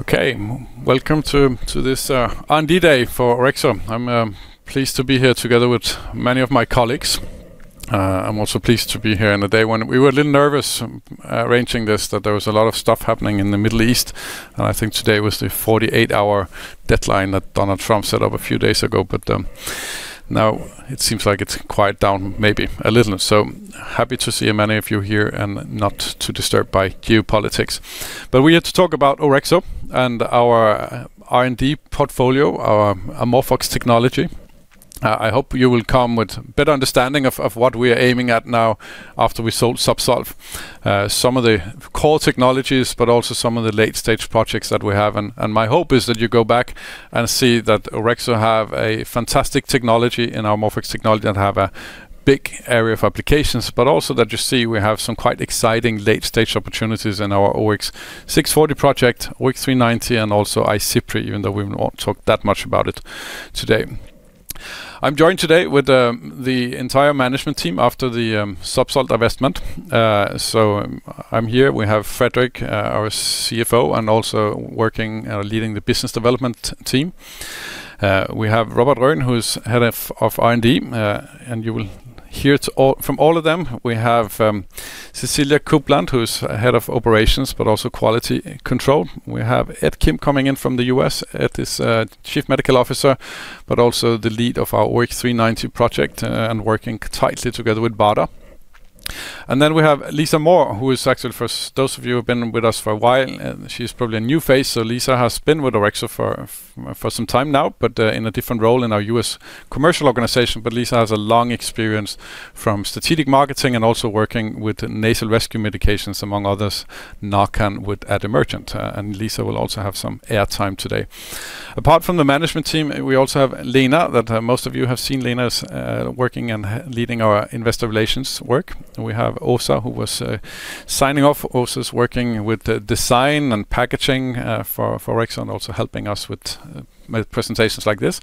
Okay. Welcome to this R&D day for Orexo. I'm pleased to be here together with many of my colleagues. I'm also pleased to be here on a day when we were a little nervous arranging this, that there was a lot of stuff happening in the Middle East, and I think today was the 48-hour deadline that Donald Trump set up a few days ago. Now it seems like it's quiet down, maybe a little. Happy to see many of you here and not too disturbed by geopolitics. We are here to talk about Orexo and our R&D portfolio, our AmorphOX technology. I hope you will come with better understanding of what we are aiming at now after we sold Zubsolv, some of the core technologies, but also some of the late-stage projects that we have. My hope is that you go back and see that Orexo have a fantastic technology in our AmorphX technology and have a big area of applications, but also that you see we have some quite exciting late-stage opportunities in our OX-640 project, OX-390, and also IZIPRY even though we won't talk that much about it today. I'm joined today with the entire management team after the Zubsolv divestment. I'm here. We have Frederik, our CFO, and also working, leading the business development team. We have Robert Rönn, who is head of R&D. You will hear from all of them. We have Cecilia Coupland, who is head of operations, but also quality control. We have Ed Kim coming in from the U.S. Ed is Chief Medical Officer, but also the lead of our OX-390 project and working tightly together with BARDA. Then we have Lisa Moore, who is actually, for those of you who have been with us for a while, she's probably a new face, so Lisa has been with Orexo for some time now, but in a different role in our U.S. commercial organization. Lisa has a long experience from strategic marketing and also working with nasal rescue medications, among others, Narcan with Emergent, and Lisa will also have some air time today. Apart from the management team, we also have Lena, that most of you have seen. Lena's working and leading our investor relations work. We have Åsa, who was signing off. Åsa's working with the design and packaging for Orexo and also helping us with presentations like this.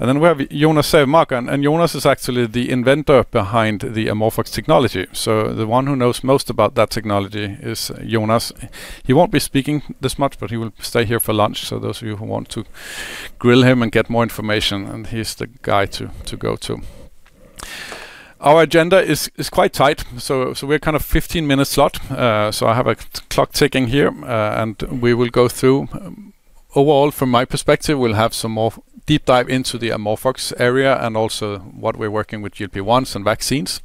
Then we have Jonas Sjömark, and Jonas is actually the inventor behind the AmorphOX technology, so the one who knows most about that technology is Jonas. He won't be speaking this much, but he will stay here for lunch, so those of you who want to grill him and get more information, and he's the guy to go to. Our agenda is quite tight, so we're kind of 15-minute slot. I have a clock ticking here, and we will go through. Overall, from my perspective, we'll have some more deep dive into the AmorphOX area and also what we're working with GP-1s and vaccines.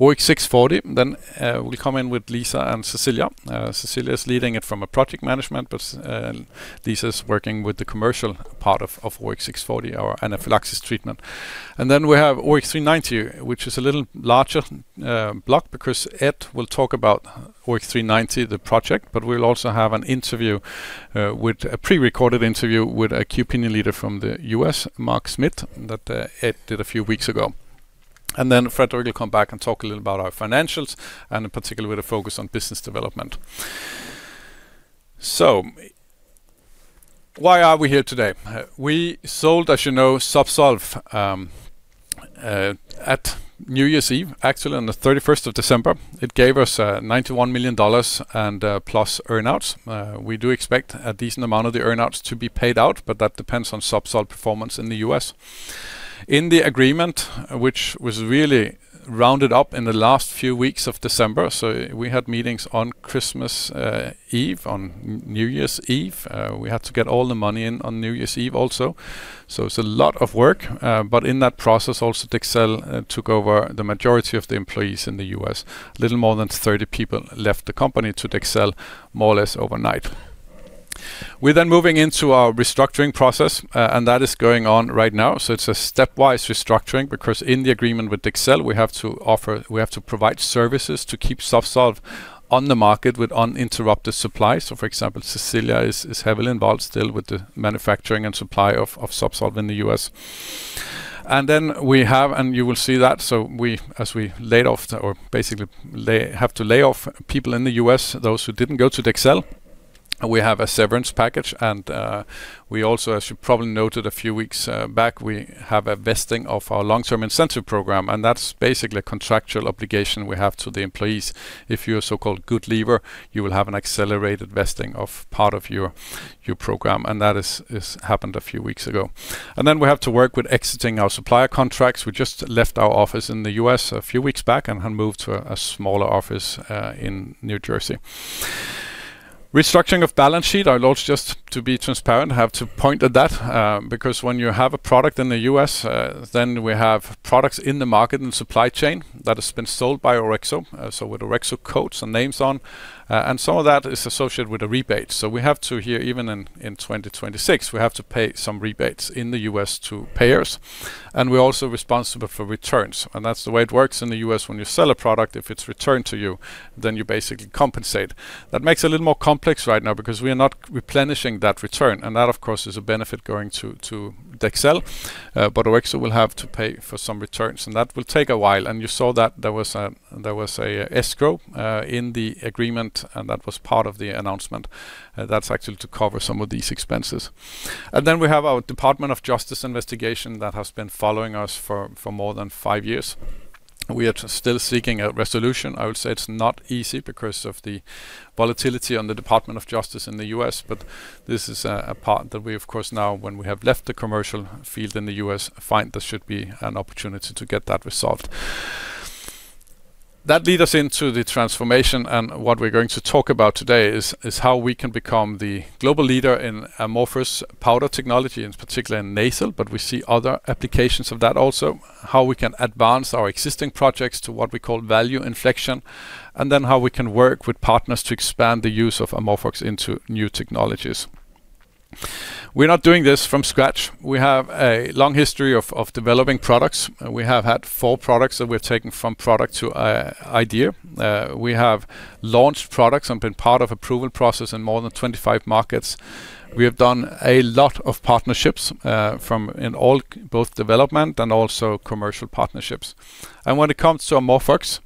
OX640, then we come in with Lisa and Cecilia. Cecilia is leading it from a project management and Lisa is working with the commercial part of OX640, our anaphylaxis treatment. Then we have OX390, which is a little larger block because Ed will talk about OX-390, the project, but we'll also have a pre-recorded interview with a key opinion leader from the U.S., Mark Smith, that Ed did a few weeks ago. Then Fredrik will come back and talk a little about our financials and in particular with a focus on business development. Why are we here today? We sold, as you know, Zubsolv at New Year's Eve, actually on the 31st of December. It gave us $91 million and plus earn-outs. We do expect a decent amount of the earn-outs to be paid out, but that depends on Zubsolv performance in the U.S. In the agreement, which was really rounded up in the last few weeks of December, we had meetings on Christmas Eve, on New Year's Eve. We had to get all the money in on New Year's Eve also, it's a lot of work. In that process also, Dexcel took over the majority of the employees in the U.S. Little more than 30 people left the company to Dexcel more or less overnight. We're moving into our restructuring process, that is going on right now, it's a stepwise restructuring because in the agreement with Dexcel, we have to provide services to keep Zubsolv on the market with uninterrupted supply. For example, Cecilia is heavily involved still with the manufacturing and supply of Zubsolv in the U.S. You will see that we, as we laid off or basically have to lay off people in the U.S., those who didn't go to Dexcel, we have a severance package. We also, as you probably noted a few weeks back, we have a vesting of our long-term incentive program, and that's basically a contractual obligation we have to the employees. If you're a so-called good leaver, you will have an accelerated vesting of part of your program, and that happened a few weeks ago. We have to work with exiting our supplier contracts. We just left our office in the U.S. a few weeks back and have moved to a smaller office in New Jersey. Restructuring of balance sheet. I'll also just, to be transparent, have to point out that, because when you have a product in the U.S., then we have products in the market and supply chain that has been sold by Orexo, so with Orexo codes and names on, and some of that is associated with a rebate. We have to here, even in 2026, we have to pay some rebates in the U.S. to payers, and we're also responsible for returns. That's the way it works in the U.S., when you sell a product, if it's returned to you, then you basically compensate. That makes it a little more complex right now because we are not replenishing that return, and that, of course, is a benefit going to Dexcel. Orexo will have to pay for some returns, and that will take a while. You saw that there was an escrow in the agreement, and that was part of the announcement. That's actually to cover some of these expenses. Then we have our Department of Justice investigation that has been following us for more than five years. We are still seeking a resolution. I would say it's not easy because of the volatility in the Department of Justice in the U.S., but this is a part that we of course now when we have left the commercial field in the U.S. find this should be an opportunity to get that resolved. That leads us into the transformation, and what we're going to talk about today is how we can become the global leader in amorphous powder technology, in particular in nasal, but we see other applications of that also, how we can advance our existing projects to what we call value inflection, and then how we can work with partners to expand the use of amorphous into new technologies. We're not doing this from scratch. We have a long history of developing products. We have had four products that we've taken from idea to product. We have launched products and been part of approval process in more than 25 markets. We have done a lot of partnerships, from in all both development and also commercial partnerships. When it comes to amorphous,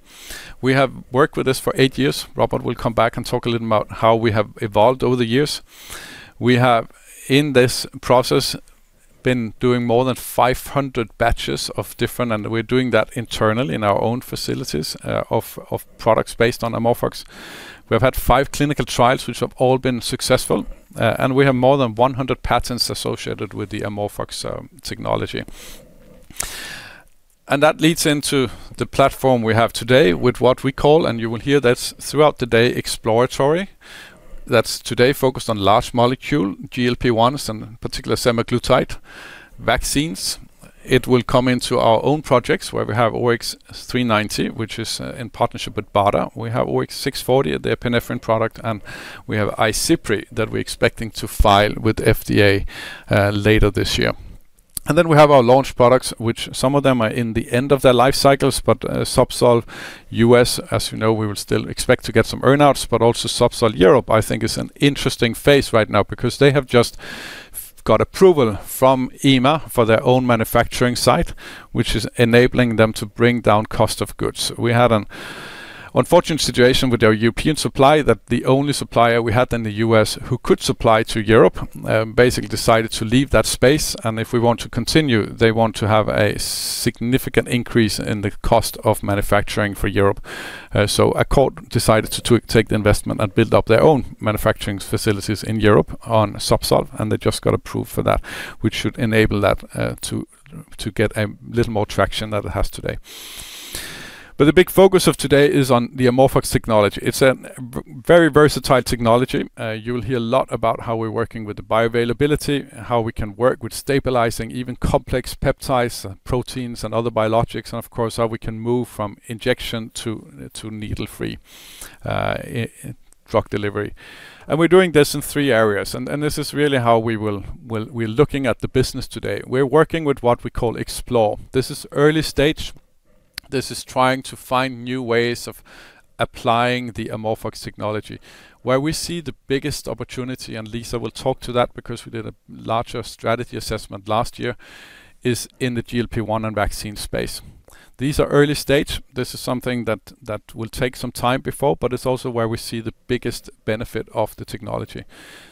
we have worked with this for eight years. Robert will come back and talk a little about how we have evolved over the years. We have, in this process, been doing more than 500 batches of different, and we're doing that internally in our own facilities, of products based on AmorphOX. We've had five clinical trials which have all been successful, and we have more than 100 patents associated with the AmorphOX technology. That leads into the platform we have today with what we call, and you will hear this throughout the day, Exploratory. That's today focused on large molecule GLP-1s and particularly semaglutide vaccines. It will come into our own projects where we have OX390, which is in partnership with BARDA. We have OX640, the epinephrine product, and we have IZIPRY that we're expecting to file with FDA later this year. We have our launch products which some of them are in the end of their life cycles, but Zubsolv U.S., as you know, we will still expect to get some earn-outs, but also Zubsolv Europe I think is an interesting phase right now because they have just got approval from EMA for their own manufacturing site, which is enabling them to bring down cost of goods. We had an unfortunate situation with our European supply that the only supplier we had in the U.S. who could supply to Europe, basically decided to leave that space, and if we want to continue, they want to have a significant increase in the cost of manufacturing for Europe. Accord decided to take the investment and build up their own manufacturing facilities in Europe on Zubsolv, and they just got approved for that, which should enable that to get a little more traction than it has today. The big focus of today is on the amorphous technology. It's a very versatile technology. You will hear a lot about how we're working with the bioavailability, how we can work with stabilizing even complex peptides, proteins, and other biologics, and of course, how we can move from injection to needle-free in drug delivery. We're doing this in three areas, and this is really how we're looking at the business today. We're working with what we call Explore. This is early-stage. This is trying to find new ways of applying the amorphous technology. Where we see the biggest opportunity, and Lisa will talk to that because we did a larger strategy assessment last year, is in the GLP-1 and vaccine space. These are early-stage. This is something that will take some time before, but it's also where we see the biggest benefit of the technology.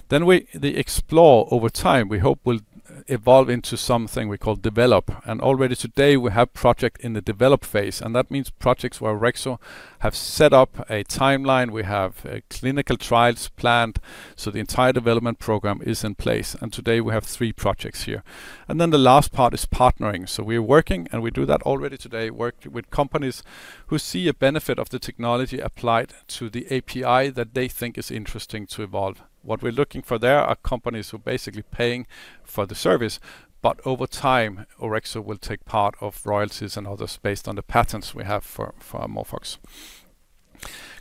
The explore over time, we hope will evolve into something we call develop. Already today, we have project in the develop phase, and that means projects where Orexo have set up a timeline. We have clinical trials planned, so the entire development program is in place. Today, we have three projects here. The last part is partnering. We're working, and we do that already today, work with companies who see a benefit of the technology applied to the API that they think is interesting to evolve. What we're looking for there are companies who are basically paying for the service, but over time, Orexo will take part of royalties and others based on the patents we have for AmorphOX.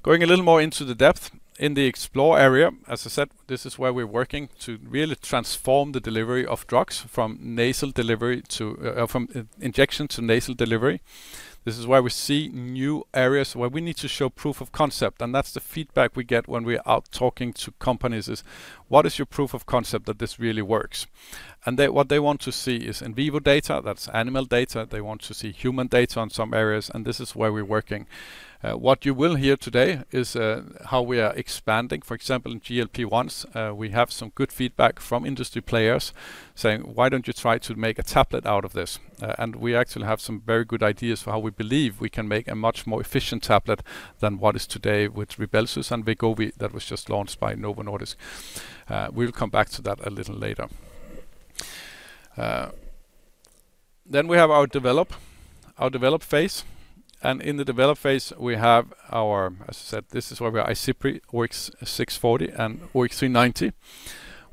Going a little more into the depth, in the explore area, as I said, this is where we're working to really transform the delivery of drugs from injection to nasal delivery. This is where we see new areas where we need to show proof of concept, and that's the feedback we get when we are out talking to companies is, "What is your proof of concept that this really works?" What they want to see is in vivo data, that's animal data. They want to see human data on some areas, and this is where we're working. What you will hear today is how we are expanding. For example, in GLP-1s, we have some good feedback from industry players saying, "Why don't you try to make a tablet out of this?" We actually have some very good ideas for how we believe we can make a much more efficient tablet than what is today with Rybelsus and Wegovy that was just launched by Novo Nordisk. We'll come back to that a little later. We have our development phase, and in the development phase, as I said, this is where we have IZIPRY, OX640 and OX390.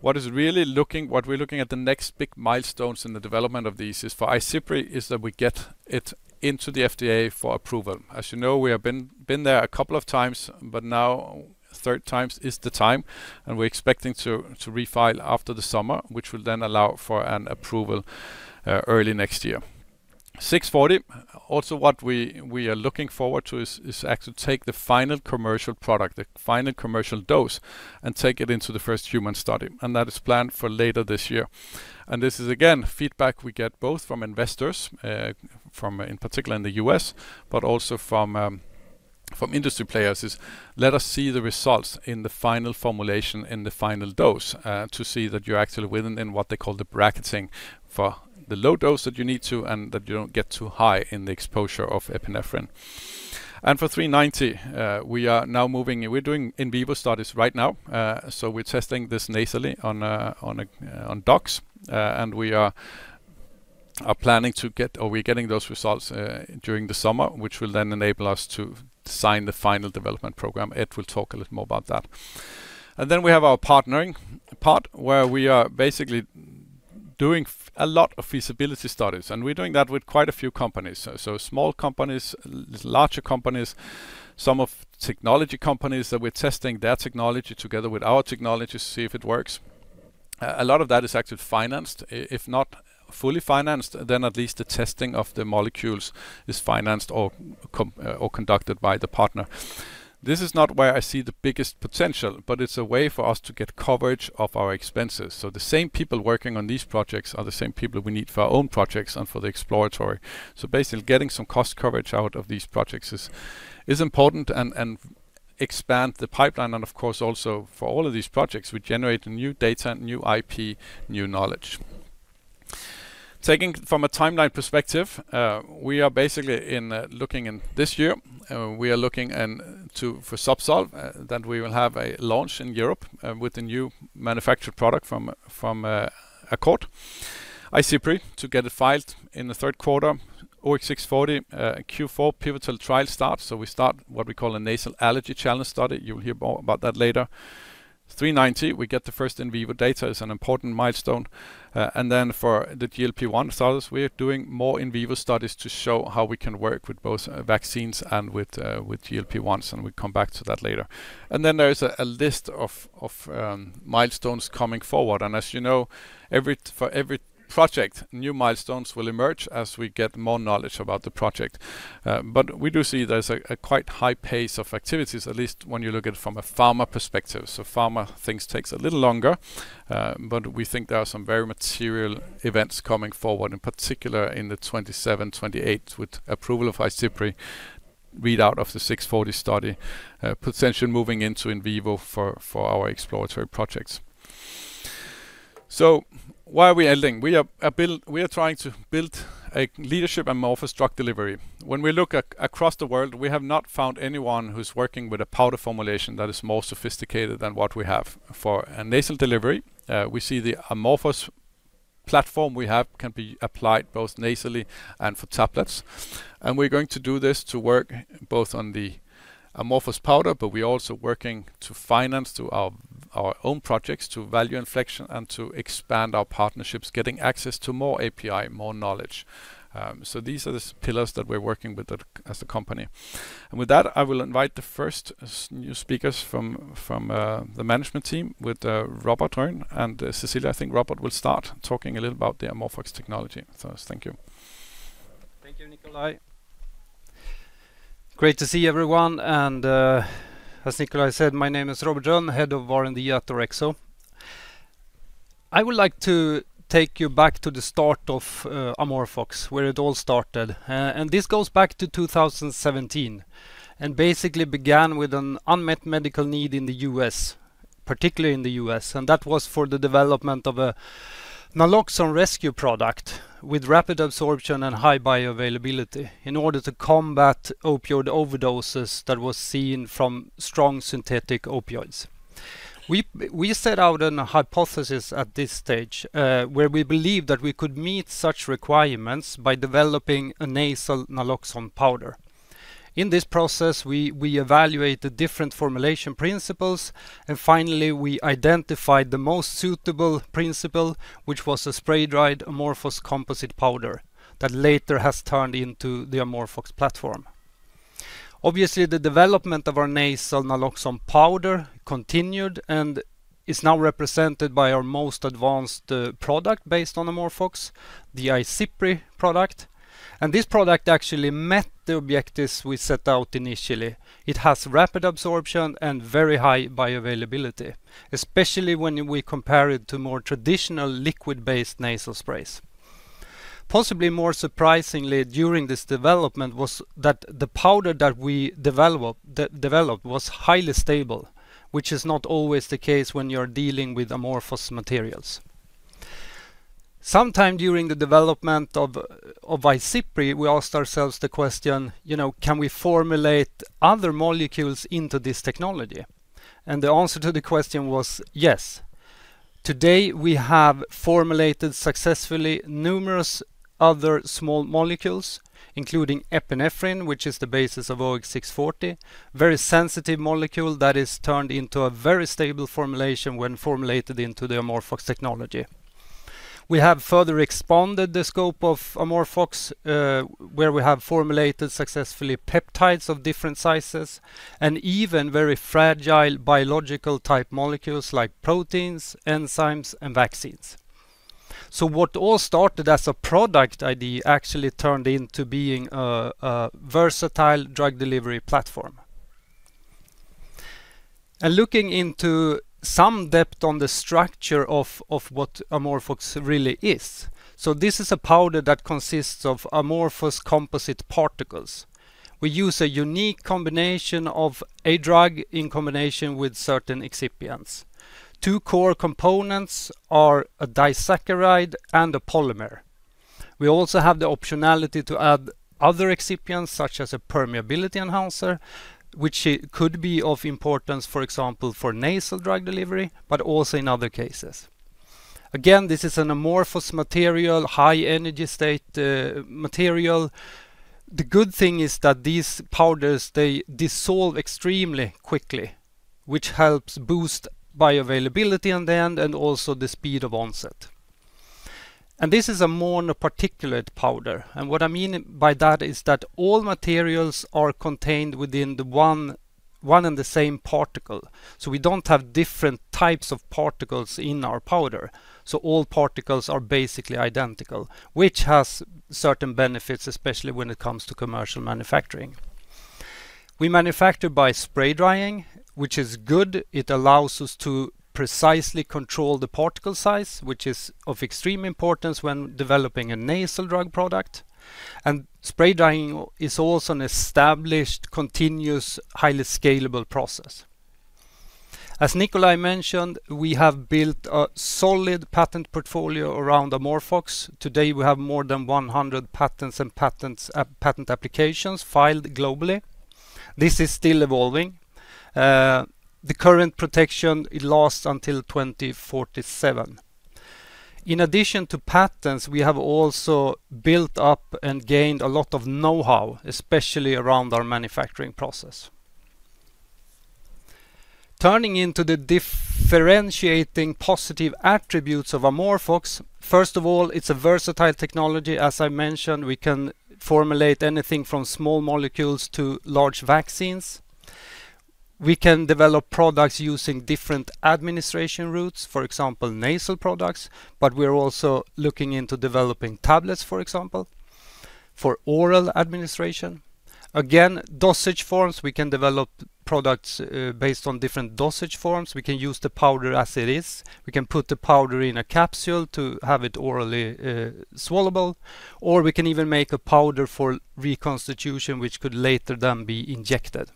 What we're looking at the next big milestones in the development of these is for IZIPRY is that we get it into the FDA for approval. As you know, we have been there a couple of times, but now third time is the time, and we're expecting to refile after the summer, which will then allow for an approval early next year. OX640, also what we are looking forward to is actually take the final commercial product, the final commercial dose, and take it into the first human study, and that is planned for later this year. This is again feedback we get both from investors, from in particular in the U.S., but also from industry players is let us see the results in the final formulation, in the final dose, to see that you're actually within what they call the bracketing for the low dose that you need to, and that you don't get too high in the exposure of epinephrine. For OX390, we are now moving. We're doing in vivo studies right now. We're testing this nasally on dogs. We are planning to get or we're getting those results during the summer, which will then enable us to sign the final development program. Ed will talk a little more about that. Then we have our partnering part, where we are basically doing a lot of feasibility studies, and we're doing that with quite a few companies. Small companies, larger companies, some technology companies that we're testing their technology together with our technology to see if it works. A lot of that is actually financed. If not fully financed, then at least the testing of the molecules is financed or conducted by the partner. This is not where I see the biggest potential, but it's a way for us to get coverage of our expenses. The same people working on these projects are the same people we need for our own projects and for the exploratory. Basically getting some cost coverage out of these projects is important and expand the pipeline and of course also for all of these projects we generate new data, new IP, new knowledge. Taking from a timeline perspective, we are basically looking in this year for Zubsolv, then we will have a launch in Europe with the new manufactured product from Accord. IZIPRY to get it filed in the third quarter. OX640, Q4 pivotal trial starts, so we start what we call a nasal allergen challenge study. You'll hear more about that later. OX390, we get the first in vivo data. It's an important milestone. For the GLP-1 studies, we are doing more in vivo studies to show how we can work with both vaccines and with GLP-1s, and we come back to that later. There is a list of milestones coming forward. As you know, for every project, new milestones will emerge as we get more knowledge about the project. We do see there's a quite high pace of activities, at least when you look at it from a pharma perspective. Pharma things take a little longer, but we think there are some very material events coming forward, in particular in 2027, 2028 with approval of IZIPRY, readout of the OX640 study, potentially moving into in vivo for our exploratory projects. Where are we ending? We are trying to build leadership in AmorphOX drug delivery. When we look across the world, we have not found anyone who's working with a powder formulation that is more sophisticated than what we have. For nasal delivery, we see the AmorphOX platform we have can be applied both nasally and for tablets. We're going to do this to work both on the AmorphOX powder, but we're also working to finance our own projects to value inflection and to expand our partnerships, getting access to more API, more knowledge. These are the pillars that we're working with them as a company. With that, I will invite the first new speakers from the management team with Robert Rönn and Cecilia Coupland. I think Robert will start talking a little about the AmorphOX technology first. Thank you. Thank you, Nikolaj. Great to see everyone and, as Nikolaj said, my name is Robert Rönn, Head of R&D at Orexo. I would like to take you back to the start of AmorphOX, where it all started. This goes back to 2017, and basically began with an unmet medical need in the U.S., particularly in the U.S., and that was for the development of a naloxone rescue product with rapid absorption and high bioavailability in order to combat opioid overdoses that was seen from strong synthetic opioids. We set out an hypothesis at this stage, where we believed that we could meet such requirements by developing a nasal naloxone powder. In this process, we evaluated different formulation principles, and finally, we identified the most suitable principle, which was a spray-dried amorphous composite powder that later has turned into the AmorphOX platform. Obviously, the development of our nasal naloxone powder continued and is now represented by our most advanced product based on AmorphOX, the IZIPRY product. This product actually met the objectives we set out initially. It has rapid absorption and very high bioavailability, especially when we compare it to more traditional liquid-based nasal sprays. Possibly more surprisingly during this development was that the powder that we developed was highly stable, which is not always the case when you're dealing with amorphous materials. Sometime during the development of IZIPRY, we asked ourselves the question, you know, can we formulate other molecules into this technology? The answer to the question was yes. Today, we have formulated successfully numerous other small molecules, including epinephrine, which is the basis of OX640, very sensitive molecule that is turned into a very stable formulation when formulated into the AmorphOX technology. We have further expanded the scope of AmorphOX, where we have formulated successfully peptides of different sizes and even very fragile biological-type molecules like proteins, enzymes, and vaccines. What all started as a product idea actually turned into being a versatile drug delivery platform. Looking into some depth on the structure of what AmorphOX really is. This is a powder that consists of amorphous composite particles. We use a unique combination of a drug in combination with certain excipients. Two core components are a disaccharide and a polymer. We also have the optionality to add other excipients, such as a permeability enhancer, which could be of importance, for example, for nasal drug delivery, but also in other cases. Again, this is an amorphous material, high energy state material. The good thing is that these powders, they dissolve extremely quickly, which helps boost bioavailability in the end and also the speed of onset. This is a monoparticulate powder, and what I mean by that is that all materials are contained within the one and the same particle. We don't have different types of particles in our powder, so all particles are basically identical, which has certain benefits, especially when it comes to commercial manufacturing. We manufacture by spray drying, which is good. It allows us to precisely control the particle size, which is of extreme importance when developing a nasal drug product. Spray drying is also an established, continuous, highly scalable process. As Nikolaj mentioned, we have built a solid patent portfolio around AmorphOX. Today, we have more than 100 patents and patent applications filed globally. This is still evolving. The current protection, it lasts until 2047. In addition to patents, we have also built up and gained a lot of know-how, especially around our manufacturing process. Turning to the differentiating positive attributes of AmorphOX, first of all, it's a versatile technology. As I mentioned, we can formulate anything from small molecules to large vaccines. We can develop products using different administration routes, for example, nasal products, but we're also looking into developing tablets, for example, for oral administration. Again, dosage forms, we can develop products based on different dosage forms. We can use the powder as it is. We can put the powder in a capsule to have it orally swallowable, or we can even make a powder for reconstitution, which could later then be injected.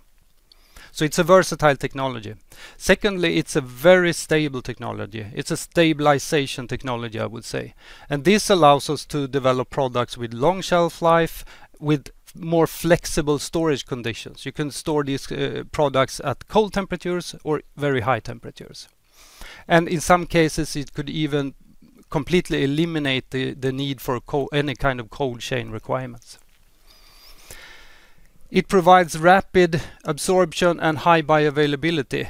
So it's a versatile technology. Secondly, it's a very stable technology. It's a stabilization technology, I would say. This allows us to develop products with long shelf life with more flexible storage conditions. You can store these products at cold temperatures or very high temperatures. In some cases, it could even completely eliminate the need for any kind of cold chain requirements. It provides rapid absorption and high bioavailability.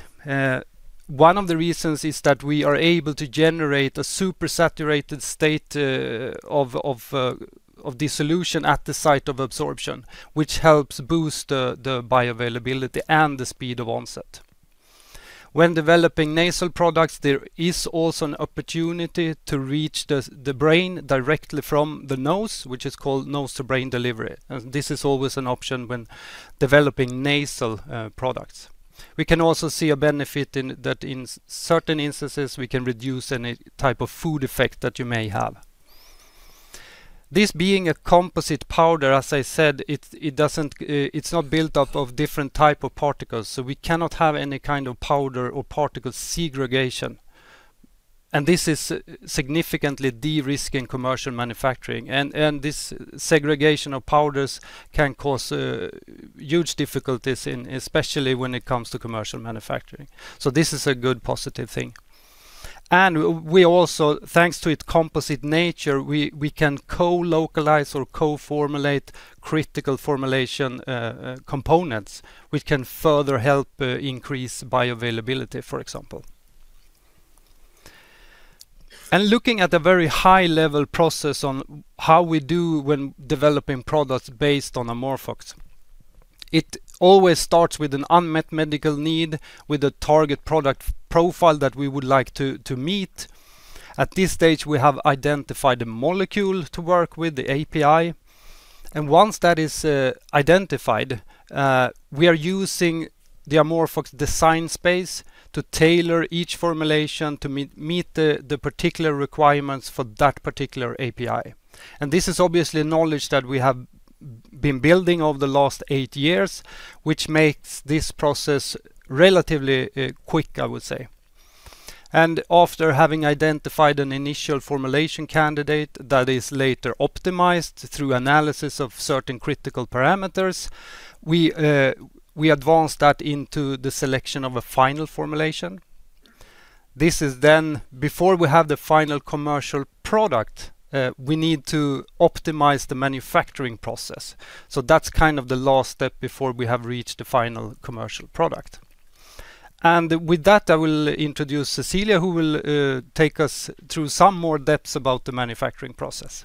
One of the reasons is that we are able to generate a supersaturated state of dissolution at the site of absorption, which helps boost the bioavailability and the speed of onset. When developing nasal products, there is also an opportunity to reach the brain directly from the nose, which is called nose-to-brain delivery. This is always an option when developing nasal products. We can also see a benefit in that in certain instances, we can reduce any type of food effect that you may have. This being a composite powder, as I said, it's not built up of different type of particles, so we cannot have any kind of powder or particle segregation. This is significantly de-risking commercial manufacturing. This segregation of powders can cause huge difficulties in, especially when it comes to commercial manufacturing. This is a good positive thing. We also, thanks to its composite nature, we can co-localize or co-formulate critical formulation components, which can further help increase bioavailability, for example. Looking at the very high level process on how we do when developing products based on AmorphOX, it always starts with an unmet medical need with a target product profile that we would like to meet. At this stage, we have identified a molecule to work with, the API. Once that is identified, we are using the AmorphOX design space to tailor each formulation to meet the particular requirements for that particular API. This is obviously knowledge that we have been building over the last eight years, which makes this process relatively quick, I would say. After having identified an initial formulation candidate that is later optimized through analysis of certain critical parameters, we advance that into the selection of a final formulation. This is then before we have the final commercial product, we need to optimize the manufacturing process. That's kind of the last step before we have reached the final commercial product. With that, I will introduce Cecilia, who will take us through some more depths about the manufacturing process.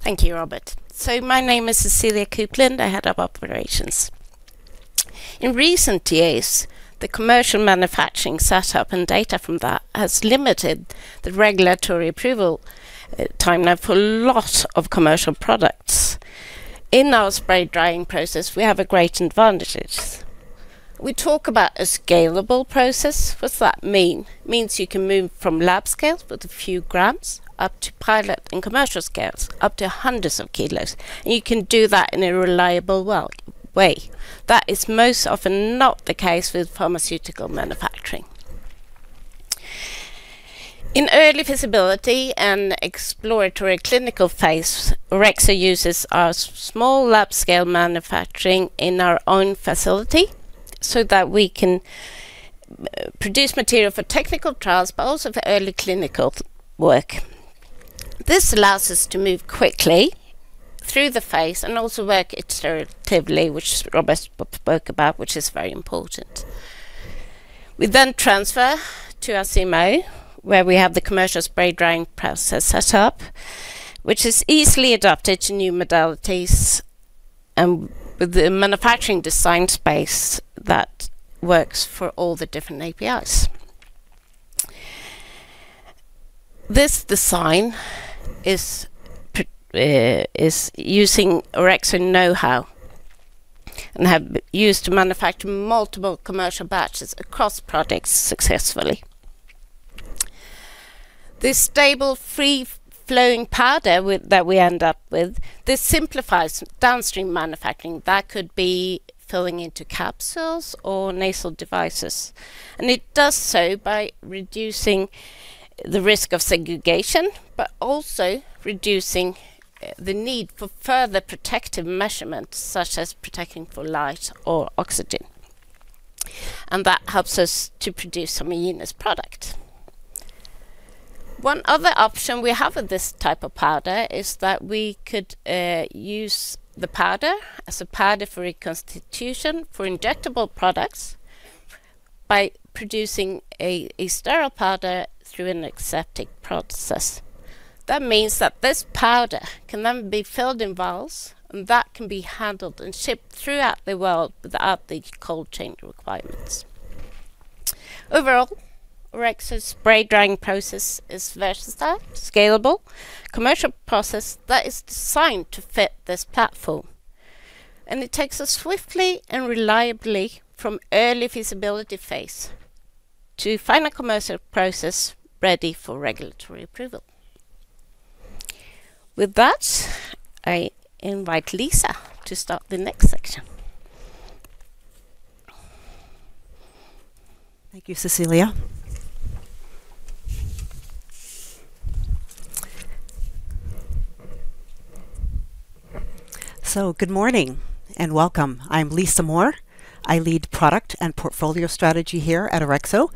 Thank you, Robert. My name is Cecilia Coupland. I'm Head of Operations. In recent years, the commercial manufacturing setup and data from that has limited the regulatory approval timeline for a lot of commercial products. In our spray drying process, we have great advantages. We talk about a scalable process. What does that mean? It means you can move from lab scales with a few grams up to pilot and commercial scales, up to hundreds of kilos, and you can do that in a reliable way. That is most often not the case with pharmaceutical manufacturing. In early feasibility and exploratory clinical phase, Orexo uses our small lab scale manufacturing in our own facility so that we can produce material for technical trials, but also for early clinical work. This allows us to move quickly through the phase and also work iteratively, which Robert spoke about, which is very important. We then transfer to our CMO, where we have the commercial spray drying process set up, which is easily adapted to new modalities and with the manufacturing design space that works for all the different APIs. This design is using Orexo know-how and have been used to manufacture multiple commercial batches across products successfully. This stable, free-flowing powder that we end up with simplifies downstream manufacturing. That could be filling into capsules or nasal devices. It does so by reducing the risk of segregation, but also reducing the need for further protective measurements, such as protecting for light or oxygen, and that helps us to produce a homogeneous product. One other option we have with this type of powder is that we could use the powder as a powder for reconstitution for injectable products by producing a sterile powder through an aseptic process. That means that this powder can then be filled in vials, and that can be handled and shipped throughout the world without the cold chain requirements. Overall, Orexo's spray drying process is versatile, scalable, commercial process that is designed to fit this platform, and it takes us swiftly and reliably from early feasibility phase to final commercial process ready for regulatory approval. With that, I invite Lisa to start the next section. Thank you, Cecilia. Good morning and welcome. I'm Lisa Moore. I lead Product and Portfolio Strategy here at Orexo,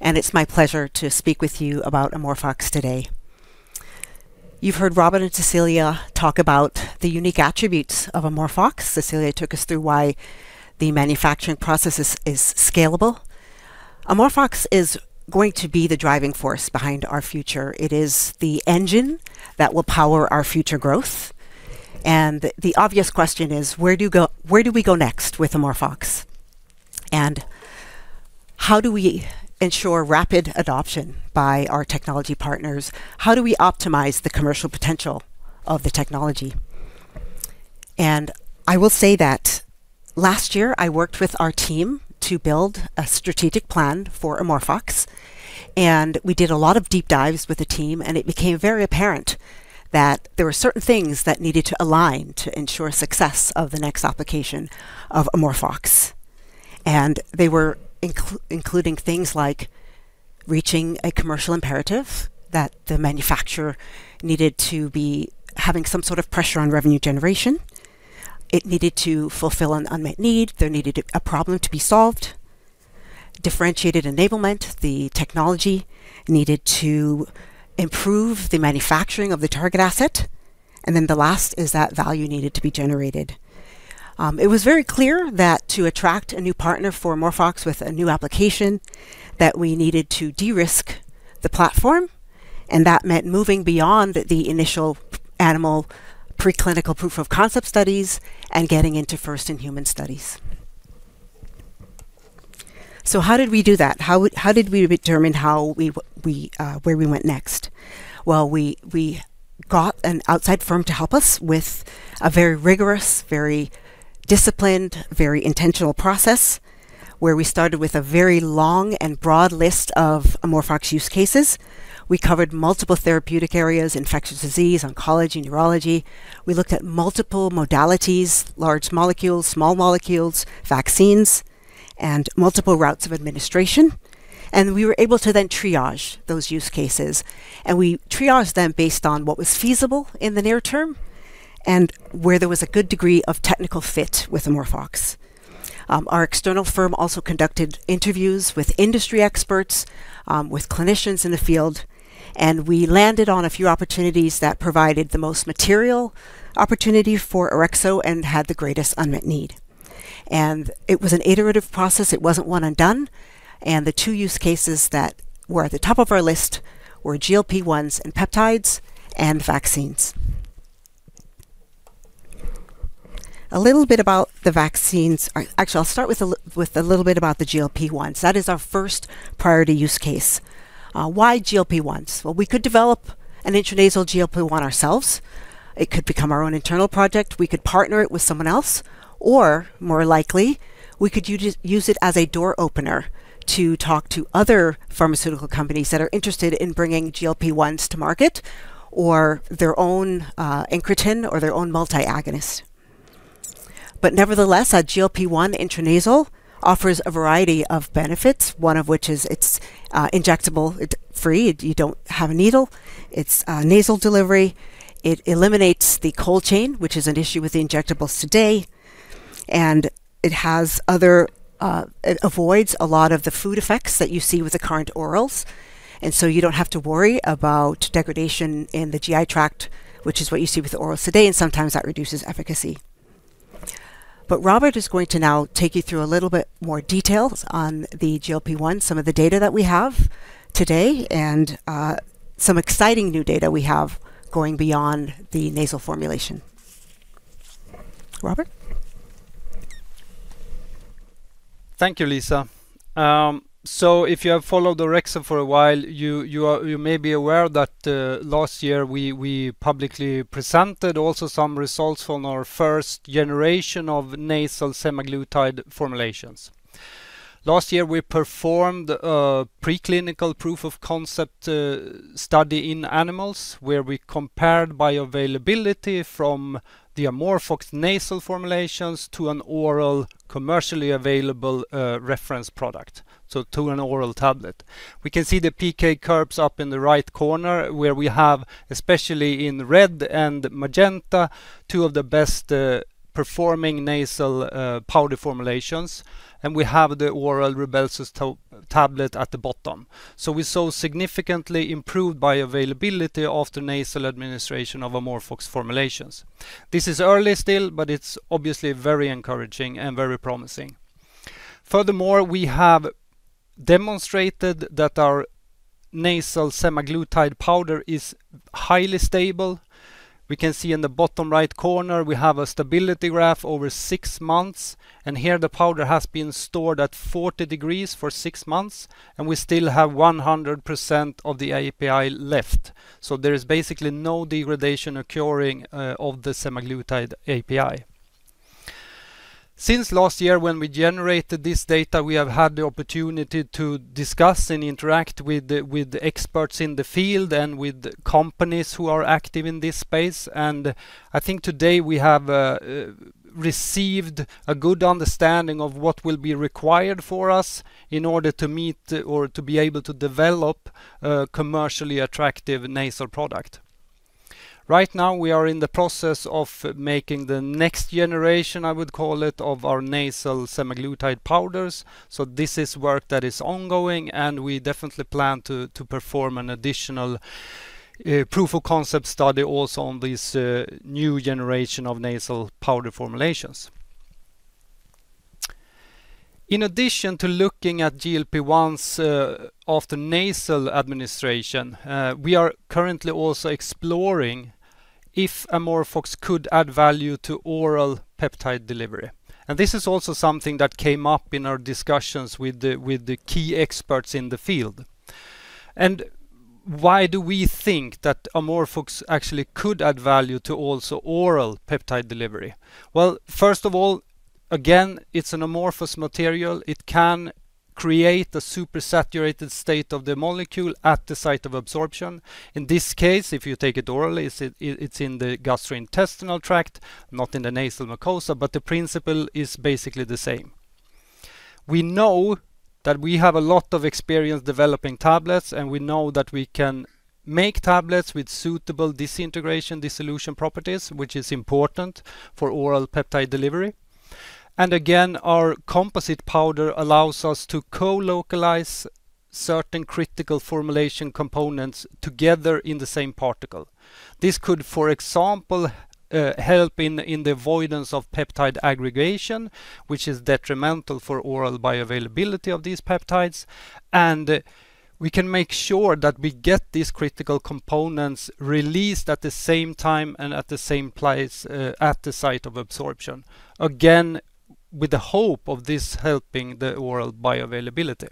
and it's my pleasure to speak with you about AmorphOX today. You've heard Robert and Cecilia talk about the unique attributes of AmorphOX. Cecilia took us through why the manufacturing process is scalable. AmorphOX is going to be the driving force behind our future. It is the engine that will power our future growth. The obvious question is, where do we go next with AmorphOX? How do we ensure rapid adoption by our technology partners? How do we optimize the commercial potential of the technology? I will say that last year, I worked with our team to build a strategic plan for AmorphOX, and we did a lot of deep dives with the team, and it became very apparent that there were certain things that needed to align to ensure success of the next application of AmorphOX. They were including things like reaching a commercial imperative that the manufacturer needed to be having some sort of pressure on revenue generation. It needed to fulfill an unmet need. There needed a problem to be solved. Differentiated enablement, the technology needed to improve the manufacturing of the target asset. The last is that value needed to be generated. It was very clear that to attract a new partner for AmorphOX with a new application, that we needed to de-risk the platform, and that meant moving beyond the initial animal preclinical proof of concept studies and getting into first-in-human studies. How did we do that? How did we determine where we went next? Well, we got an outside firm to help us with a very rigorous, very disciplined, very intentional process where we started with a very long and broad list of AmorphOX use cases. We covered multiple therapeutic areas, infectious disease, oncology, neurology. We looked at multiple modalities, large molecules, small molecules, vaccines, and multiple routes of administration. We were able to then triage those use cases, and we triaged them based on what was feasible in the near term and where there was a good degree of technical fit with AmorphOX. Our external firm also conducted interviews with industry experts, with clinicians in the field, and we landed on a few opportunities that provided the most material opportunity for Orexo and had the greatest unmet need. It was an iterative process. It wasn't one and done. The two use cases that were at the top of our list were GLP-1s and peptides and vaccines. A little bit about the vaccines. Actually, I'll start with a little bit about the GLP-1s. That is our first priority use case. Why GLP-1s? Well, we could develop an intranasal GLP-1 ourselves. It could become our own internal project. We could partner it with someone else, or more likely, we could use it as a door opener to talk to other pharmaceutical companies that are interested in bringing GLP-1s to market or their own incretin or their own multi-agonist. Nevertheless, a GLP-1 intranasal offers a variety of benefits, one of which is it's injectable free. You don't have a needle. It's nasal delivery. It eliminates the cold chain, which is an issue with the injectables today, and it has other, it avoids a lot of the food effects that you see with the current orals. You don't have to worry about degradation in the GI tract, which is what you see with orals today, and sometimes that reduces efficacy. Robert is going to now take you through a little bit more details on the GLP-1, some of the data that we have today, and some exciting new data we have going beyond the nasal formulation. Robert. Thank you, Lisa. If you have followed Orexo for a while, you may be aware that last year we publicly presented also some results from our first generation of nasal semaglutide formulations. Last year, we performed a preclinical proof of concept study in animals, where we compared bioavailability from the amorphous nasal formulations to an oral commercially available reference product, so to an oral tablet. We can see the PK curves up in the right corner, where we have, especially in red and magenta, two of the best performing nasal powder formulations, and we have the oral Rybelsus tablet at the bottom. We saw significantly improved bioavailability after nasal administration of amorphous formulations. This is early still, but it's obviously very encouraging and very promising. Furthermore, we have demonstrated that our nasal semaglutide powder is highly stable. We can see in the bottom right corner, we have a stability graph over six months, and here the powder has been stored at 40 degrees for six months, and we still have 100% of the API left. So there is basically no degradation occurring of the semaglutide API. Since last year when we generated this data, we have had the opportunity to discuss and interact with the experts in the field and with companies who are active in this space. I think today we have received a good understanding of what will be required for us in order to meet or to be able to develop a commercially attractive nasal product. Right now, we are in the process of making the next generation, I would call it, of our nasal semaglutide powders. This is work that is ongoing, and we definitely plan to perform an additional proof of concept study also on this new generation of nasal powder formulations. In addition to looking at GLP-1s after nasal administration, we are currently also exploring if amorphous could add value to oral peptide delivery. This is also something that came up in our discussions with the key experts in the field. Why do we think that amorphous actually could add value to also oral peptide delivery? Well, first of all, again, it's an amorphous material. It can create a supersaturated state of the molecule at the site of absorption. In this case, if you take it orally, it's in the gastrointestinal tract, not in the nasal mucosa, but the principle is basically the same. We know that we have a lot of experience developing tablets, and we know that we can make tablets with suitable disintegration, dissolution properties, which is important for oral peptide delivery. Again, our composite powder allows us to co-localize certain critical formulation components together in the same particle. This could, for example, help in the avoidance of peptide aggregation, which is detrimental for oral bioavailability of these peptides. We can make sure that we get these critical components released at the same time and at the same place, at the site of absorption, again, with the hope of this helping the oral bioavailability.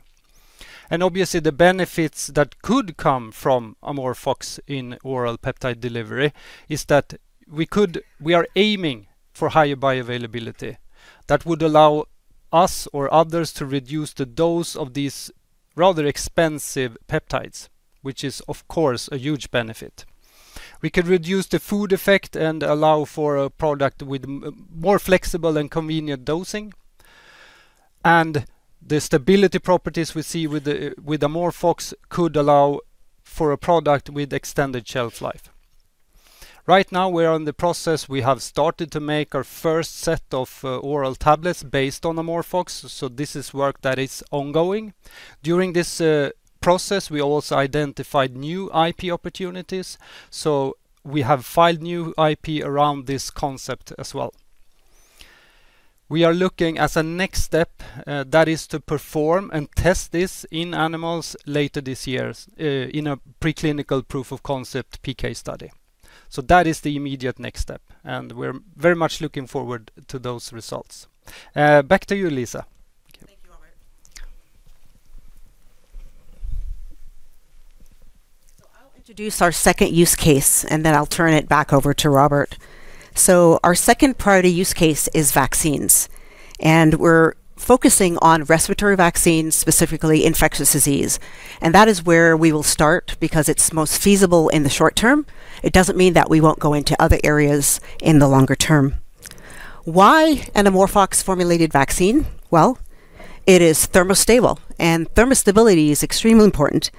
Obviously, the benefits that could come from amorphous in oral peptide delivery is that we could We are aiming for higher bioavailability that would allow us or others to reduce the dose of these rather expensive peptides, which is, of course, a huge benefit. We could reduce the food effect and allow for a product with more flexible and convenient dosing. The stability properties we see with AmorphOX could allow for a product with extended shelf life. Right now, we are in the process. We have started to make our first set of oral tablets based on AmorphOX, so this is work that is ongoing. During this process, we also identified new IP opportunities, so we have filed new IP around this concept as well. We are looking as a next step, that is to perform and test this in animals later this year, in a preclinical proof of concept PK study. That is the immediate next step, and we're very much looking forward to those results. Back to you, Lisa. Thank you, Robert. I'll introduce our second use case, and then I'll turn it back over to Robert. Our second priority use case is vaccines, and we're focusing on respiratory vaccines, specifically infectious disease, and that is where we will start because it's most feasible in the short term. It doesn't mean that we won't go into other areas in the longer term. Why an AmorphOX-formulated vaccine? Well, it is thermostable, and thermostability is extremely important,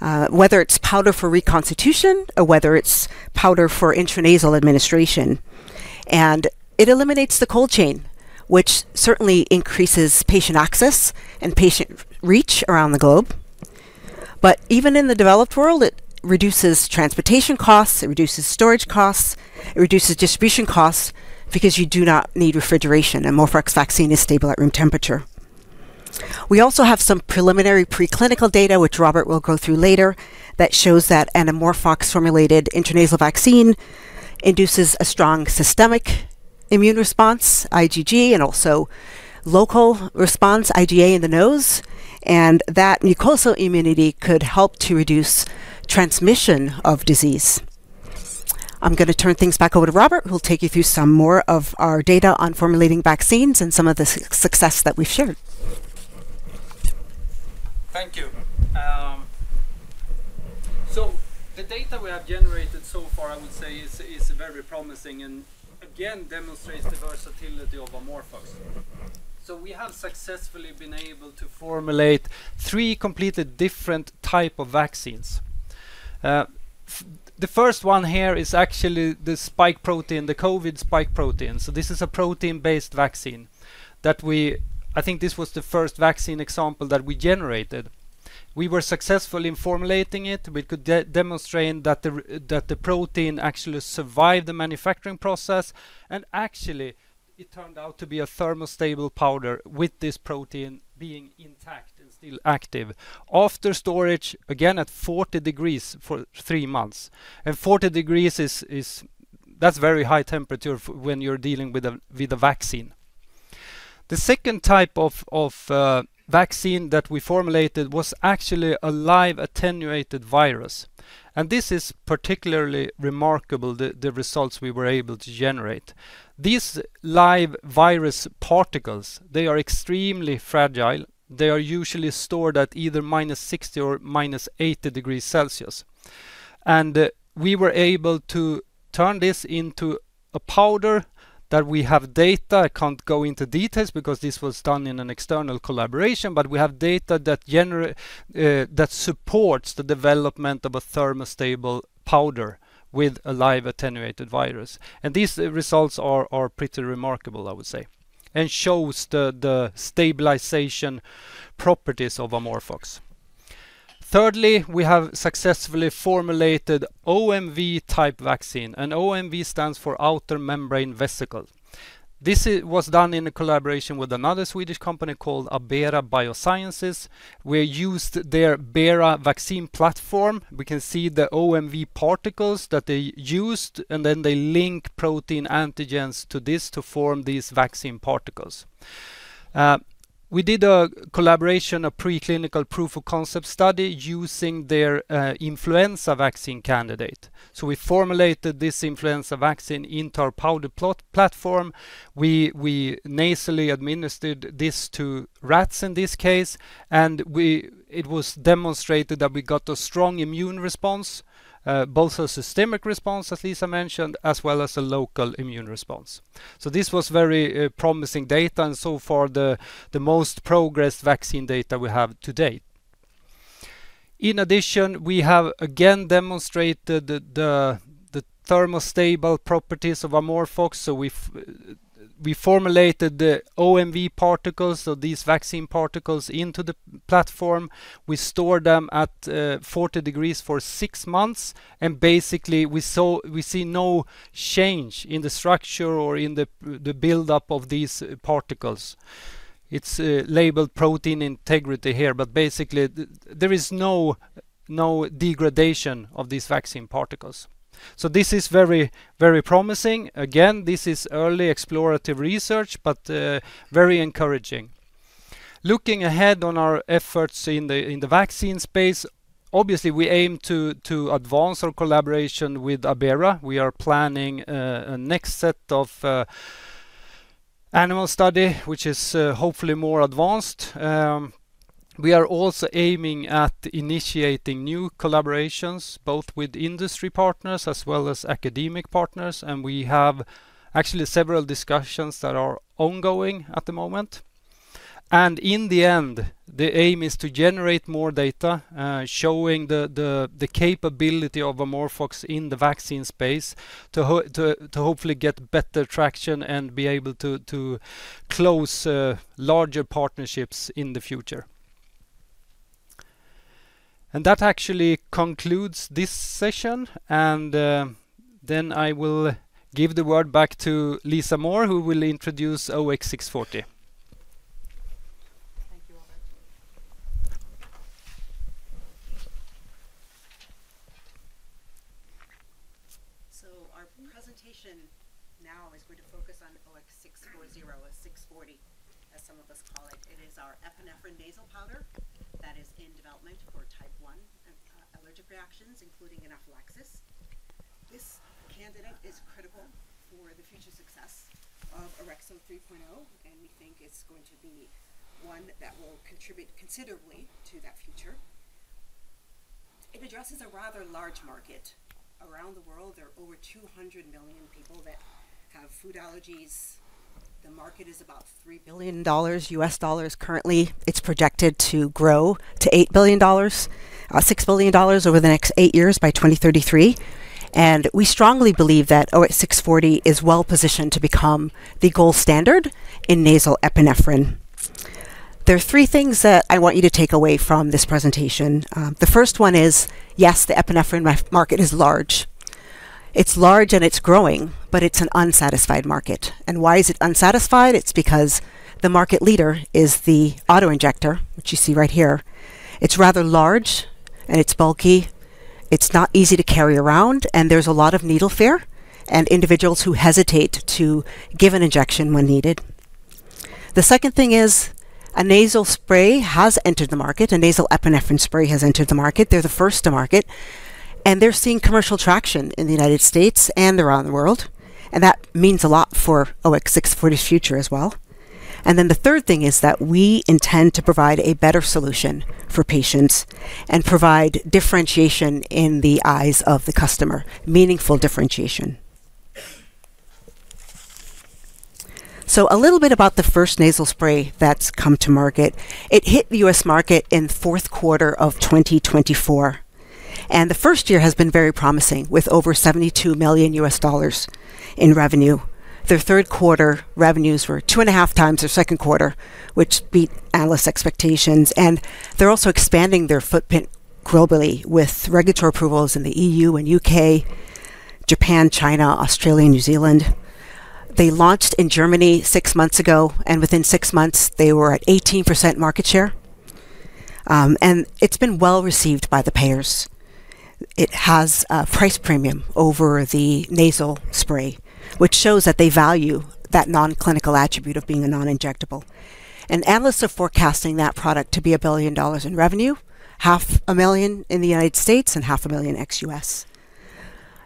whether it's powder for reconstitution or whether it's powder for intranasal administration. It eliminates the cold chain, which certainly increases patient access and patient reach around the globe. Even in the developed world, it reduces transportation costs, it reduces storage costs, it reduces distribution costs because you do not need refrigeration. AmorphOX vaccine is stable at room temperature. We also have some preliminary preclinical data, which Robert will go through later, that shows that an AmorphOX-formulated intranasal vaccine induces a strong systemic immune response, IgG, and also local response, IgA in the nose, and that mucosal immunity could help to reduce transmission of disease. I'm gonna turn things back over to Robert, who will take you through some more of our data on formulating vaccines and some of the success that we've shown. Thank you. The data we have generated so far, I would say is very promising and again demonstrates the versatility of AmorphOX. We have successfully been able to formulate three completely different type of vaccines. The first one here is actually the spike protein, the COVID spike protein. This is a protein-based vaccine that we. I think this was the first vaccine example that we generated. We were successful in formulating it. We could demonstrate that the protein actually survived the manufacturing process, and actually, it turned out to be a thermostable powder with this protein being intact and still active after storage, again, at 40 degrees for three months. Forty degrees is. That's very high temperature when you're dealing with a vaccine. The second type of vaccine that we formulated was actually a live attenuated virus, and this is particularly remarkable, the results we were able to generate. These live virus particles, they are extremely fragile. They are usually stored at either minus 60 or minus 80 degrees Celsius. We were able to turn this into a powder that we have data. I can't go into details because this was done in an external collaboration, but we have data that supports the development of a thermostable powder with a live attenuated virus. These results are pretty remarkable, I would say, and shows the stabilization properties of AmorphOX. Thirdly, we have successfully formulated OMV type vaccine, and OMV stands for outer membrane vesicle. This was done in a collaboration with another Swedish company called Abera Bioscience. We used their Abera vaccine platform. We can see the OMV particles that they used, and then they link protein antigens to this to form these vaccine particles. We did a collaboration, a preclinical proof of concept study using their influenza vaccine candidate. We formulated this influenza vaccine into our powder-based platform. We nasally administered this to rats in this case, and it was demonstrated that we got a strong immune response, both a systemic response, as Lisa mentioned, as well as a local immune response. This was very promising data and so far the most progressed vaccine data we have to date. In addition, we have again demonstrated the thermostable properties of AmorphOX. We formulated the OMV particles, these vaccine particles, into the platform. We stored them at 40 degrees for 6 months, and basically, we see no change in the structure or in the build-up of these particles. It's labeled protein integrity here, but basically there is no degradation of these vaccine particles. This is very, very promising. Again, this is early explorative research, but very encouraging. Looking ahead on our efforts in the vaccine space, obviously, we aim to advance our collaboration with Abera. We are planning a next set of animal study, which is hopefully more advanced. We are also aiming at initiating new collaborations, both with industry partners as well as academic partners, and we have actually several discussions that are ongoing at the moment. In the end, the aim is to generate more data, showing the capability of AmorphOX in the vaccine space to hopefully get better traction and be able to close larger partnerships in the future. That actually concludes this session. Then I will give the word back to Lisa Moore, who will introduce OX640. Thank you, Robert Our presentation now is going to focus on OX640 or 640, as some of us call it. It is our epinephrine nasal powder that is in development for Type 1 allergic reactions, including anaphylaxis. This candidate is critical for the future success of Orexo 3.0, and we think it's going to be one that will contribute considerably to that future. It addresses a rather large market. Around the world, there are over 200 million people that have food allergies. The market is about $3 billion currently. It's projected to grow to $8 billion, $6 billion over the next 8 years by 2033. We strongly believe that OX640 is well-positioned to become the gold standard in nasal epinephrine. There are three things that I want you to take away from this presentation. The first one is, yes, the epinephrine market is large. It's large, and it's growing, but it's an unsatisfied market. Why is it unsatisfied? It's because the market leader is the auto-injector, which you see right here. It's rather large, and it's bulky. It's not easy to carry around, and there's a lot of needle fear and individuals who hesitate to give an injection when needed. The second thing is a nasal spray has entered the market. A nasal epinephrine spray has entered the market. They're the first to market, and they're seeing commercial traction in the United States and around the world, and that means a lot for OX640's future as well. The third thing is that we intend to provide a better solution for patients and provide differentiation in the eyes of the customer, meaningful differentiation. A little bit about the first nasal spray that's come to market. It hit the U.S. market in the fourth quarter of 2024, and the first year has been very promising, with over $72 million in revenue. Their third quarter revenues were two and a half times their second quarter, which beat analyst expectations. They're also expanding their footprint globally with regulatory approvals in the EU and U.K., Japan, China, Australia, and New Zealand. They launched in Germany six months ago, and within six months they were at 18% market share. It's been well received by the payers. It has a price premium over the nasal spray, which shows that they value that non-clinical attribute of being a non-injectable. Analysts are forecasting that product to be $1 billion in revenue, $0.5 million in the United States and $0.5 million ex-U.S.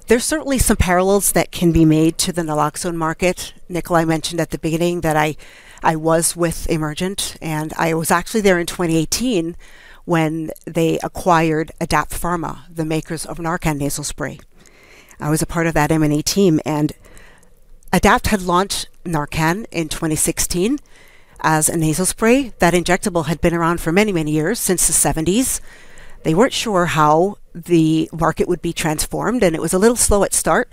There's certainly some parallels that can be made to the naloxone market. Nikolaj mentioned at the beginning that I was with Emergent, and I was actually there in 2018 when they acquired ADAPT Pharma, the makers of Narcan nasal spray. I was a part of that M&A team, and Adapt had launched Narcan in 2016 as a nasal spray. That injectable had been around for many, many years, since the 1970s. They weren't sure how the market would be transformed, and it was a little slow to start.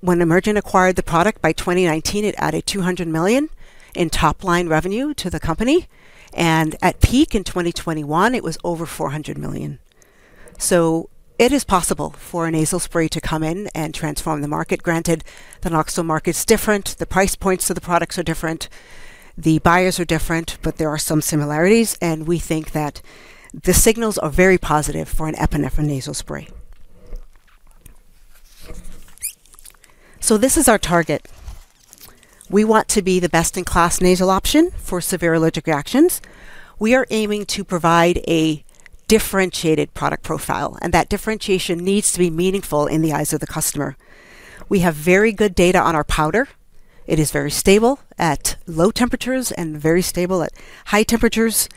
When Emergent acquired the product by 2019, it added $200 million in top-line revenue to the company, and at peak in 2021, it was over $400 million. It is possible for a nasal spray to come in and transform the market. Granted, the naloxone market is different. The price points of the products are different. The buyers are different. There are some similarities, and we think that the signals are very positive for an epinephrine nasal spray. This is our target. We want to be the best-in-class nasal option for severe allergic reactions. We are aiming to provide a differentiated product profile, and that differentiation needs to be meaningful in the eyes of the customer. We have very good data on our powder. It is very stable at low temperatures and very stable at high temperatures.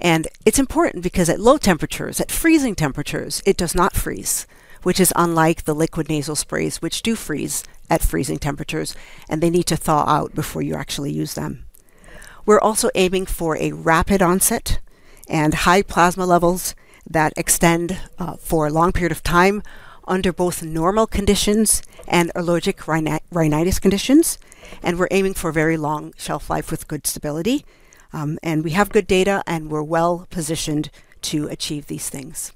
It's important because at low temperatures, at freezing temperatures, it does not freeze, which is unlike the liquid nasal sprays, which do freeze at freezing temperatures, and they need to thaw out before you actually use them. We're also aiming for a rapid onset and high plasma levels that extend for a long period of time under both normal conditions and allergic rhinitis conditions. We're aiming for a very long shelf life with good stability. We have good data, and we're well-positioned to achieve these things.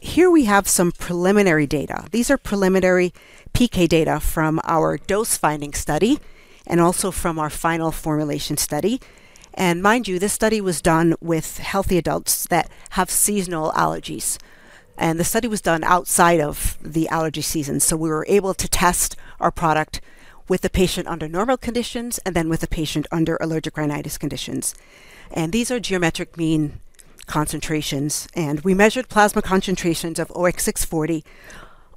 Here we have some preliminary data. These are preliminary PK data from our dose-finding study and also from our final formulation study. Mind you, this study was done with healthy adults that have seasonal allergies, and the study was done outside of the allergy season, so we were able to test our product with the patient under normal conditions and then with the patient under allergic rhinitis conditions. These are geometric mean concentrations. We measured plasma concentrations of OX640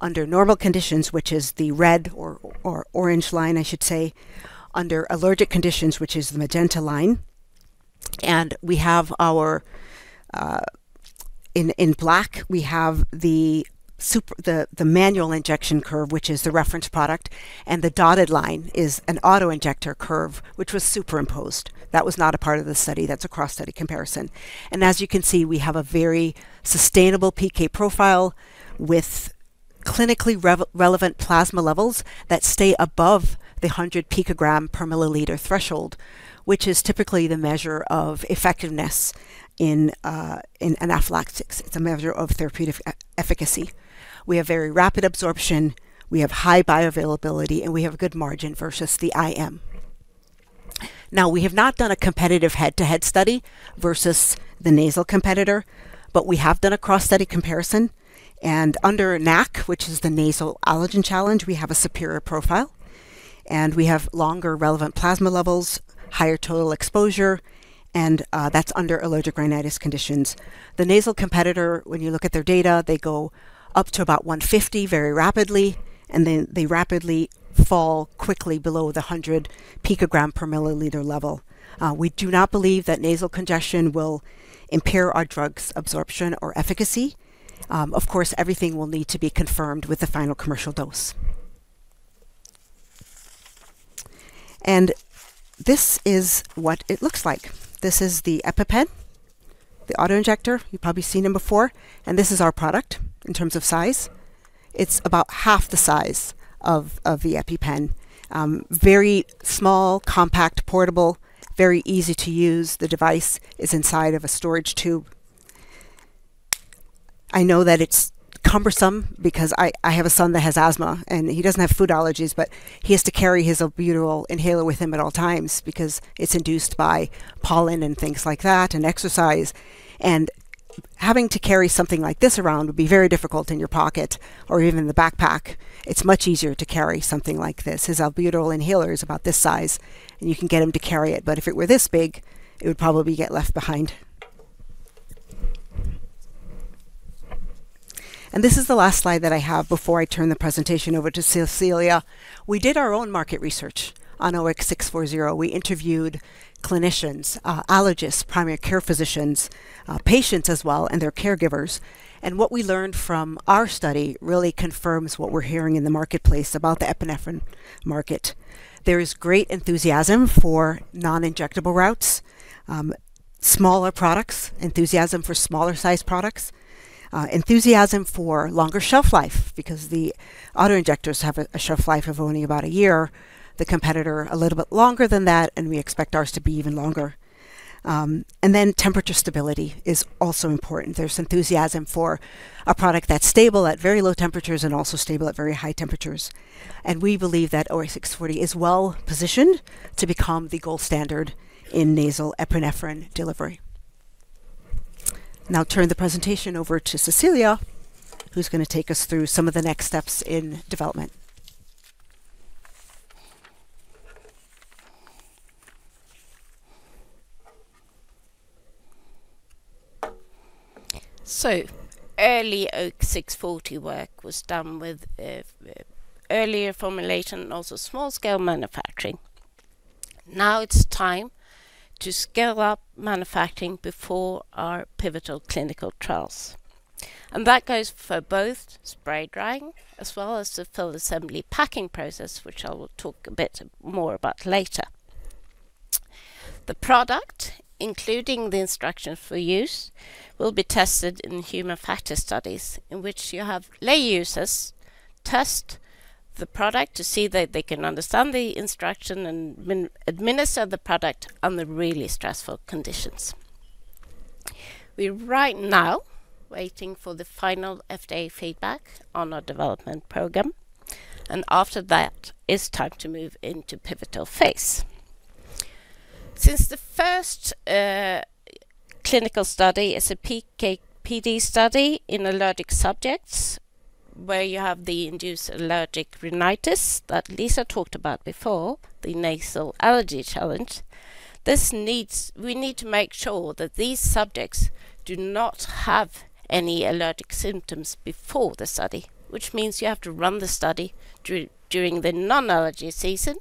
under normal conditions, which is the red or orange line, I should say. Under allergic conditions, which is the magenta line. In black, we have the manual injection curve, which is the reference product, and the dotted line is an auto-injector curve, which was superimposed. That was not a part of the study. That's a cross-study comparison. As you can see, we have a very sustainable PK profile with clinically relevant plasma levels that stay above the 100 picogram per milliliter threshold, which is typically the measure of effectiveness in anaphylaxis. It's a measure of therapeutic efficacy. We have very rapid absorption, we have high bioavailability, and we have good margin versus the IM. Now, we have not done a competitive head-to-head study versus the nasal competitor, but we have done a cross-study comparison, and under NAC, which is the nasal allergen challenge, we have a superior profile, and we have longer relevant plasma levels, higher total exposure, and that's under allergic rhinitis conditions. The nasal competitor, when you look at their data, they go up to about 150 very rapidly, and then they rapidly fall quickly below the 100 picogram per milliliter level. We do not believe that nasal congestion will impair our drug's absorption or efficacy. Of course, everything will need to be confirmed with the final commercial dose. This is what it looks like. This is the EpiPen, the auto-injector. You've probably seen them before, and this is our product in terms of size. It's about half the size of the EpiPen. Very small, compact, portable, very easy to use. The device is inside of a storage tube. I know that it's cumbersome because I have a son that has asthma, and he doesn't have food allergies, but he has to carry his albuterol inhaler with him at all times because it's induced by pollen and things like that and exercise. Having to carry something like this around would be very difficult in your pocket or even in the backpack. It's much easier to carry something like this. His Albuterol inhaler is about this size, and you can get him to carry it. If it were this big, it would probably get left behind. This is the last slide that I have before I turn the presentation over to Cecilia. We did our own market research on OX640. We interviewed clinicians, allergists, primary care physicians, patients as well, and their caregivers. What we learned from our study really confirms what we're hearing in the marketplace about the epinephrine market. There is great enthusiasm for non-injectable routes, smaller products, enthusiasm for smaller-sized products, enthusiasm for longer shelf life because the auto-injectors have a shelf life of only about a year, the competitor a little bit longer than that, and we expect ours to be even longer. Temperature stability is also important. There's enthusiasm for a product that's stable at very low temperatures and also stable at very high temperatures. We believe that OX640 is well-positioned to become the gold standard in nasal epinephrine delivery. Now I'll turn the presentation over to Cecilia, who's gonna take us through some of the next steps in development. Early OX640 work was done with earlier formulation, also small-scale manufacturing. Now it's time to scale up manufacturing before our pivotal clinical trials. That goes for both spray drying as well as the fill assembly packing process, which I will talk a bit more about later. The product, including the instruction for use, will be tested in human factor studies in which you have lay users test the product to see that they can understand the instruction and administer the product under really stressful conditions. We're right now waiting for the final FDA feedback on our development program, and after that it's time to move into pivotal phase. Since the first clinical study is a PK/PD study in allergic subjects where you have the induced allergic rhinitis that Lisa talked about before, the nasal allergen challenge, this needs... We need to make sure that these subjects do not have any allergic symptoms before the study, which means you have to run the study during the non-allergy season.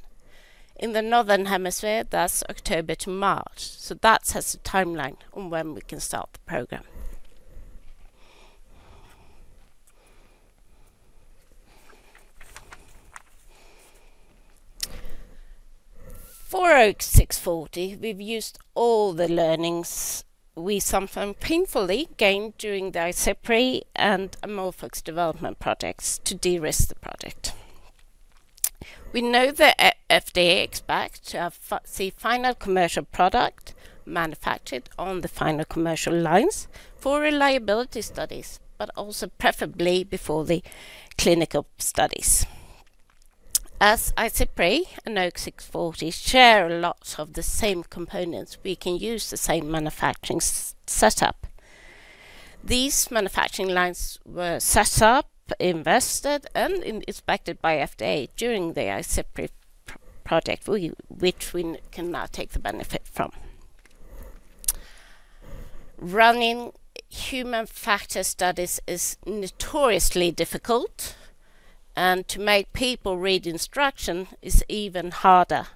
In the Northern Hemisphere, that's October to March. That sets the timeline on when we can start the program. For OX640, we've used all the learnings we sometimes painfully gained during the IZIPRY and AmorphOX development projects to de-risk the product. We know the FDA expect to see final commercial product manufactured on the final commercial lines for reliability studies, but also preferably before the clinical studies. As IZIPRY and OX640 share lots of the same components, we can use the same manufacturing setup. These manufacturing lines were set up, invested, and inspected by FDA during the IZIPRY project, which we can now take the benefit from. Running human factor studies is notoriously difficult, and to make people read instruction is even harder.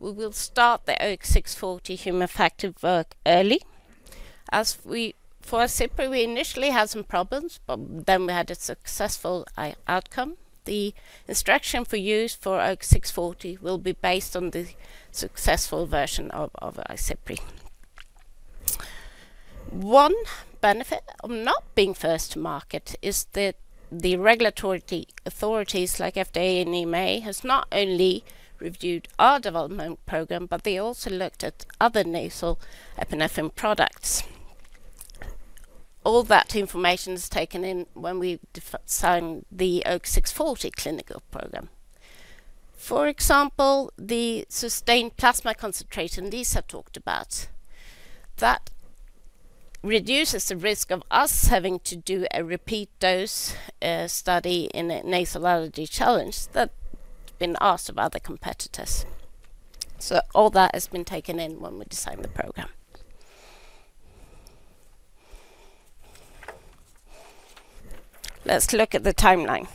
We will start the OX640 human factor work early. For IZIPRY, we initially had some problems, but then we had a successful outcome. The instruction for use for OX640 will be based on the successful version of IZIPRY. One benefit of not being first to market is that the regulatory authorities like FDA and EMA has not only reviewed our development program, but they also looked at other nasal epinephrine products. All that information is taken in when we design the OX640 clinical program. For example, the sustained plasma concentration Lisa talked about, that reduces the risk of us having to do a repeat dose study in a nasal allergen challenge that been asked of other competitors. All that has been taken in when we designed the program. Let's look at the timeline.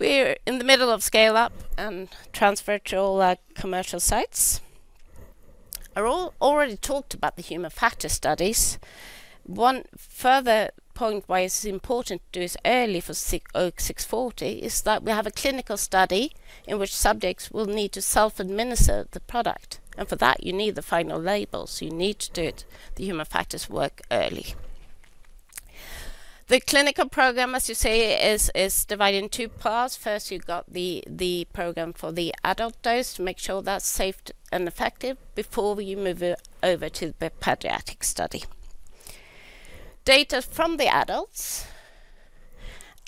We're in the middle of scale-up and transfer to all our commercial sites. I already talked about the human factor studies. One further point why it's important to do this early for OX640 is that we have a clinical study in which subjects will need to self-administer the product. For that, you need the final label. You need to do it, the human factors work early. The clinical program, as you see, is divided in two parts. First, you've got the program for the adult dose to make sure that's safe and effective before you move it over to the pediatric study. Data from the adults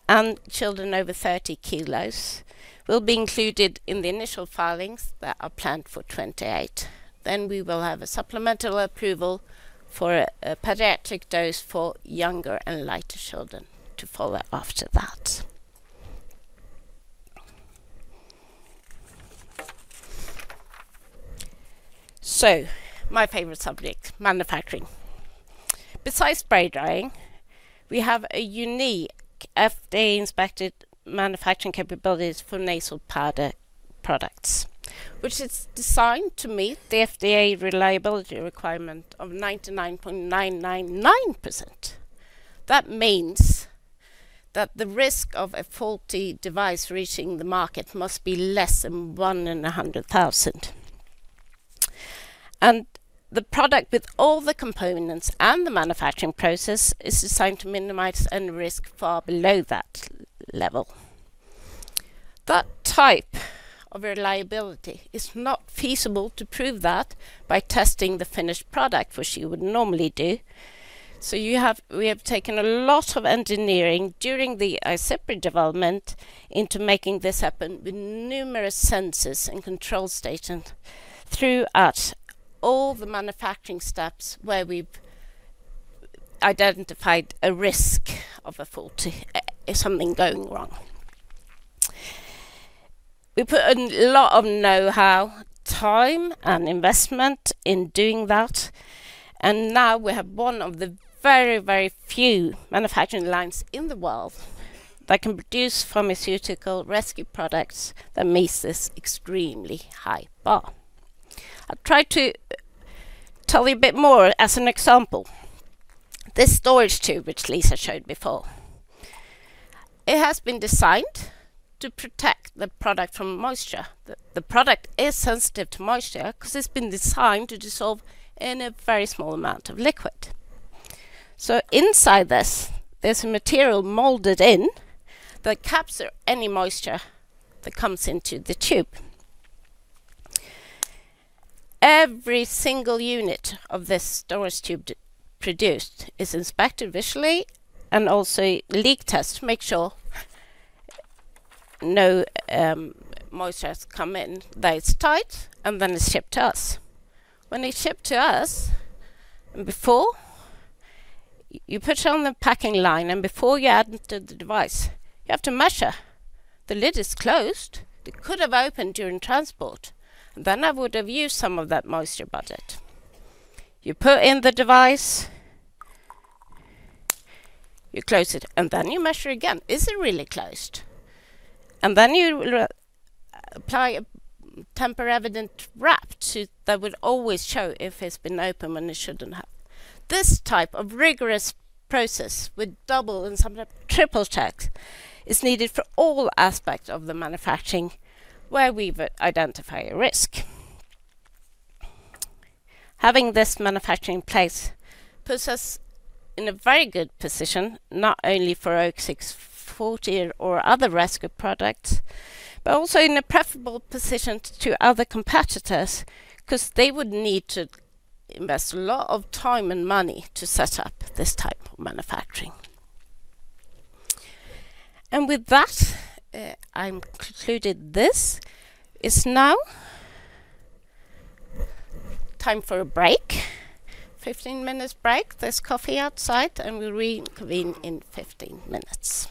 and children over 30 kg will be included in the initial filings that are planned for 2028. We will have a supplemental approval for a pediatric dose for younger and lighter children to follow after that. My favorite subject, manufacturing. Besides spray drying, we have a unique FDA-inspected manufacturing capabilities for nasal powder products, which is designed to meet the FDA reliability requirement of 99.999%. That means that the risk of a faulty device reaching the market must be less than one in 100,000. The product with all the components and the manufacturing process is designed to minimize any risk far below that level. That type of reliability is not feasible to prove that by testing the finished product, which you would normally do. We have taken a lot of engineering during the IZIPRY development into making this happen with numerous sensors and control stations throughout all the manufacturing steps where we've identified a risk of a faulty something going wrong. We put a lot of know-how, time, and investment in doing that, and now we have one of the very, very few manufacturing lines in the world that can produce pharmaceutical rescue products that meets this extremely high bar. I'll try to tell you a bit more as an example. This storage tube, which Lisa showed before, it has been designed to protect the product from moisture. The product is sensitive to moisture because it's been designed to dissolve in a very small amount of liquid. Inside this, there's a material molded in that capture any moisture that comes into the tube. Every single unit of this storage tube produced is inspected visually and also leak-tested to make sure no moisture has come in, that it's tight, and then it's shipped to us. When they ship to us, and before you put it on the packing line, and before you add the device, you have to measure. The lid is closed. It could have opened during transport. I would have used some of that moisture budget. You put in the device, you close it, and then you measure again. Is it really closed? You will apply a tamper-evident wrap to that would always show if it's been open when it shouldn't have. This type of rigorous process with double and sometimes triple-check is needed for all aspects of the manufacturing where we've identified a risk. Having this manufacturing in place puts us in a very good position, not only for OX640 or other rescue products, but also in a preferable position to other competitors because they would need to invest a lot of time and money to set up this type of manufacturing. With that, I've concluded this. It's now time for a break. 15-minute break. There's coffee outside, and we'll reconvene in 15 minutes.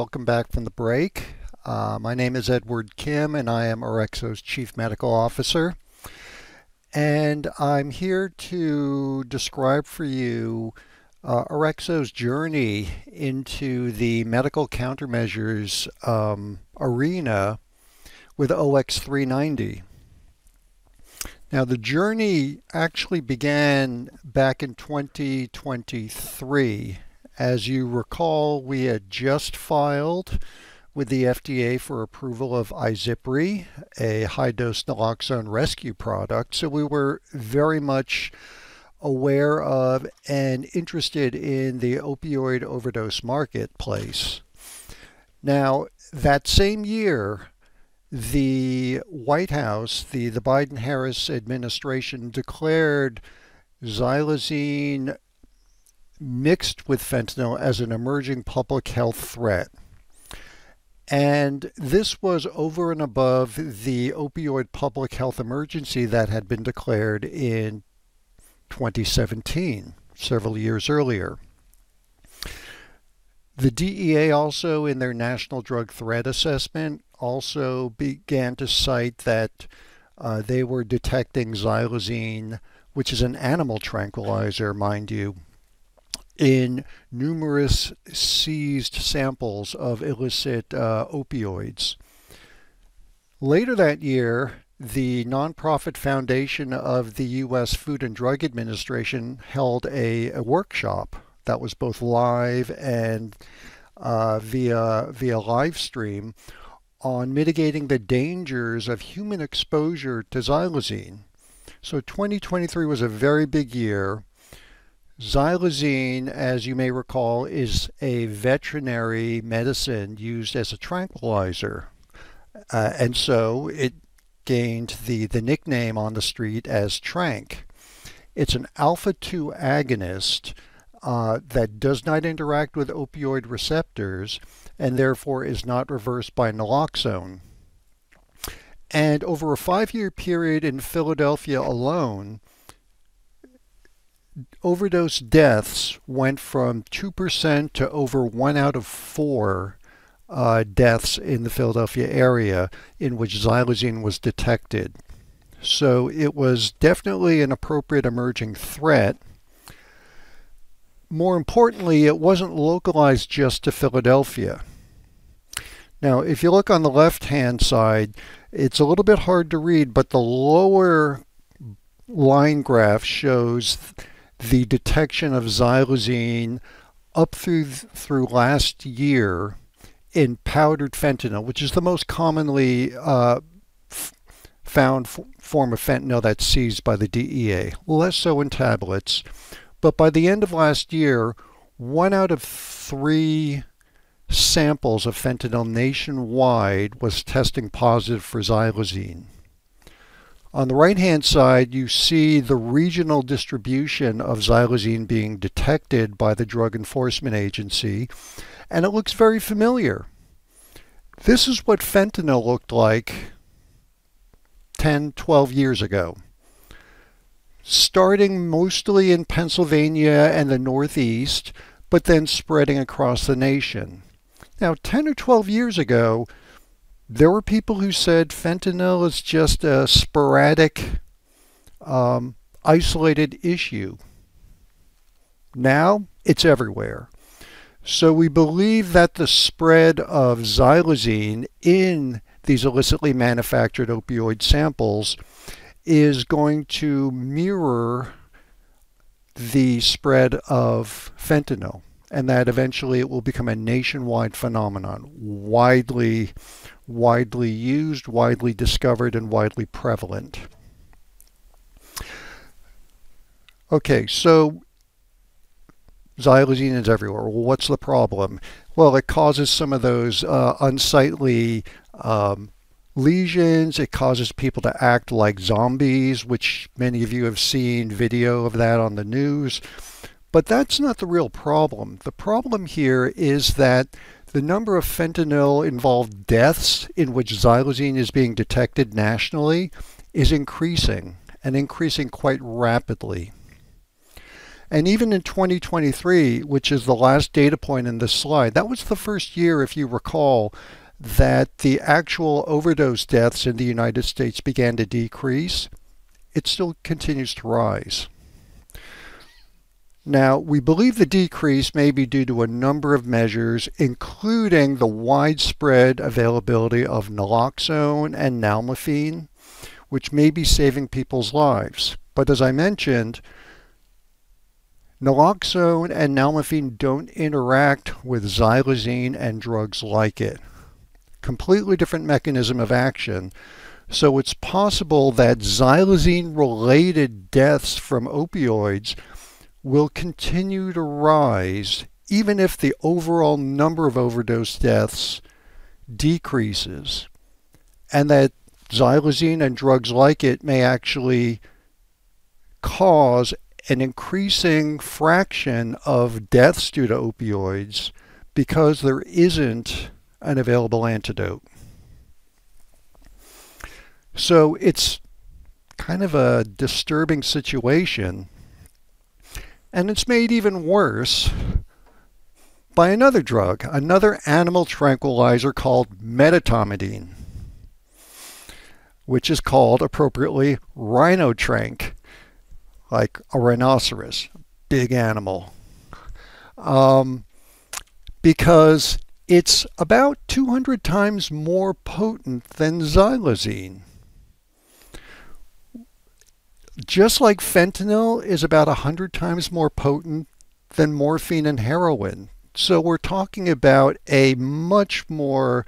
Thank you. Welcome back from the break. My name is Edward Kim, and I am Orexo's Chief Medical Officer. I'm here to describe for you Orexo's journey into the medical countermeasures arena with OX390. Now, the journey actually began back in 2023. As you recall, we had just filed with the FDA for approval of IZIPRY, a high-dose naloxone rescue product, so we were very much aware of and interested in the opioid overdose marketplace. Now, that same year, the White House, the Biden-Harris administration declared xylazine mixed with fentanyl as an emerging public health threat. This was over and above the opioid public health emergency that had been declared in 2017, several years earlier. The DEA also, in their National Drug Threat Assessment, began to cite that they were detecting xylazine, which is an animal tranquilizer, mind you, in numerous seized samples of illicit opioids. Later that year, the nonprofit foundation of the U.S. Food and Drug Administration held a workshop that was both live and via live stream on mitigating the dangers of human exposure to xylazine. 2023 was a very big year. Xylazine, as you may recall, is a veterinary medicine used as a tranquilizer, and so it gained the nickname on the street as tranq. It's an alpha-2 agonist that does not interact with opioid receptors and therefore is not reversed by naloxone. Over a five-year period in Philadelphia alone, overdose deaths went from 2% to over one out of four deaths in the Philadelphia area in which xylazine was detected. It was definitely an appropriate emerging threat. More importantly, it wasn't localized just to Philadelphia. Now, if you look on the left-hand side, it's a little bit hard to read, but the lower line graph shows the detection of xylazine up through last year in powdered fentanyl, which is the most commonly found form of fentanyl that's seized by the DEA, less so in tablets. By the end of last year, one out of three samples of fentanyl nationwide was testing positive for xylazine. On the right-hand side, you see the regional distribution of xylazine being detected by the Drug Enforcement Administration, and it looks very familiar. This is what fentanyl looked like 10, 12 years ago, starting mostly in Pennsylvania and the Northeast, but then spreading across the nation. Now, 10 or 12 years ago, there were people who said fentanyl is just a sporadic, isolated issue. Now, it's everywhere. We believe that the spread of xylazine in these illicitly manufactured opioid samples is going to mirror the spread of fentanyl, and that eventually it will become a nationwide phenomenon, widely used, widely discovered, and widely prevalent. Okay, xylazine is everywhere. What's the problem? Well, it causes some of those unsightly lesions. It causes people to act like zombies, which many of you have seen video of that on the news. That's not the real problem. The problem here is that the number of fentanyl-involved deaths in which xylazine is being detected nationally is increasing, and increasing quite rapidly. Even in 2023, which is the last data point in this slide, that was the first year, if you recall, that the actual overdose deaths in the U.S. began to decrease. It still continues to rise. Now, we believe the decrease may be due to a number of measures, including the widespread availability of naloxone and nalmefene, which may be saving people's lives. As I mentioned, naloxone and nalmefene don't interact with xylazine and drugs like it. Completely different mechanism of action. It's possible that xylazine-related deaths from opioids will continue to rise even if the overall number of overdose deaths decreases, and that xylazine and drugs like it may actually cause an increasing fraction of deaths due to opioids because there isn't an available antidote. It's kind of a disturbing situation, and it's made even worse by another drug, another animal tranquilizer called medetomidine, which is called, appropriately, Rhino Tranq, like a rhinoceros, big animal, because it's about 200 times more potent than xylazine. Just like fentanyl is about 100 times more potent than morphine and heroin. We're talking about a much more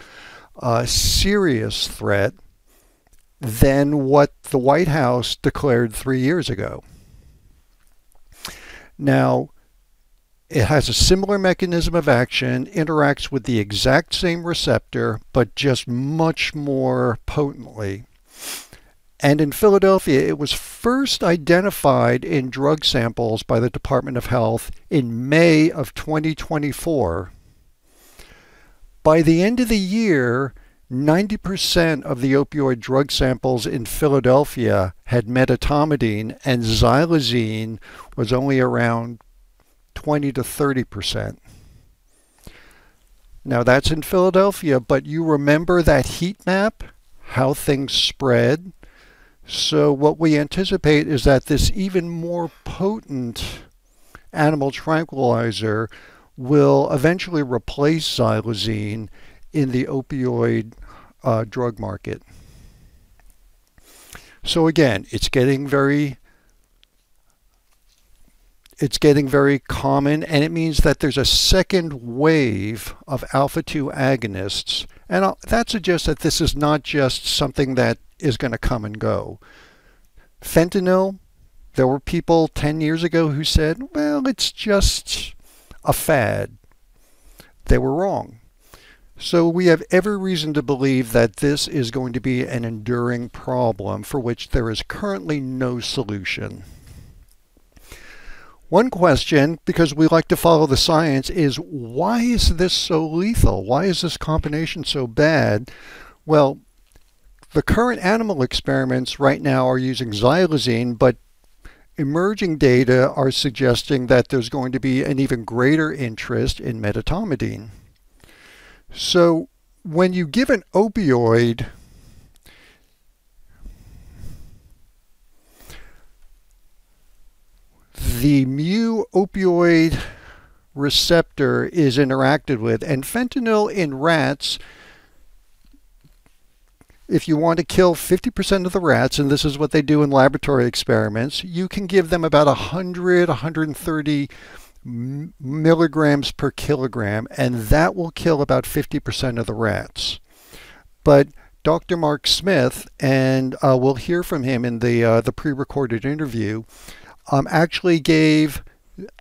serious threat than what the White House declared three years ago. Now, it has a similar mechanism of action, interacts with the exact same receptor, but just much more potently. In Philadelphia, it was first identified in drug samples by the Department of Health in May 2024. By the end of the year, 90% of the opioid drug samples in Philadelphia had medetomidine, and xylazine was only around 20%-30%. Now, that's in Philadelphia, but you remember that heat map, how things spread. What we anticipate is that this even more potent animal tranquilizer will eventually replace xylazine in the opioid drug market. Again, it's getting very common, and it means that there's a second wave of alpha-2 agonists. That suggests that this is not just something that is gonna come and go. Fentanyl, there were people ten years ago who said, "Well, it's just a fad." They were wrong. We have every reason to believe that this is going to be an enduring problem for which there is currently no solution. One question, because we like to follow the science, is why is this so lethal? Why is this combination so bad? Well, the current animal experiments are using xylazine, but emerging data are suggesting that there's going to be an even greater interest in medetomidine. When you give an opioid, the mu-opioid receptor is interacted with. Fentanyl in rats, if you want to kill 50% of the rats, and this is what they do in laboratory experiments, you can give them about a hundred and thirty milligrams per kilogram, and that will kill about 50% of the rats. Dr. Mark Smith, and we'll hear from him in the prerecorded interview, actually gave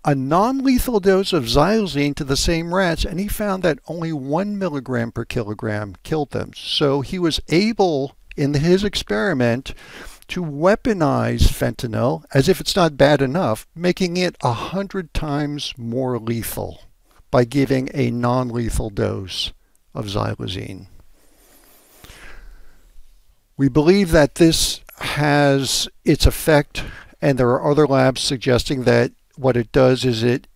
a non-lethal dose of xylazine to the same rats, and he found that only 1 mg per kilogram killed them. He was able, in his experiment, to weaponize fentanyl, as if it's not bad enough, making it 100x more lethal by giving a non-lethal dose of xylazine. We believe that this has its effect, and there are other labs suggesting that what it does is it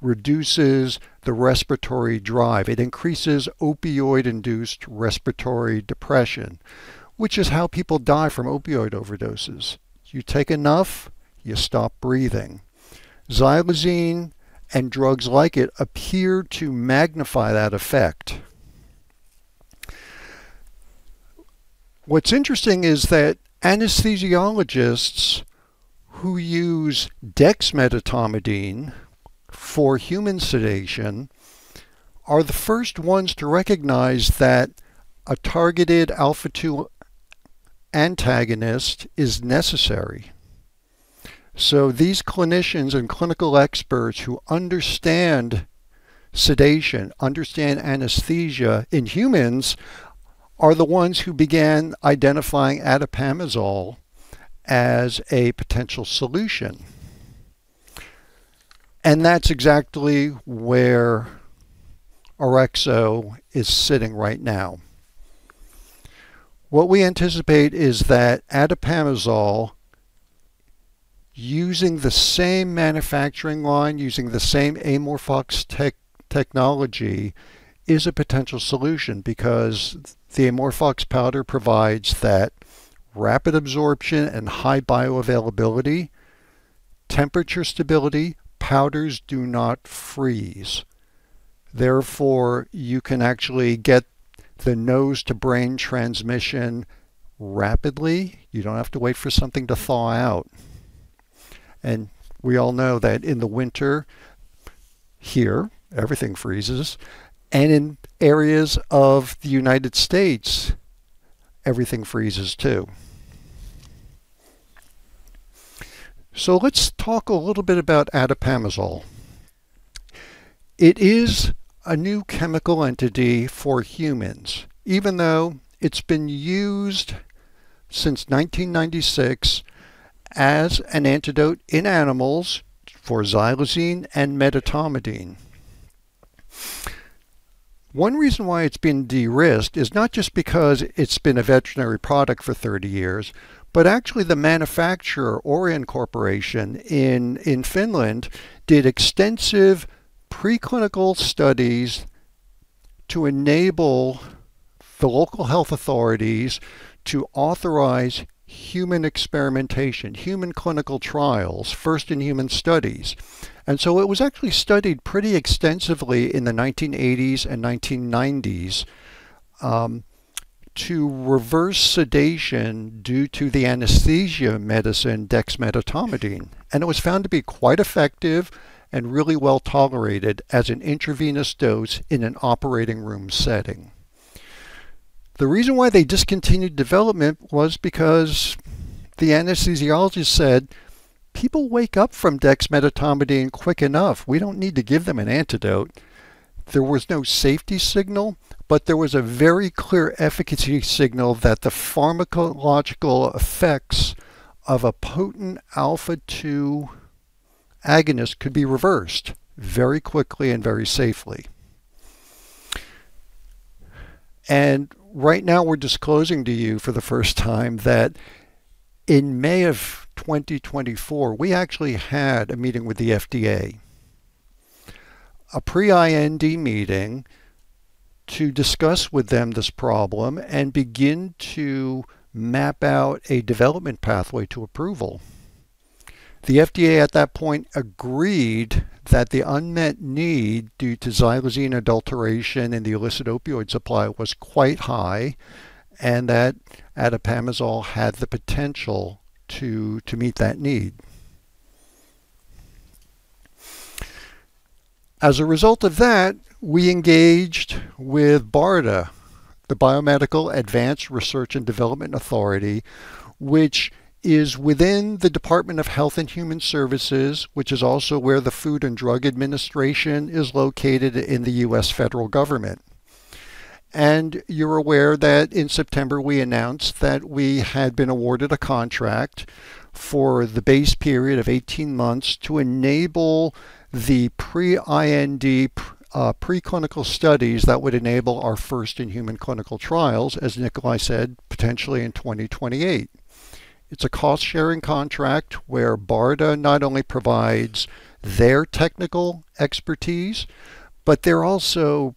reduces the respiratory drive. It increases opioid-induced respiratory depression, which is how people die from opioid overdoses. You take enough, you stop breathing. Xylazine and drugs like it appear to magnify that effect. What's interesting is that anesthesiologists who use dexmedetomidine for human sedation are the first ones to recognize that a targeted alpha-2 antagonist is necessary. These clinicians and clinical experts who understand sedation, understand anesthesia in humans are the ones who began identifying atipamezole as a potential solution. That's exactly where Orexo is sitting right now. What we anticipate is that atipamezole, using the same manufacturing line, using the same AmorphOX technology, is a potential solution because the AmorphOX powder provides that rapid absorption and high bioavailability, temperature stability. Powders do not freeze, therefore, you can actually get the nose-to-brain transmission rapidly. You don't have to wait for something to thaw out. We all know that in the winter here, everything freezes, and in areas of the U.S., everything freezes too. Let's talk a little bit about atipamezole. It is a new chemical entity for humans, even though it's been used since 1996 as an antidote in animals for xylazine and medetomidine. One reason why it's been de-risked is not just because it's been a veterinary product for 30 years, but actually the manufacturer, Orion Corporation in Finland, did extensive preclinical studies to enable the local health authorities to authorize human experimentation, human clinical trials, first in human studies. It was actually studied pretty extensively in the 1980s and 1990s to reverse sedation due to the anesthesia medicine dexmedetomidine, and it was found to be quite effective and really well-tolerated as an intravenous dose in an operating room setting. The reason why they discontinued development was because the anesthesiologist said, "People wake up from dexmedetomidine quick enough. We don't need to give them an antidote." There was no safety signal, but there was a very clear efficacy signal that the pharmacological effects of a potent alpha-2 agonist could be reversed very quickly and very safely. Right now, we're disclosing to you for the first time that in May 2024, we actually had a meeting with the FDA, a pre-IND meeting to discuss with them this problem and begin to map out a development pathway to approval. The FDA at that point agreed that the unmet need due to xylazine adulteration in the illicit opioid supply was quite high and that atipamezole had the potential to meet that need. As a result of that, we engaged with BARDA, the Biomedical Advanced Research and Development Authority, which is within the Department of Health and Human Services, which is also where the Food and Drug Administration is located in the U.S. federal government. You're aware that in September, we announced that we had been awarded a contract for the base period of 18 months to enable the pre-IND preclinical studies that would enable our first in human clinical trials, as Nikolaj said, potentially in 2028. It's a cost-sharing contract where BARDA not only provides their technical expertise, but they're also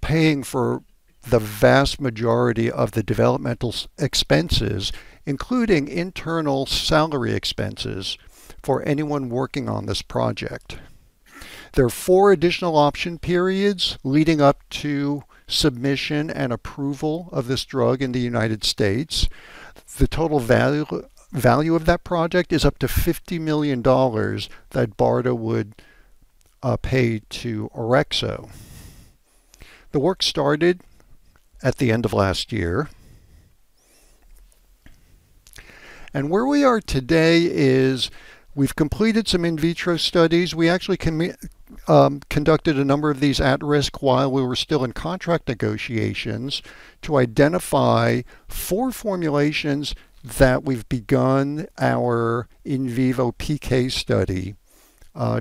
paying for the vast majority of the developmental expenses, including internal salary expenses for anyone working on this project. There are four additional option periods leading up to submission and approval of this drug in the United States. The total value of that project is up to $50 million that BARDA would pay to Orexo. The work started at the end of last year. Where we are today is we've completed some in vitro studies. We actually conducted a number of these at-risk while we were still in contract negotiations to identify four formulations that we've begun our in vivo PK study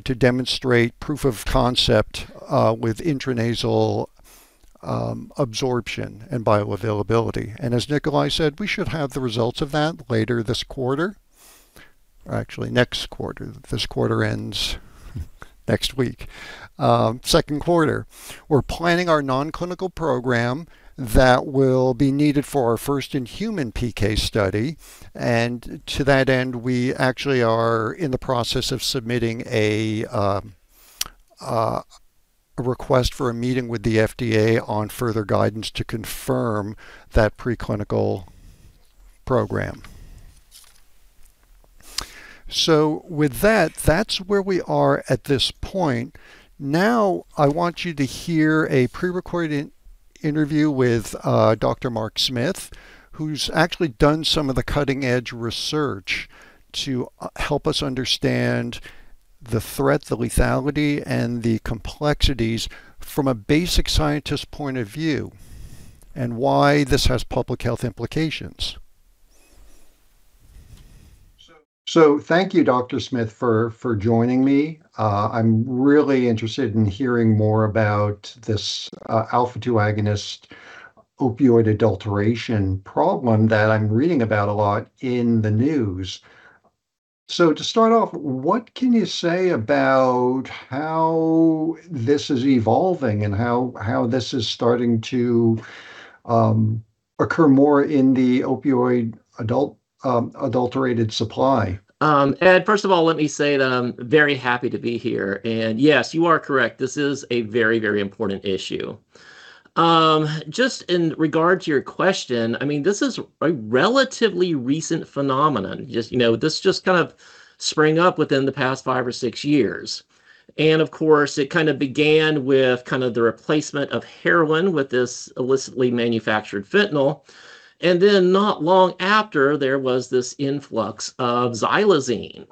to demonstrate proof of concept with intranasal absorption and bioavailability. As Nikolaj said, we should have the results of that later this quarter. Actually, next quarter. This quarter ends next week. Second quarter. We're planning our non-clinical program that will be needed for our first in human PK study. To that end, we actually are in the process of submitting a request for a meeting with the FDA on further guidance to confirm that preclinical program. With that's where we are at this point. I want you to hear a pre-recorded in-Interview with Doctor Mark Smith, who's actually done some of the cutting-edge research to help us understand the threat, the lethality, and the complexities from a basic scientist point of view and why this has public health implications. Thank you, Doctor Smith, for joining me. I'm really interested in hearing more about this alpha-2 agonist opioid adulteration problem that I'm reading about a lot in the news. To start off, what can you say about how this is evolving and how this is starting to occur more in the opioid adulterated supply? Ed, first of all, let me say that I'm very happy to be here. Yes, you are correct, this is a very, very important issue. Just in regard to your question, I mean, this is a relatively recent phenomenon. Just, you know, this just kind of sprang up within the past five or six years. Of course, it kind of began with kind of the replacement of heroin with this illicitly manufactured fentanyl. Then not long after, there was this influx of xylazine.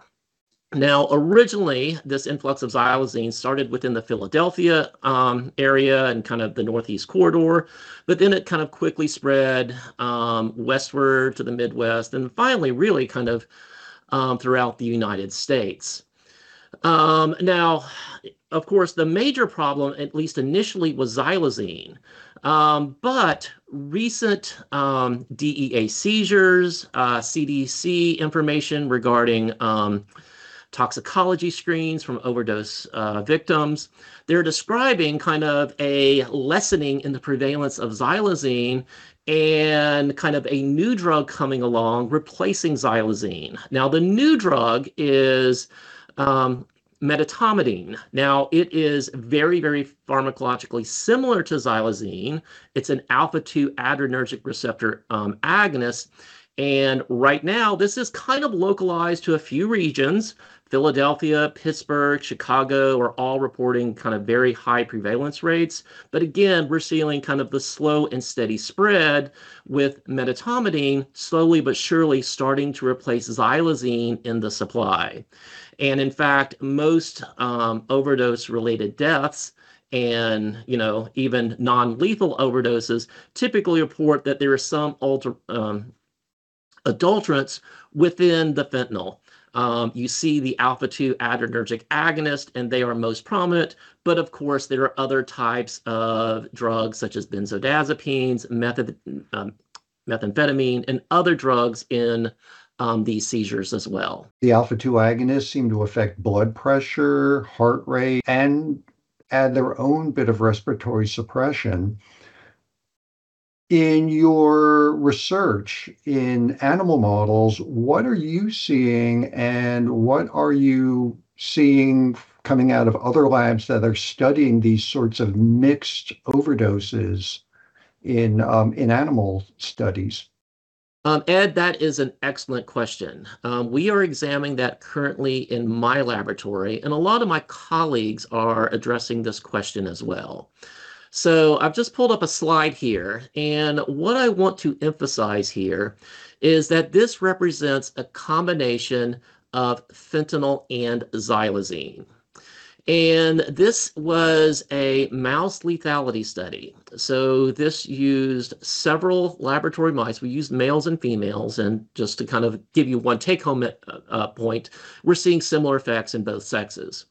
Now, originally, this influx of xylazine started within the Philadelphia area and kind of the northeast corridor, but then it kind of quickly spread westward to the Midwest and finally, really kind of throughout the United States. Now, of course, the major problem, at least initially, was xylazine. Recent DEA seizures, CDC information regarding toxicology screens from overdose victims. They're describing kind of a lessening in the prevalence of xylazine and kind of a new drug coming along replacing xylazine. The new drug is medetomidine. It is very, very pharmacologically similar to xylazine. It's an alpha-2 adrenergic receptor agonist. Right now this is kind of localized to a few regions. Philadelphia, Pittsburgh, Chicago are all reporting kind of very high prevalence rates. Again, we're seeing kind of the slow and steady spread with medetomidine slowly but surely starting to replace xylazine in the supply. In fact, most overdose-related deaths and, you know, even non-lethal overdoses typically report that there are some adulterants within the fentanyl. You see the alpha-2 adrenergic agonist, and they are most prominent. Of course, there are other types of drugs such as benzodiazepines, methamphetamine, and other drugs in these seizures as well. The alpha-2 agonists seem to affect blood pressure, heart rate, and add their own bit of respiratory suppression. In your research in animal models, what are you seeing and what are you seeing coming out of other labs that are studying these sorts of mixed overdoses in animal studies? Ed, that is an excellent question. We are examining that currently in my laboratory, and a lot of my colleagues are addressing this question as well. I've just pulled up a slide here, and what I want to emphasize here is that this represents a combination of fentanyl and xylazine. This was a mouse lethality study. This used several laboratory mice. We used males and females. Just to kind of give you one take-home point, we're seeing similar effects in both sexes.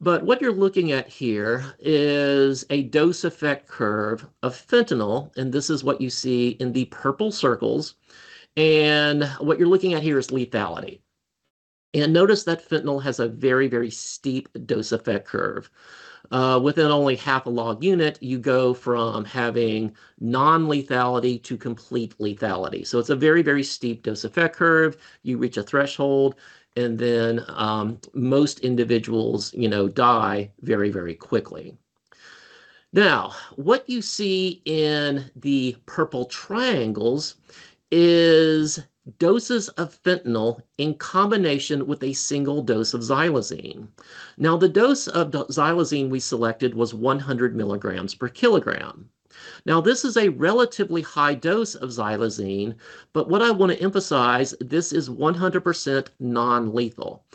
What you're looking at here is a dose effect curve of fentanyl, and this is what you see in the purple circles. What you're looking at here is lethality. Notice that fentanyl has a very, very steep dose effect curve. Within only half a log unit, you go from having non-lethality to complete lethality. It's a very, very steep dose effect curve. You reach a threshold, and then most individuals, you know, die very, very quickly. Now, what you see in the purple triangles is doses of fentanyl in combination with a single dose of xylazine. Now, the dose of xylazine we selected was 100 milligrams per kilogram. Now, this is a relatively high dose of xylazine, but what I wanna emphasize, this is 100% non-lethal.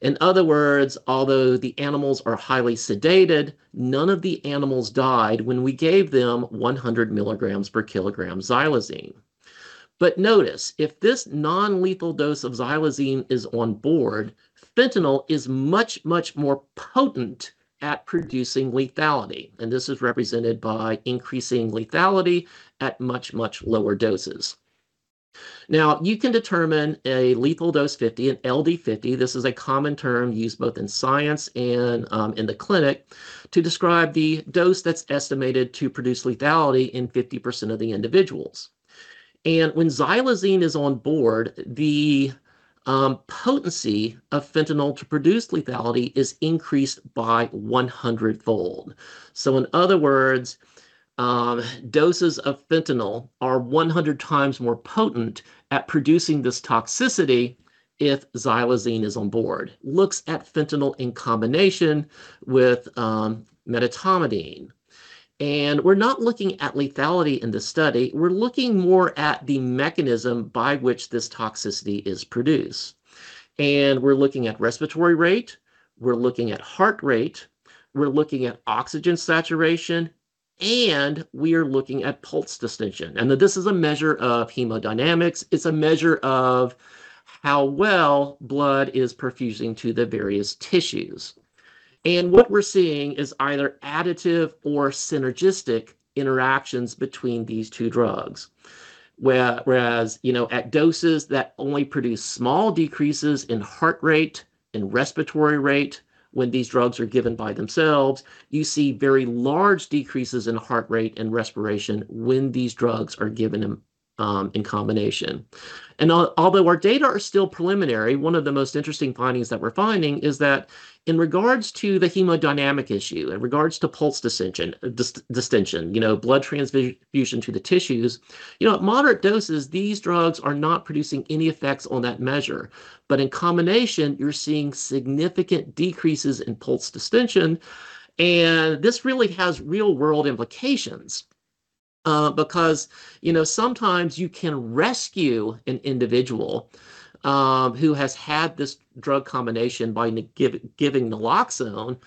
In other words, although the animals are highly sedated, none of the animals died when we gave them 100 milligrams per kilogram xylazine. But notice, if this non-lethal dose of xylazine is on board, fentanyl is much, much more potent at producing lethality, and this is represented by increasing lethality at much, much lower doses. Now, you can determine a lethal dose 50, an LD50. This is a common term used both in science and in the clinic to describe the dose that's estimated to produce lethality in 50% of the individuals. When xylazine is on board, potency of fentanyl to produce lethality is increased by 100-fold. In other words, doses of fentanyl are 100 times more potent at producing this toxicity if xylazine is on board. Looks at fentanyl in combination with medetomidine. We're not looking at lethality in the study. We're looking more at the mechanism by which this toxicity is produced. We're looking at respiratory rate, we're looking at heart rate, we're looking at oxygen saturation, and we are looking at pulse distention. This is a measure of hemodynamics. It's a measure of how well blood is perfusing to the various tissues. What we're seeing is either additive or synergistic interactions between these two drugs. Whereas, you know, at doses that only produce small decreases in heart rate and respiratory rate when these drugs are given by themselves, you see very large decreases in heart rate and respiration when these drugs are given in combination. Although our data are still preliminary, one of the most interesting findings that we're finding is that in regards to the hemodynamic issue, in regards to pulse distention, you know, blood transfusion to the tissues, you know, at moderate doses, these drugs are not producing any effects on that measure. In combination, you're seeing significant decreases in pulse distention, and this really has real-world implications. Because, you know, sometimes you can rescue an individual who has had this drug combination by giving naloxone,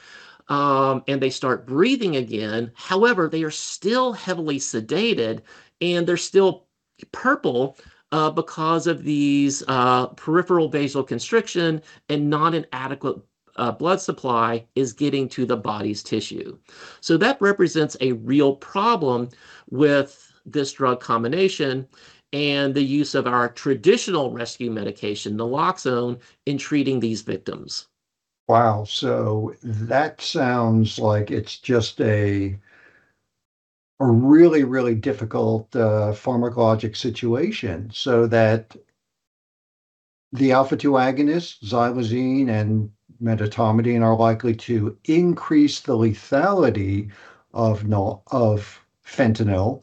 and they start breathing again. However, they are still heavily sedated, and they're still purple, because of these, peripheral vasoconstriction and not an adequate, blood supply is getting to the body's tissue. That represents a real problem with this drug combination and the use of our traditional rescue medication, naloxone, in treating these victims. Wow. That sounds like it's just a really difficult pharmacologic situation, that the alpha-2 agonist, xylazine and medetomidine, are likely to increase the lethality of fentanyl,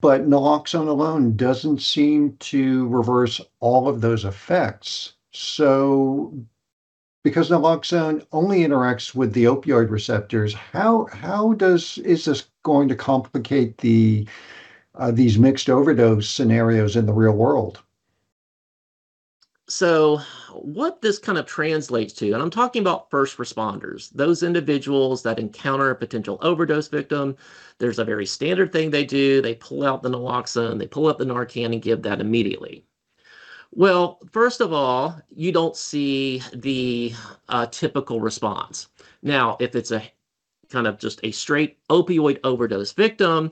but naloxone alone doesn't seem to reverse all of those effects. Because naloxone only interacts with the opioid receptors, how is this going to complicate these mixed overdose scenarios in the real world? What this kind of translates to, and I'm talking about first responders, those individuals that encounter a potential overdose victim, there's a very standard thing they do. They pull out the naloxone, they pull out the Narcan, and give that immediately. Well, first of all, you don't see the typical response. Now, if it's a kind of just a straight opioid overdose victim,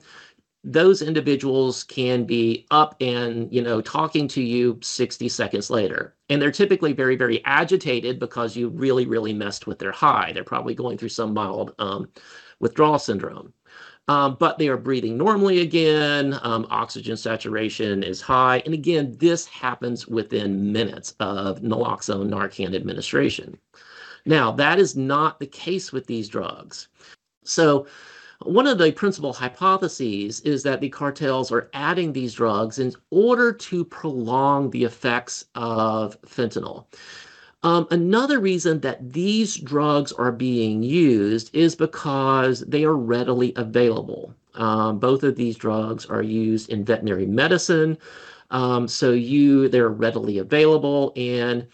those individuals can be up and, you know, talking to you 60 seconds later. They're typically very, very agitated because you really, really messed with their high. They're probably going through some mild withdrawal syndrome. They are breathing normally again, oxygen saturation is high, and again, this happens within minutes of naloxone Narcan administration. Now, that is not the case with these drugs. One of the principal hypotheses is that the cartels are adding these drugs in order to prolong the effects of fentanyl. Another reason that these drugs are being used is because they are readily available. Both of these drugs are used in veterinary medicine. They're readily available and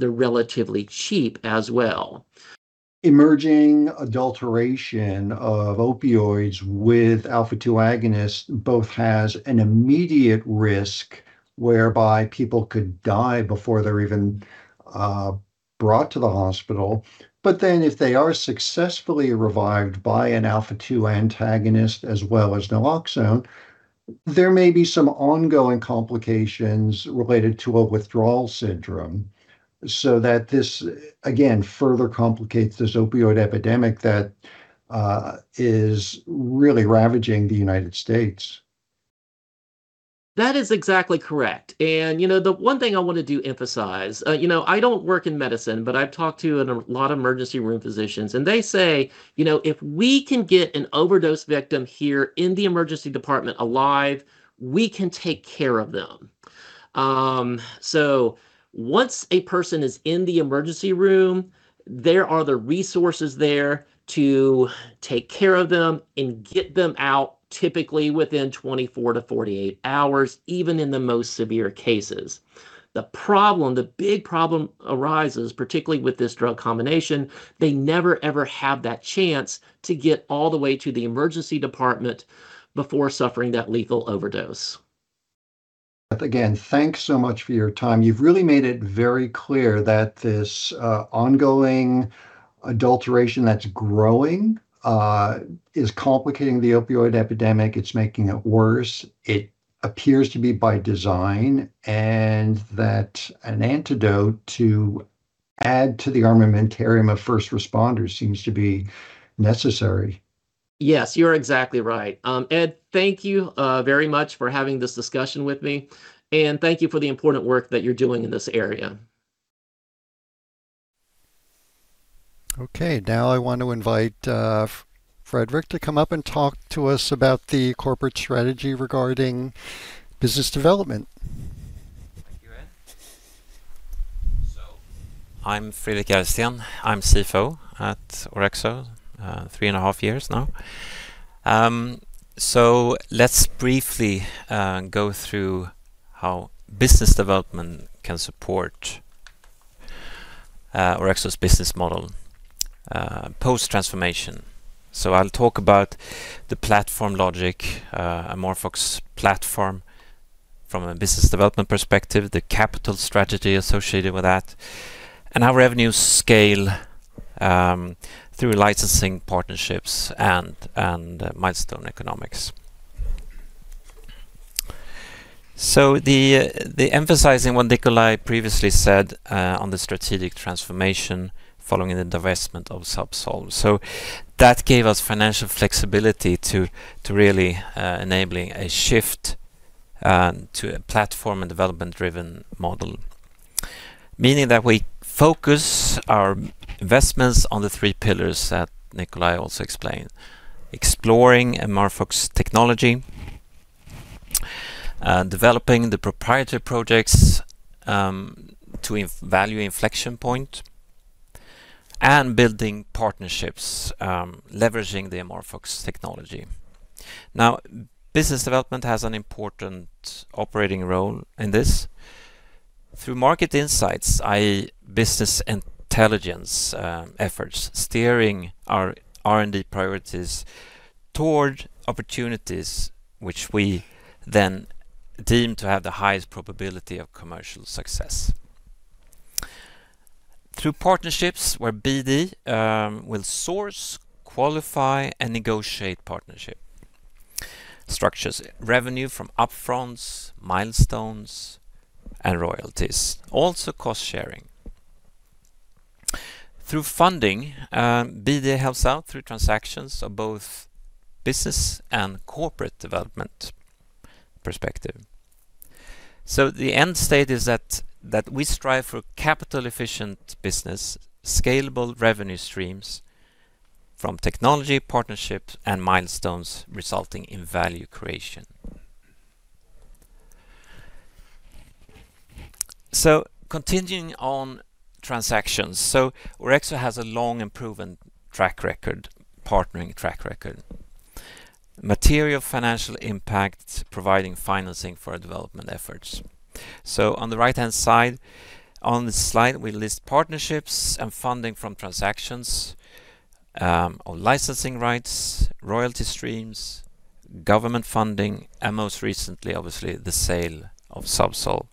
they're relatively cheap as well. Emerging adulteration of opioids with alpha-2 agonists both has an immediate risk whereby people could die before they're even brought to the hospital. If they are successfully revived by an alpha-2 antagonist as well as naloxone, there may be some ongoing complications related to a withdrawal syndrome, so that this, again, further complicates this opioid epidemic that is really ravaging the United States. That is exactly correct. You know, the one thing I wanna do emphasize, you know, I don't work in medicine, but I've talked to a lot of emergency room physicians, and they say, "You know, if we can get an overdose victim here in the emergency department alive, we can take care of them." Once a person is in the emergency room, there are the resources there to take care of them and get them out, typically within 24-48 hours, even in the most severe cases. The problem, the big problem arises, particularly with this drug combination, they never, ever have that chance to get all the way to the emergency department before suffering that lethal overdose. Again, thanks so much for your time. You've really made it very clear that this ongoing adulteration that's growing is complicating the opioid epidemic. It's making it worse. It appears to be by design, and that an antidote to add to the armamentarium of first responders seems to be necessary. Yes, you're exactly right. Ed, thank you very much for having this discussion with me, and thank you for the important work that you're doing in this area. Okay. Now I want to invite, Fredrik to come up and talk to us about the corporate strategy regarding business development. Thank you, Ed. I'm Fredrik Järrsten. I'm CFO at Orexo, three and a half years now. Let's briefly go through how business development can support Orexo's business model post transformation. I'll talk about the platform logic, AmorphOX platform from a business development perspective, the capital strategy associated with that, and our revenue scale through licensing partnerships and milestone economics. Emphasizing what Nikolaj previously said on the strategic transformation following the divestment of Zubsolv. That gave us financial flexibility to really enabling a shift to a platform and development driven model. Meaning that we focus our investments on the three pillars that Nikolaj also explained. Exploring AmorphOX technology, developing the proprietary projects to value inflection point, and building partnerships leveraging the AmorphOX technology. Now, business development has an important operating role in this. Through market insights, i.e., business intelligence, efforts, steering our R&D priorities toward opportunities which we then deem to have the highest probability of commercial success. Through partnerships where BD will source, qualify, and negotiate partnership structures, revenue from up-fronts, milestones, and royalties, also cost-sharing. Through funding, BD helps out through transactions of both business and corporate development perspective. The end state is that we strive for capital efficient business, scalable revenue streams from technology, partnerships, and milestones resulting in value creation. Continuing on transactions. Orexo has a long and proven track record, partnering track record. Material financial impact, providing financing for development efforts. On the right-hand side on the slide, we list partnerships and funding from transactions, on licensing rights, royalty streams, government funding, and most recently, obviously, the sale of Subsys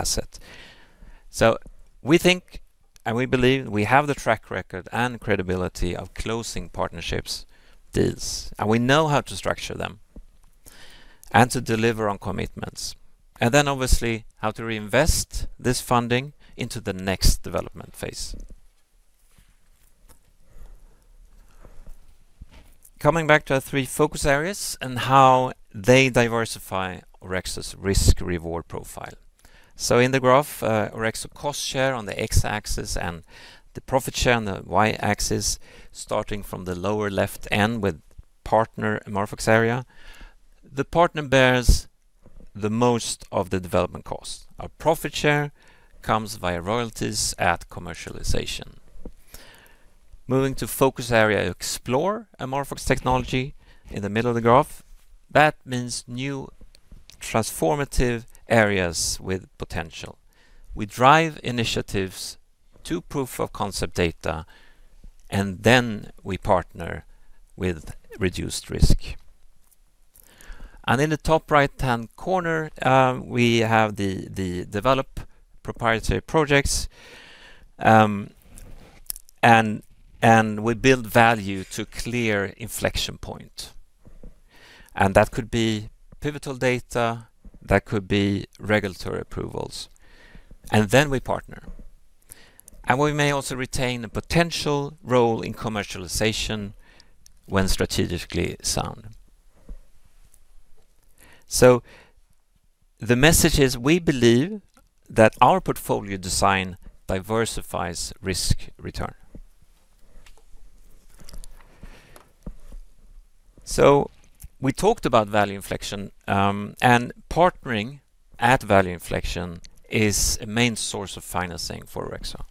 asset. We think, and we believe we have the track record and credibility of closing partnerships deals, and we know how to structure them and to deliver on commitments, and then obviously how to reinvest this funding into the next development phase. Coming back to our three focus areas and how they diversify Orexo's risk-reward profile. In the graph, Orexo cost share on the X-axis and the profit share on the Y-axis, starting from the lower left end with partner AmorphOX area. The partner bears the most of the development cost. Our profit share comes via royalties at commercialization. Moving to focus area, explore AmorphOX technology in the middle of the graph. That means new transformative areas with potential. We drive initiatives to proof of concept data, and then we partner with reduced risk. In the top right-hand corner, we develop proprietary projects, and we build value to clear inflection point. That could be pivotal data, that could be regulatory approvals, and then we partner. We may also retain a potential role in commercialization when strategically sound. The message is, we believe that our portfolio design diversifies risk return. We talked about value inflection, and partnering at value inflection is a main source of financing for Orexo.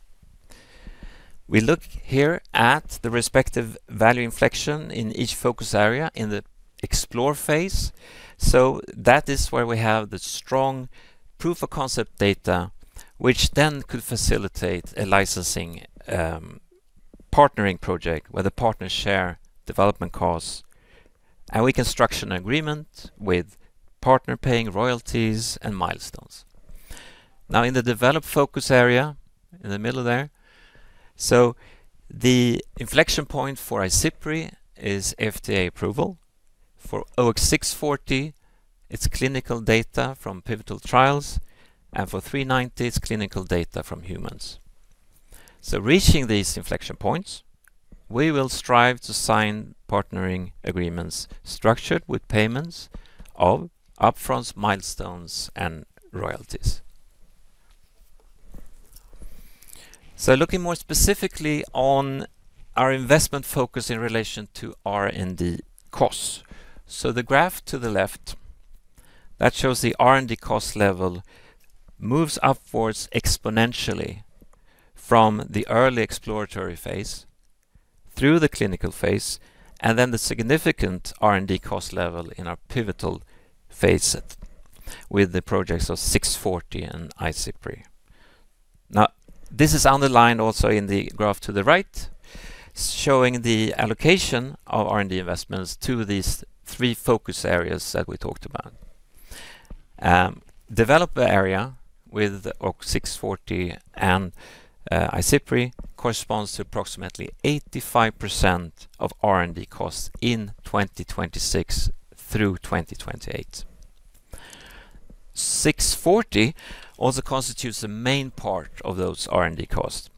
We look here at the respective value inflection in each focus area in the explore phase. That is where we have the strong proof of concept data, which then could facilitate a licensing, partnering project where the partners share development costs, and we can structure an agreement with partner paying royalties and milestones. Now in the development focus area in the middle there, the inflection point for IZIPRY is FDA approval. For OX640, it's clinical data from pivotal trials. For OX390, it's clinical data from humans. Reaching these inflection points, we will strive to sign partnering agreements structured with payments of upfront milestones and royalties. Looking more specifically on our investment focus in relation to R&D costs. The graph to the left that shows the R&D cost level moves upwards exponentially from the early exploratory phase through the clinical phase, and then the significant R&D cost level in our pivotal phase set with the projects of OX640 and IZIPRY. This is underlined also in the graph to the right, showing the allocation of R&D investments to these three focus areas that we talked about. Development area with OX640 and IZIPRY corresponds to approximately 85% of R&D costs in 2026-2028. OX640 also constitutes a main part of those R&D costs,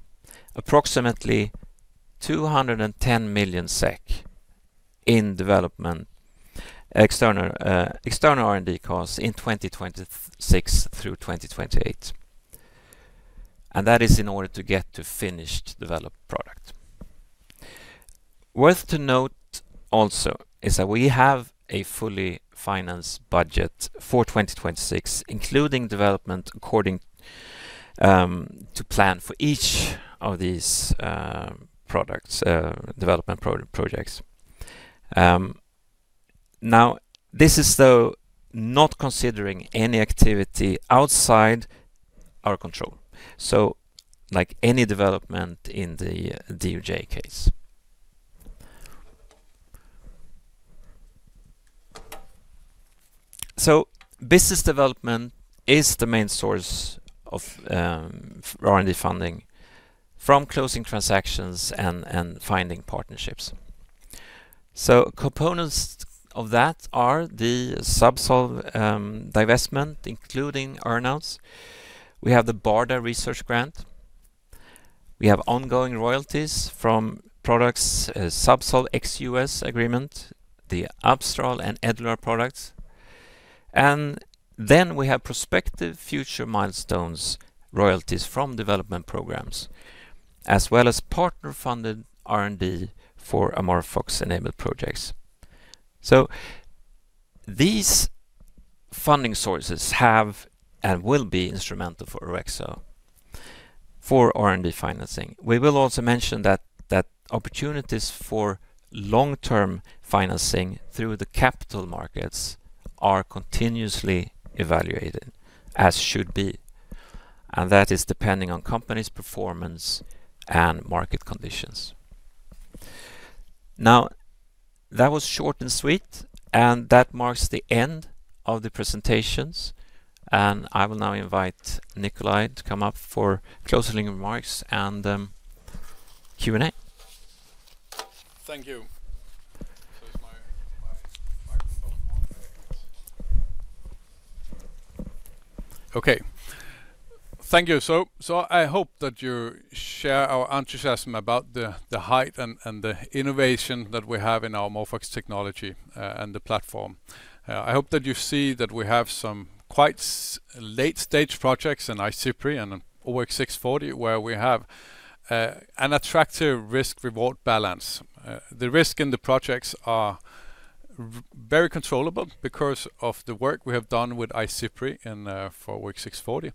approximately SEK 210 million in development external R&D costs in 2026-2028. That is in order to get to finished developed product. Worth to note also is that we have a fully financed budget for 2026, including development according to plan for each of these product development projects. Now this is, though, not considering any activity outside our control, like any development in the DOJ case. Business development is the main source of R&D funding from closing transactions and finding partnerships. Components of that are the Zubsolv divestment, including earn-outs. We have the BARDA research grant. We have ongoing royalties from products, Zubsolv ex-U.S. agreement, the Abstral and Edluar products. Then we have prospective future milestones, royalties from development programs, as well as partner-funded R&D for AmorphOX-enabled projects. These funding sources have and will be instrumental for Orexo for R&D financing. We will also mention that opportunities for long-term financing through the capital markets are continuously evaluated, as should be. That is depending on company's performance and market conditions. Now, that was short and sweet, and that marks the end of the presentations, and I will now invite Nikolaj to come up for closing remarks and Q&A. Thank you. Is my microphone on? Okay. Thank you. I hope that you share our enthusiasm about the breadth and the innovation that we have in our AmorphOX technology and the platform. I hope that you see that we have some quite late-stage projects in IZIPRY and OX640, where we have an attractive risk/reward balance. The risk in the projects are very controllable because of the work we have done with IZIPRY and for OX640.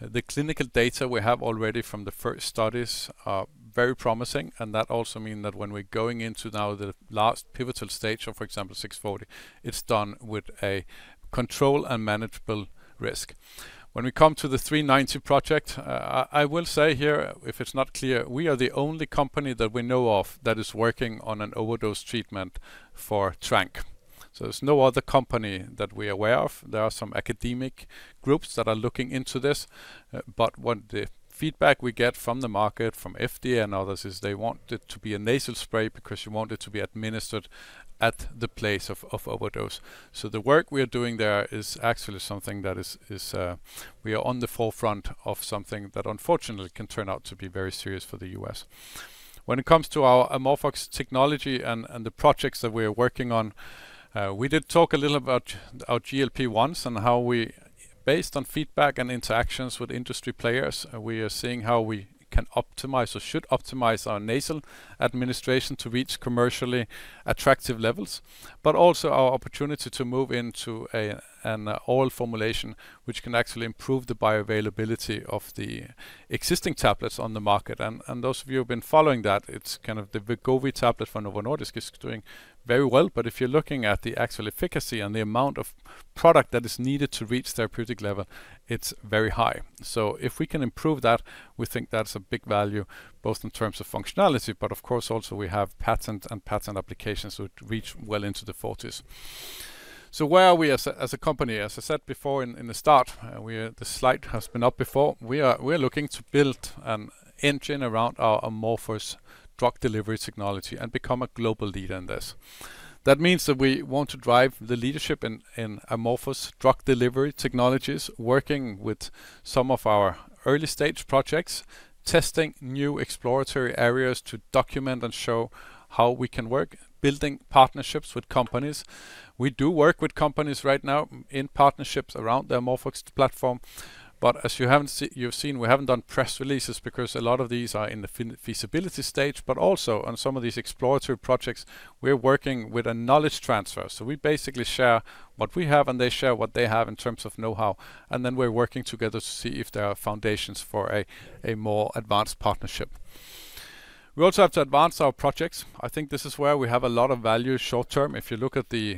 The clinical data we have already from the first studies are very promising, and that also mean that when we're going into now the last pivotal stage of, for example, OX640, it's done with controlled and manageable risk. When we come to the OX390 project, I will say here, if it's not clear, we are the only company that we know of that is working on an overdose treatment for tranq. There's no other company that we're aware of. There are some academic groups that are looking into this, but what the feedback we get from the market, from FDA and others is they want it to be a nasal spray because you want it to be administered at the place of overdose. The work we are doing there is actually something that is. We are on the forefront of something that unfortunately can turn out to be very serious for the U.S. When it comes to our AmorphOX technology and the projects that we are working on, we did talk a little about our GLP-1s and how we, based on feedback and interactions with industry players, we are seeing how we can optimize or should optimize our nasal administration to reach commercially attractive levels. Also our opportunity to move into an oral formulation which can actually improve the bioavailability of the existing tablets on the market. Those of you who have been following that, it's kind of the Wegovy tablet from Novo Nordisk is doing very well. If you're looking at the actual efficacy and the amount of product that is needed to reach therapeutic level, it's very high. If we can improve that, we think that's a big value, both in terms of functionality, but of course also we have patent and patent applications which reach well into the forties. Where are we as a company? As I said before in the start, the slide has been up before. We are looking to build an engine around our amorphous drug delivery technology and become a global leader in this. That means that we want to drive the leadership in amorphous drug delivery technologies, working with some of our early-stage projects, testing new exploratory areas to document and show how we can work, building partnerships with companies. We do work with companies right now in partnerships around the AmorphOX platform, but as you've seen, we haven't done press releases because a lot of these are in the feasibility stage, but also on some of these exploratory projects, we're working with a knowledge transfer. We basically share what we have, and they share what they have in terms of know-how, and then we're working together to see if there are foundations for a more advanced partnership. We also have to advance our projects. I think this is where we have a lot of value short-term. If you look at the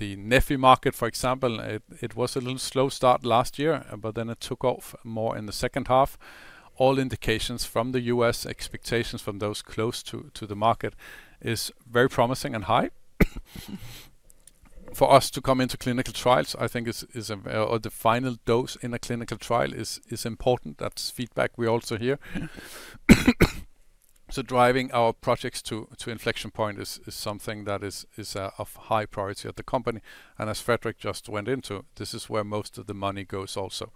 Neffy market, for example, it was a little slow start last year, but then it took off more in the second half. All indications from the U.S., expectations from those close to the market is very promising and high. For us to come into clinical trials, I think, is important. Or the final dose in a clinical trial is important. That's feedback we also hear. Driving our projects to inflection point is something that is of high priority at the company. As Fredrik just went into, this is where most of the money goes also.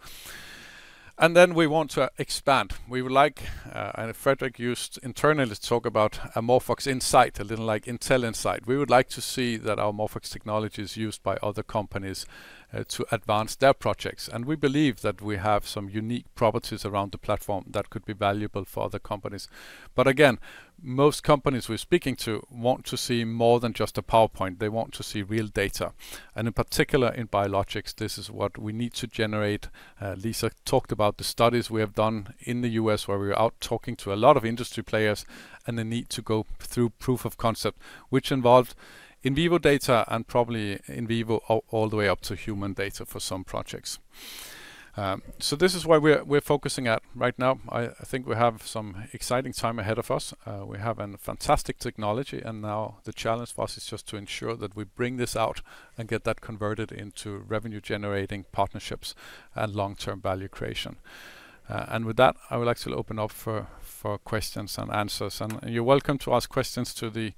We want to expand. We would like, and Fredrik used internally to talk about AmorphOX, a little like Intel Inside, to see that our amorphous technology is used by other companies to advance their projects. We believe that we have some unique properties around the platform that could be valuable for other companies. Again, most companies we're speaking to want to see more than just a PowerPoint. They want to see real data. In particular, in biologics, this is what we need to generate. Lisa talked about the studies we have done in the U.S., where we were out talking to a lot of industry players and the need to go through proof of concept, which involved in vivo data and probably in vivo all the way up to human data for some projects. This is where we're focusing at right now. I think we have some exciting time ahead of us. We have a fantastic technology, and now the challenge for us is just to ensure that we bring this out and get that converted into revenue-generating partnerships and long-term value creation. With that, I would like to open up for questions and answers. You're welcome to ask questions to the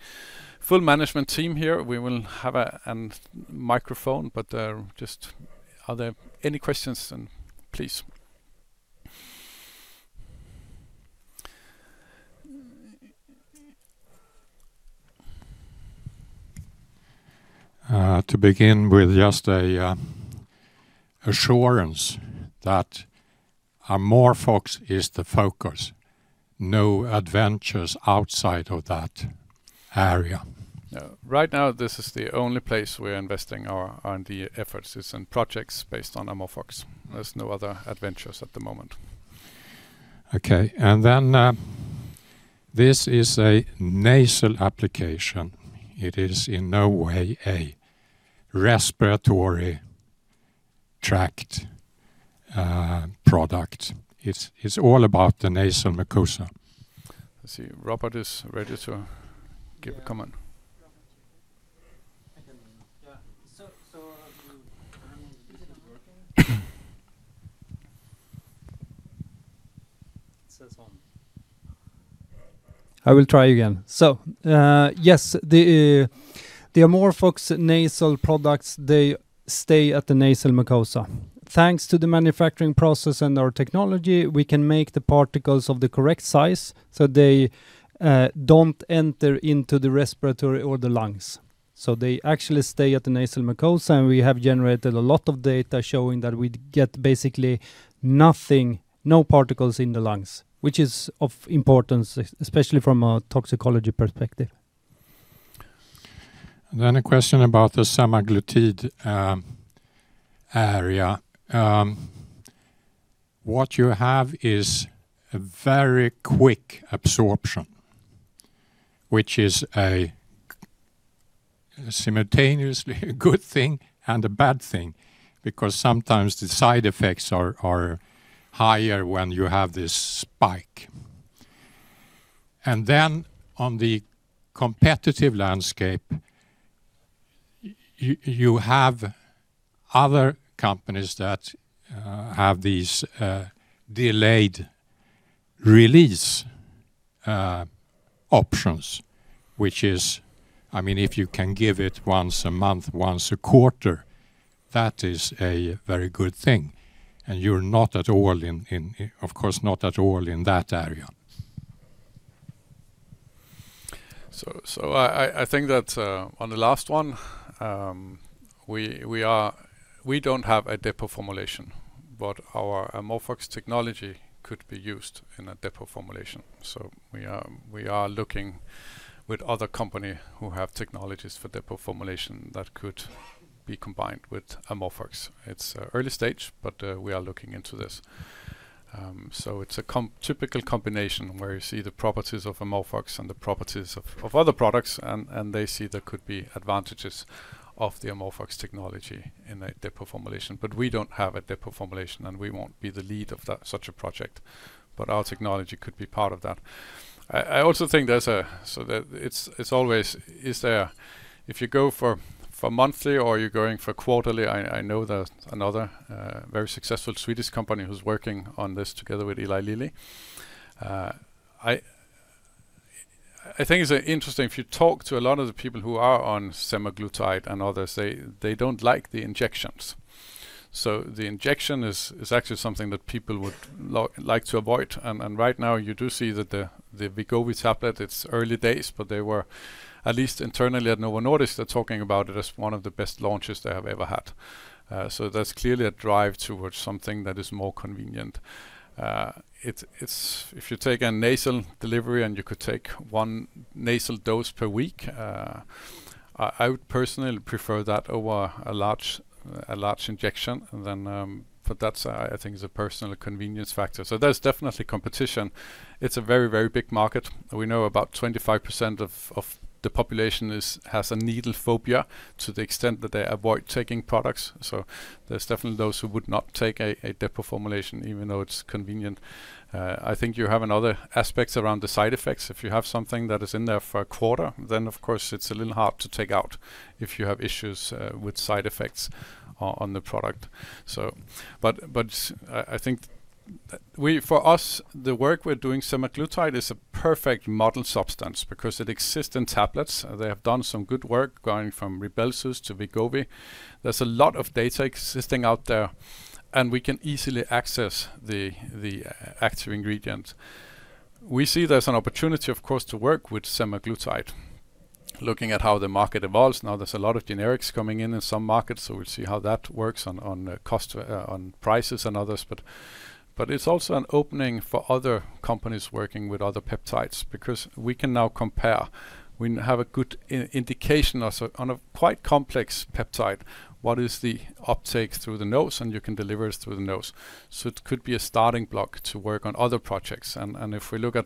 full management team here. We will have a microphone, but are there any questions, and please. To begin with just a assurance that AmorphOX is the focus. No adventures outside of that area. Yeah. Right now, this is the only place we're investing our R&D efforts is in projects based on AmorphOX. There's no other ventures at the moment. Okay. This is a nasal application. It is in no way a respiratory tract product. It's all about the nasal mucosa. I see Robert is ready to give a comment. Yeah. Is it working? It says on. I will try again. Yes, the AmorphOX nasal products, they stay at the nasal mucosa. Thanks to the manufacturing process and our technology, we can make the particles of the correct size, so they don't enter into the respiratory or the lungs. They actually stay at the nasal mucosa, and we have generated a lot of data showing that we get basically nothing, no particles in the lungs, which is of importance, especially from a toxicology perspective. A question about the semaglutide area. What you have is a very quick absorption, which is simultaneously a good thing and a bad thing because sometimes the side effects are higher when you have this spike. On the competitive landscape, you have other companies that have these delayed release options, which is, I mean, if you can give it once a month, once a quarter, that is a very good thing. You're not at all in, of course, not at all in that area. I think that on the last one, we don't have a depot formulation, but our AmorphOX technology could be used in a depot formulation. We are looking with other company who have technologies for depot formulation that could be combined with AmorphOX. It's early stage, but we are looking into this. It's a typical combination where you see the properties of AmorphOX and the properties of other products, and they see there could be advantages of the AmorphOX technology in a depot formulation. We don't have a depot formulation, and we won't be the lead of that, such a project. Our technology could be part of that. I also think there's always is there. If you go for monthly or you're going for quarterly, I know there's another very successful Swedish company who's working on this together with Eli Lilly. I think it's interesting if you talk to a lot of the people who are on semaglutide and others, they don't like the injections. The injection is actually something that people would like to avoid. Right now you do see that the Wegovy tablet, it's early days, but they were at least internally at Novo Nordisk, they're talking about it as one of the best launches they have ever had. That's clearly a drive towards something that is more convenient. It's. If you take a nasal delivery and you could take one nasal dose per week, I would personally prefer that over a large injection. That's, I think, a personal convenience factor. There's definitely competition. It's a very big market. We know about 25% of the population has a needle phobia to the extent that they avoid taking products. There's definitely those who would not take a depo formulation even though it's convenient. I think you have other aspects around the side effects. If you have something that is in there for a quarter, then of course it's a little hard to take out if you have issues with side effects on the product. I think for us, the work we're doing with semaglutide is a perfect model substance because it exists in tablets. They have done some good work going from Rybelsus to Wegovy. There's a lot of data existing out there, and we can easily access the active ingredient. We see there's an opportunity, of course, to work with semaglutide. Looking at how the market evolves, now there's a lot of generics coming in in some markets, so we'll see how that works on cost, on prices and others. It's also an opening for other companies working with other peptides because we can now compare. We have a good indication or so on a quite complex peptide, what is the uptake through the nose, and you can deliver it through the nose. It could be a starting block to work on other projects. If we look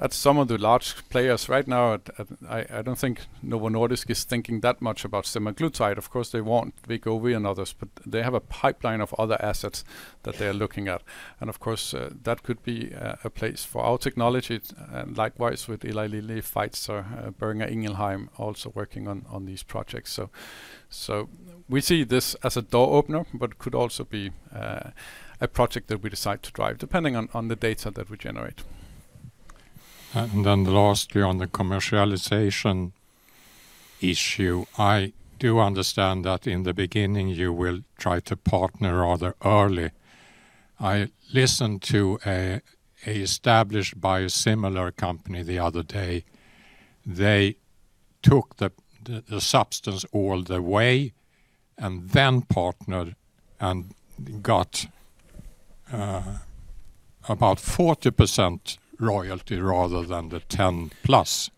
at some of the large players right now, I don't think Novo Nordisk is thinking that much about semaglutide. Of course, they want Wegovy and others, but they have a pipeline of other assets that they are looking at. Of course, that could be a place for our technology, and likewise with Eli Lilly, Pfizer, Boehringer Ingelheim also working on these projects. We see this as a door opener, but could also be a project that we decide to drive depending on the data that we generate. Lastly, on the commercialization issue, I do understand that in the beginning you will try to partner rather early. I listened to an established biosimilar company the other day. They took the substance all the way and then partnered and got about 40% royalty rather than the 10+.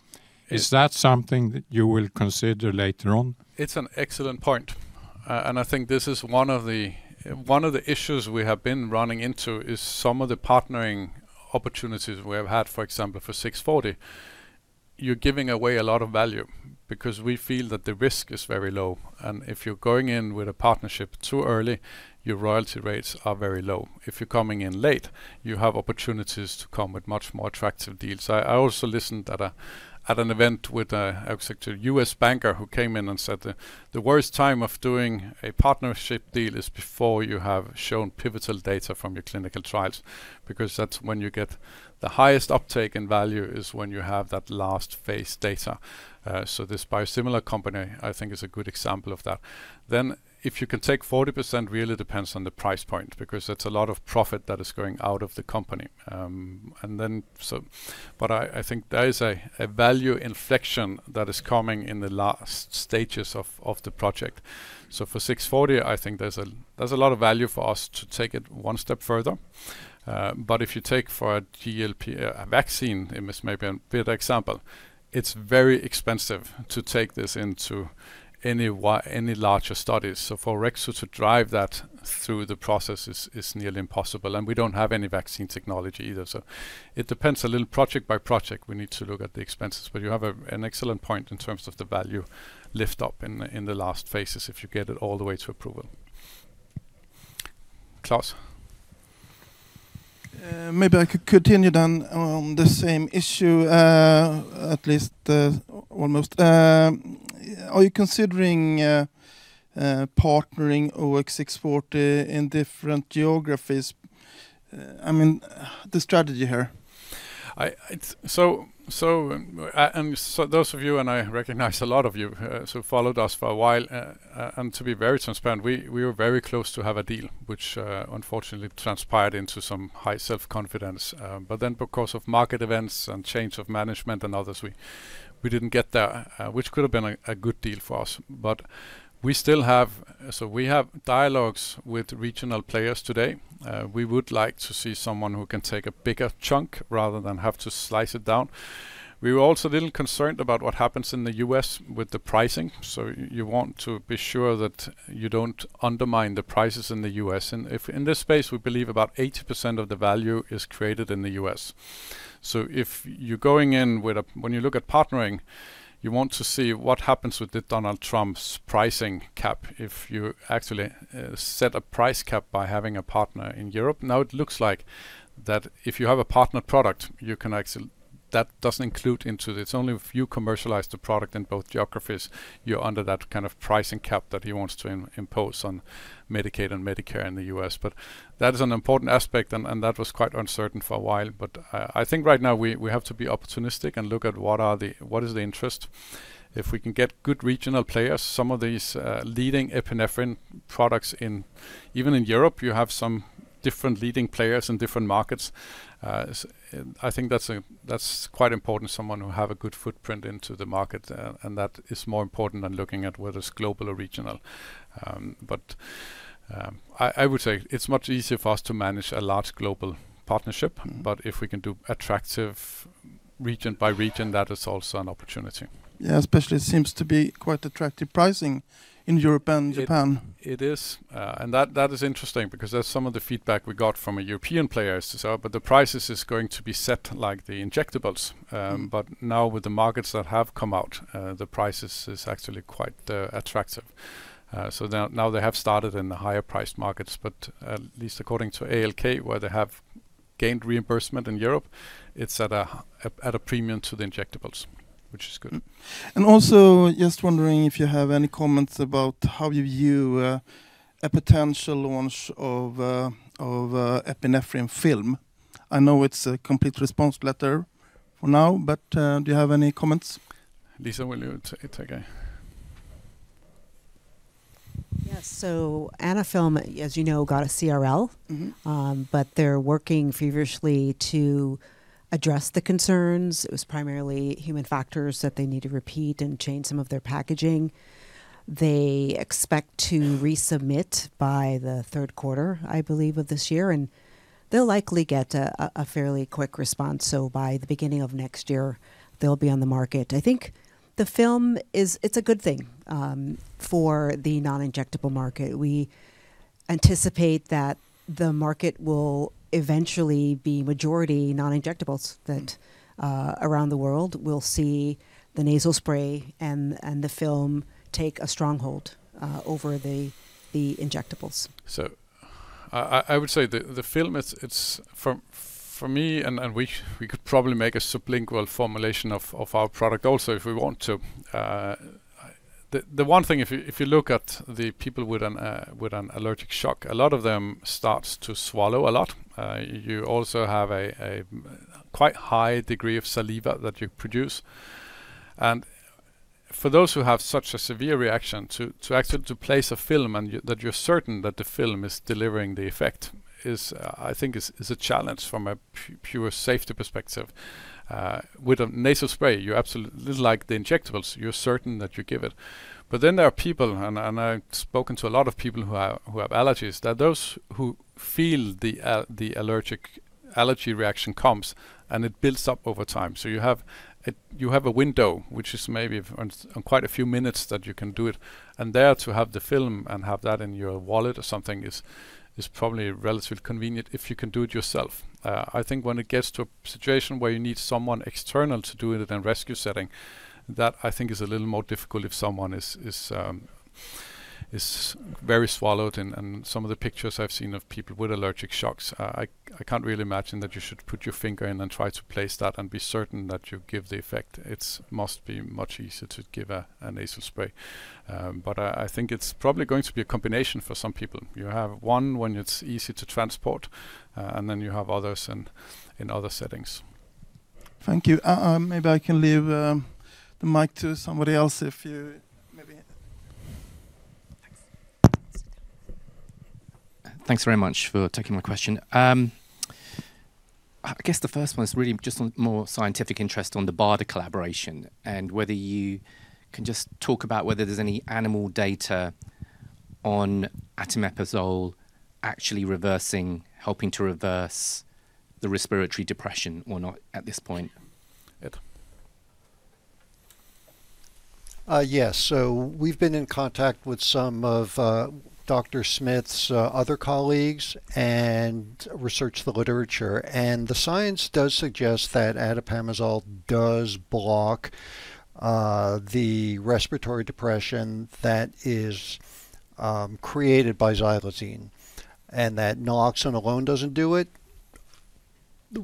Is that something that you will consider later on? It's an excellent point. I think this is one of the issues we have been running into is some of the partnering opportunities we have had, for example, for OX640, you're giving away a lot of value because we feel that the risk is very low. If you're going in with a partnership too early, your royalty rates are very low. If you're coming in late, you have opportunities to come with much more attractive deals. I also listened at an event with, I would say, a U.S. banker who came in and said the worst time of doing a partnership deal is before you have shown pivotal data from your clinical trials, because that's when you get the highest uptake in value is when you have that last phase data. This biosimilar company, I think, is a good example of that. If you can take 40% really depends on the price point because that's a lot of profit that is going out of the company. I think there is a value inflection that is coming in the last stages of the project. For OX640, I think there's a lot of value for us to take it one step further. If you take for a GLP-1 vaccine, it is maybe a better example. It's very expensive to take this into any larger studies. For Rexulti to drive that through the process is nearly impossible. We don't have any vaccine technology either. It depends a little project by project. We need to look at the expenses. You have an excellent point in terms of the value lift up in the last phases if you get it all the way to approval. Claus. Maybe I could continue then on the same issue, at least, almost. Are you considering partnering OX640 in different geographies? I mean, the strategy here. Those of you, and I recognize a lot of you, who followed us for a while, and to be very transparent, we were very close to have a deal which unfortunately transpired into some highly confidential. Because of market events and change of management and others, we didn't get there, which could have been a good deal for us. We still have dialogues with regional players today. We would like to see someone who can take a bigger chunk rather than have to slice it down. We were also a little concerned about what happens in the U.S. with the pricing. You want to be sure that you don't undermine the prices in the U.S. If in this space, we believe about 80% of the value is created in the U.S. If you're going in with a when you look at partnering, you want to see what happens with the Donald Trump's pricing cap if you actually set a price cap by having a partner in Europe. Now it looks like that if you have a partner product, you can actually that doesn't include into. It's only if you commercialize the product in both geographies, you're under that kind of pricing cap that he wants to impose on Medicaid and Medicare in the U.S. That is an important aspect and that was quite uncertain for a while. I think right now we have to be opportunistic and look at what is the interest. If we can get good regional players, some of these leading epinephrine products. Even in Europe, you have some different leading players in different markets. I think that's quite important, someone who have a good footprint into the market. That is more important than looking at whether it's global or regional. I would say it's much easier for us to manage a large global partnership. Mm-hmm. If we can do attractive region by region, that is also an opportunity. Yeah. Especially it seems to be quite attractive pricing in Europe and Japan. It is. That is interesting because that's some of the feedback we got from a European player is to say, "But the prices is going to be set like the injectables." Now with the markets that have come out, the prices is actually quite attractive. Now they have started in the higher priced markets, but at least according to ALK-Abelló, where they have gained reimbursement in Europe, it's at a premium to the injectables, which is good. Just wondering if you have any comments about how you view a potential launch of epinephrine film. I know it's a complete response letter for now, but do you have any comments? Lisa, will you take it? Yes. Anaphylm, as you know, got a CRL. Mm-hmm. They're working feverishly to address the concerns. It was primarily human factors that they need to repeat and change some of their packaging. They expect to resubmit by the third quarter, I believe, of this year, and they'll likely get a fairly quick response. By the beginning of next year they'll be on the market. I think the film is a good thing for the non-injectable market. We anticipate that the market will eventually be majority non-injectables that around the world will see the nasal spray and the film take a stronghold over the injectables. I would say the film, it's for me, and we could probably make a sublingual formulation of our product also if we want to. The one thing, if you look at the people with an allergic shock, a lot of them starts to swallow a lot. You also have a quite high degree of saliva that you produce. For those who have such a severe reaction, to actually place a film and that you're certain that the film is delivering the effect is, I think is a challenge from a pure safety perspective. With a nasal spray, this is like the injectables. You're certain that you give it. There are people I've spoken to a lot of people who have allergies, that those who feel the allergic reaction comes, and it builds up over time. You have a window which is maybe on quite a few minutes that you can do it. Therefore to have the film and have that in your wallet or something is probably relatively convenient if you can do it yourself. I think when it gets to a situation where you need someone external to do it in a rescue setting, that I think is a little more difficult if someone is very swollen. Some of the pictures I've seen of people with allergic shocks, I can't really imagine that you should put your finger in and try to place that and be certain that you give the effect. It must be much easier to give a nasal spray. I think it's probably going to be a combination for some people. You have one when it's easy to transport, and then you have others in other settings. Thank you. Maybe I can leave the mic to somebody else if you maybe. Thanks very much for taking my question. I guess the first one is really just on more scientific interest on the BARDA collaboration, and whether you can just talk about whether there's any animal data on atipamezole actually reversing, helping to reverse the respiratory depression or not at this point. Ed. Yes. We've been in contact with some of Dr. Smith's other colleagues and researched the literature. The science does suggest that atipamezole does block the respiratory depression that is created by xylazine, and that naloxone alone doesn't do it.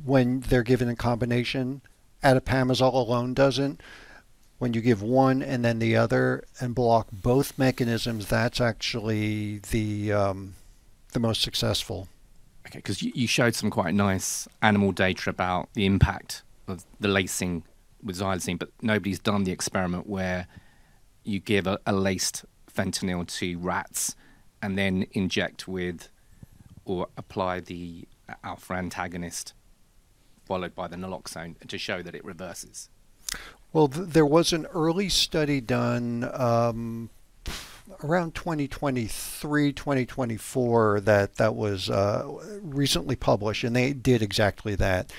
When they're given in combination, atipamezole alone doesn't. When you give one and then the other and block both mechanisms, that's actually the most successful. Okay. Because you showed some quite nice animal data about the impact of the lacing with xylazine, but nobody's done the experiment where you give a laced fentanyl to rats and then inject with or apply the alpha antagonist followed by the naloxone to show that it reverses. Well, there was an early study done around 2023, 2024 that was recently published, and they did exactly that.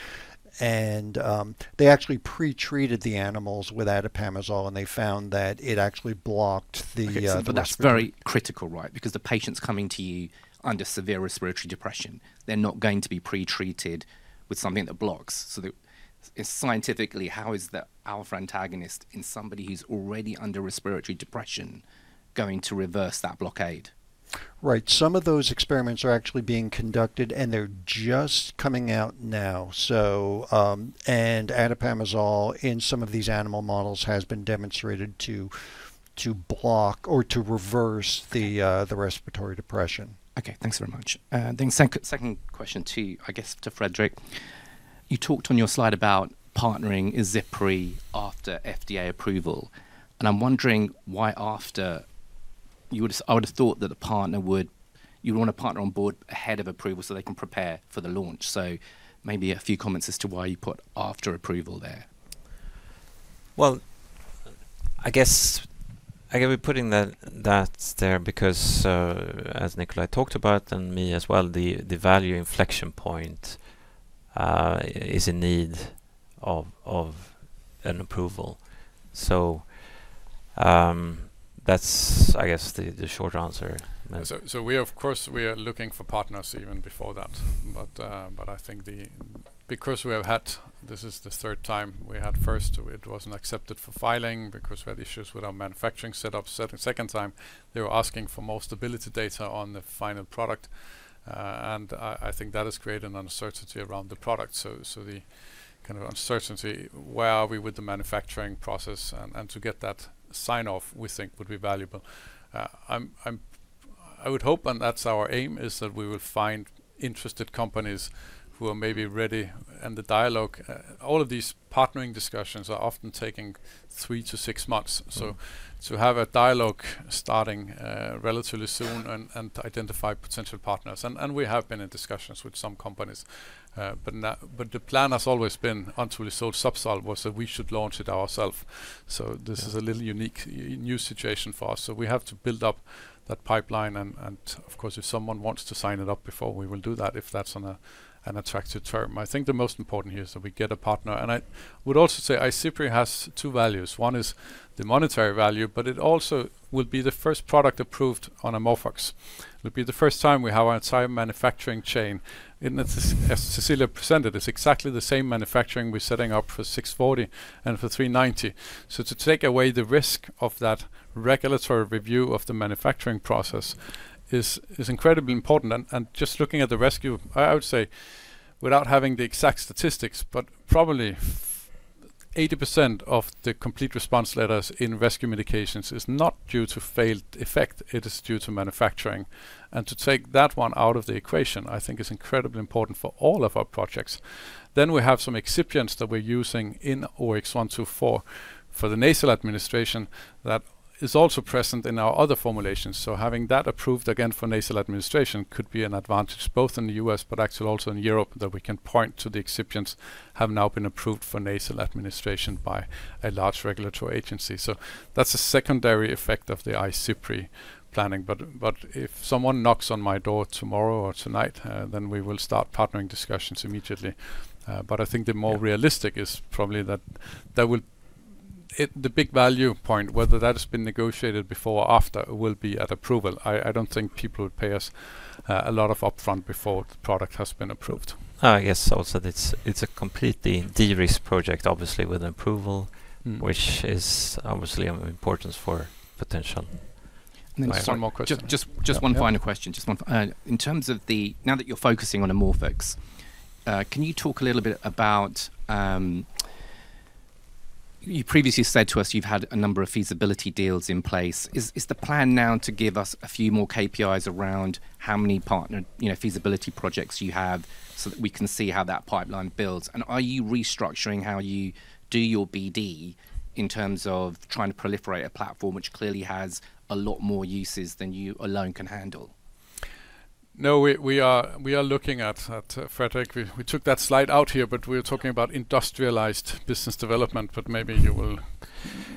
They actually pre-treated the animals with atipamezole, and they found that it actually blocked the respiratory- Okay. That's very critical, right? Because the patient's coming to you under severe respiratory depression. They're not going to be pre-treated with something that blocks. Scientifically, how is the alpha-2 antagonist in somebody who's already under respiratory depression going to reverse that blockade? Right. Some of those experiments are actually being conducted, and they're just coming out now. Atipamezole in some of these animal models has been demonstrated to block or to reverse the respiratory depression. Okay. Thanks very much. Then second question to you, I guess to Fredrik. You talked on your slide about partnering for IZIPRY after FDA approval, and I'm wondering why after. I would have thought that a partner would. You'd want a partner on board ahead of approval so they can prepare for the launch. Maybe a few comments as to why you put after approval there. Well, I guess we're putting that there because, as Nikolaj talked about and me as well, the value inflection point is in need of an approval. That's, I guess, the short answer. Of course, we are looking for partners even before that. I think because we have had this is the third time. We had first, it wasn't accepted for filing because we had issues with our manufacturing setup. Second time, they were asking for more stability data on the final product. And I think that has created an uncertainty around the product. The kind of uncertainty, where are we with the manufacturing process and to get that sign-off, we think would be valuable. I would hope, and that's our aim, is that we would find interested companies who are maybe ready and the dialogue. All of these partnering discussions are often taking three to six months. To have a dialogue starting relatively soon and to identify potential partners. We have been in discussions with some companies. The plan has always been until we sold Zubsolv was that we should launch it ourselves. This is a little unique, new situation for us. We have to build up that pipeline and, of course, if someone wants to sign it up before, we will do that if that's on an attractive term. I think the most important here is that we get a partner. I would also say IZIPRY has two values. One is the monetary value, but it also would be the first product approved on AmorphOX. It would be the first time we have our entire manufacturing chain. As Cecilia presented, it's exactly the same manufacturing we're setting up for OX640 and for OX390. To take away the risk of that regulatory review of the manufacturing process is incredibly important. Just looking at the rescue, I would say without having the exact statistics, but probably 80% of the complete response letters in rescue medications is not due to failed effect, it is due to manufacturing. To take that one out of the equation, I think is incredibly important for all of our projects. We have some excipients that we're using in OX124 for the nasal administration that is also present in our other formulations. Having that approved again for nasal administration could be an advantage both in the U.S., but actually also in Europe, that we can point to the excipients have now been approved for nasal administration by a large regulatory agency. That's a secondary effect of the IZIPRY planning. If someone knocks on my door tomorrow or tonight, then we will start partnering discussions immediately. I think the more realistic is probably that the big value point, whether that has been negotiated before or after, will be at approval. I don't think people would pay us a lot of upfront before the product has been approved. I guess also that it's a completely de-risked project, obviously, with approval. Mm-hmm. which is obviously of importance for potential. Just one final question. Now that you're focusing on AmorphOX, can you talk a little bit about you previously said to us you've had a number of feasibility deals in place. Is the plan now to give us a few more KPIs around how many partner, you know, feasibility projects you have so that we can see how that pipeline builds? Are you restructuring how you do your BD in terms of trying to proliferate a platform which clearly has a lot more uses than you alone can handle? No. We are looking at Fredrik. We took that slide out here, but we're talking about industrialized business development. Maybe you will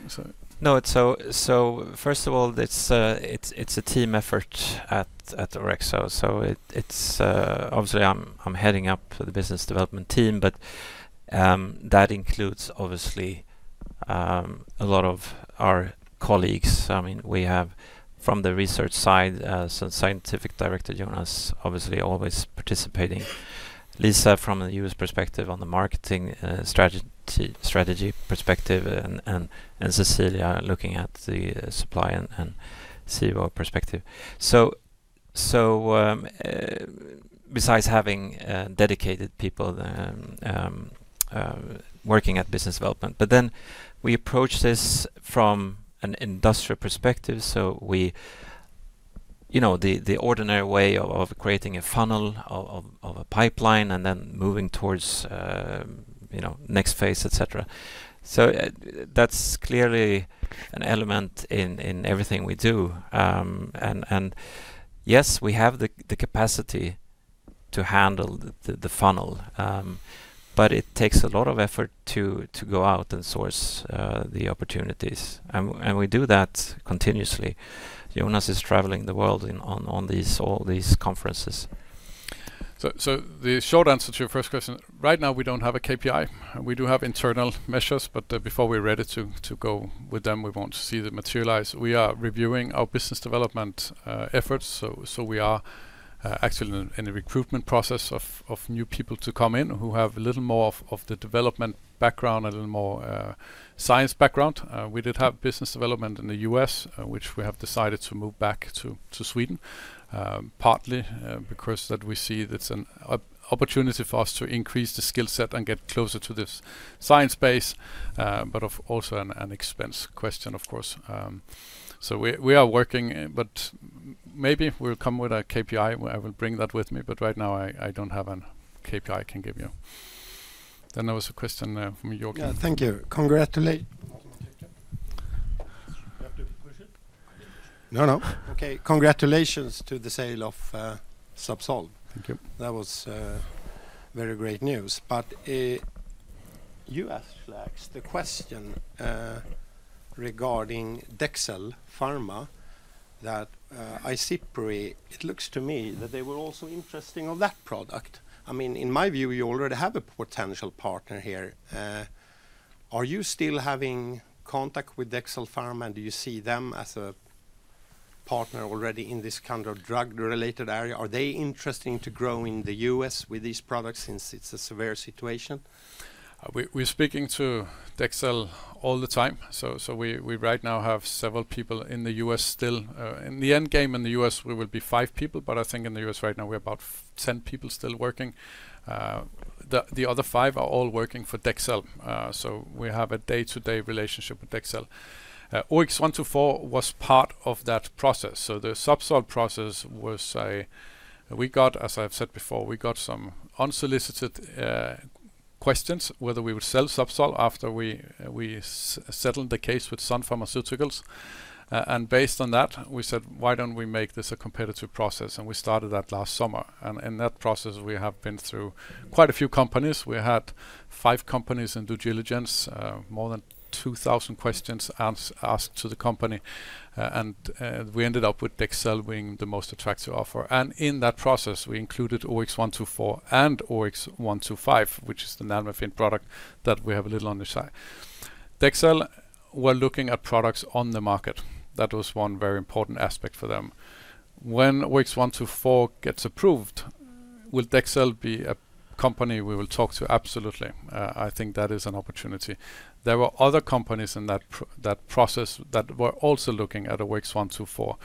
say. No. First of all, it's a team effort at Orexo. It's obviously a team effort at Orexo. Obviously, I'm heading up the business development team, but that includes obviously a lot of our colleagues. I mean, we have from the research side Scientific Director Jonas obviously always participating. Lisa from the U.S. perspective on the marketing strategy perspective, and Cecilia looking at the supply and CFO perspective. Besides having dedicated people working at business development. Then we approach this from an industrial perspective. You know, the ordinary way of creating a funnel of a pipeline and then moving towards next phase, et cetera. That's clearly an element in everything we do. Yes, we have the capacity to handle the funnel. It takes a lot of effort to go out and source the opportunities. We do that continuously. Jonas is traveling the world in on these all these conferences. The short answer to your first question, right now, we don't have a KPI. We do have internal measures, but before we're ready to go with them, we want to see them materialize. We are reviewing our business development efforts. We are actually in the recruitment process of new people to come in who have a little more of the development background, a little more science background. We did have business development in the U.S., which we have decided to move back to Sweden, partly because that we see it's an opportunity for us to increase the skill set and get closer to this science base, but of also an expense question, of course. We are working, but maybe we'll come with a KPI. I will bring that with me, but right now I don't have a KPI I can give you. There was a question from Joachim. Yeah. Thank you. Microphone. You have to push it. No, no. Okay. Congratulations to the sale of Zubsolv. Thank you. That was very great news. You asked Flax the question regarding Dexcel Pharma that ICPRI, it looks to me that they were also interesting on that product. I mean, in my view, you already have a potential partner here. Are you still having contact with Dexcel Pharma, and do you see them as a partner already in this kind of drug-related area? Are they interesting to grow in the U.S. with these products since it's a severe situation? We're speaking to Dexcel all the time. We right now have several people in the U.S. still. In the end game in the U.S. we will be five people, but I think in the U.S. right now we're about 10 people still working. The other five are all working for Dexcel. We have a day-to-day relationship with Dexcel. OX124 was part of that process. The Zubsolv process was. We got, as I've said before, some unsolicited questions whether we would sell Zubsolv after we settled the case with Sun Pharmaceuticals. Based on that we said, "Why don't we make this a competitive process?" We started that last summer. In that process we have been through quite a few companies. We had five companies in due diligence, more than 2,000 questions asked to the company, and we ended up with Dexcel winning the most attractive offer. In that process, we included OX-124 and OX-125, which is the nalmefene product that we have a little on the side. Dexcel were looking at products on the market. That was one very important aspect for them. When OX-124 gets approved, will Dexcel be a company we will talk to? Absolutely. I think that is an opportunity. There were other companies in that process that were also looking at OX-124.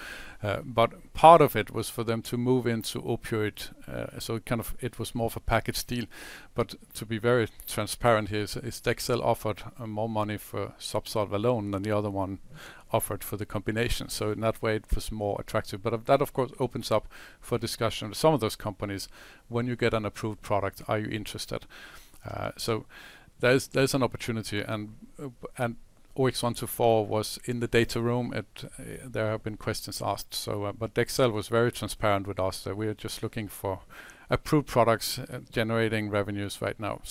But part of it was for them to move into opioid, so it kind of was more of a package deal. To be very transparent, here is Dexcel offered more money for Zubsolv alone than the other one offered for the combination. In that way, it was more attractive. Of that, of course, opens up for discussion with some of those companies. When you get an approved product, are you interested? There's an opportunity and OX124 was in the data room. There have been questions asked, but Dexcel was very transparent with us that we are just looking for approved products generating revenues right now.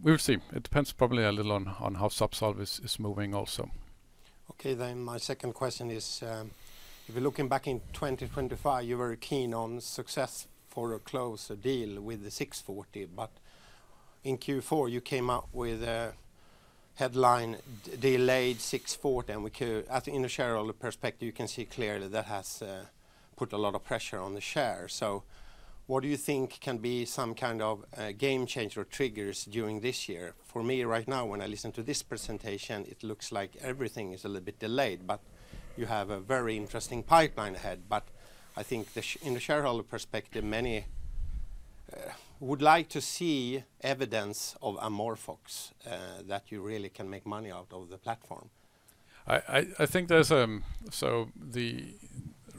We'll see. It depends probably a little on how Zubsolv is moving also. Okay, my second question is, if you're looking back in 2025, you were keen on success for a close deal with the OX640, but in Q4 you came up with a headline delayed OX640 and at the shareholder perspective you can see clearly that has put a lot of pressure on the share. What do you think can be some kind of game changer triggers during this year? For me right now when I listen to this presentation, it looks like everything is a little bit delayed, but you have a very interesting pipeline ahead. I think in the shareholder perspective, many would like to see evidence of AmorphOX that you really can make money out of the platform. I think there's.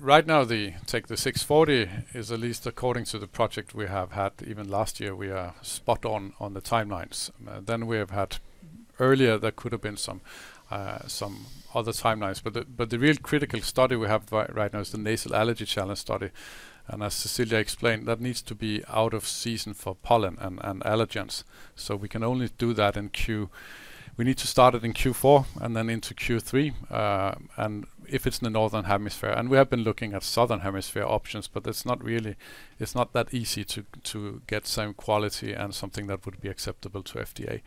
Right now the OX640 is at least according to the project we have had even last year, we are spot on on the timelines. Earlier, there could have been some other timelines, but the real critical study we have right now is the nasal allergen challenge study. As Cecilia explained, that needs to be out of season for pollen and allergens. We can only do that in Q4. We need to start it in Q4 and then into Q3. If it's in the northern hemisphere, and we have been looking at southern hemisphere options, but it's not really. It's not that easy to get same quality and something that would be acceptable to FDA.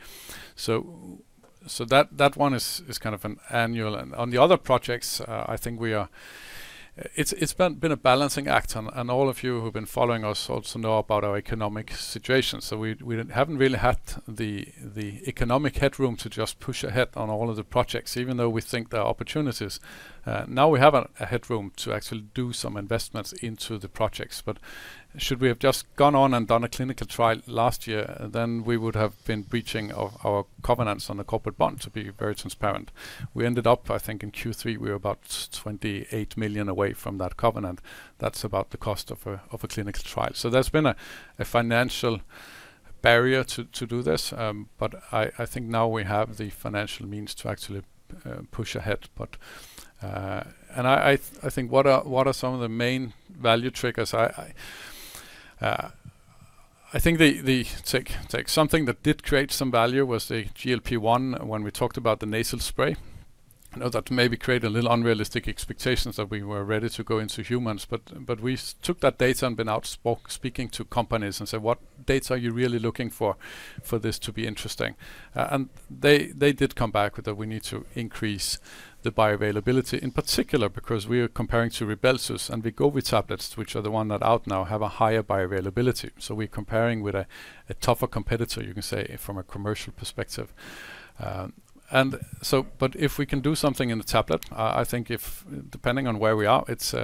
That one is kind of an annual. On the other projects, I think we are. It's been a balancing act and all of you who've been following us also know about our economic situation. We haven't really had the economic headroom to just push ahead on all of the projects, even though we think there are opportunities. Now we have headroom to actually do some investments into the projects. Should we have just gone on and done a clinical trial last year, then we would have been breaching our covenants on the corporate bond to be very transparent. We ended up, I think, in Q3, we were about 28 million away from that covenant. That's about the cost of a clinical trial. There's been a financial barrier to do this, but I think now we have the financial means to actually push ahead. I think what are some of the main value triggers? I think something that did create some value was the GLP-1 when we talked about the nasal spray. I know that maybe created a little unrealistic expectations that we were ready to go into humans, but we took that data and been out speaking to companies and said, "What data are you really looking for this to be interesting?" They did come back with we need to increase the bioavailability in particular, because we are comparing to Rybelsus and Wegovy tablets, which are the ones that are out now have a higher bioavailability. We're comparing with a tougher competitor, you can say, from a commercial perspective. If we can do something in the tablet, I think if, depending on where we are, it's,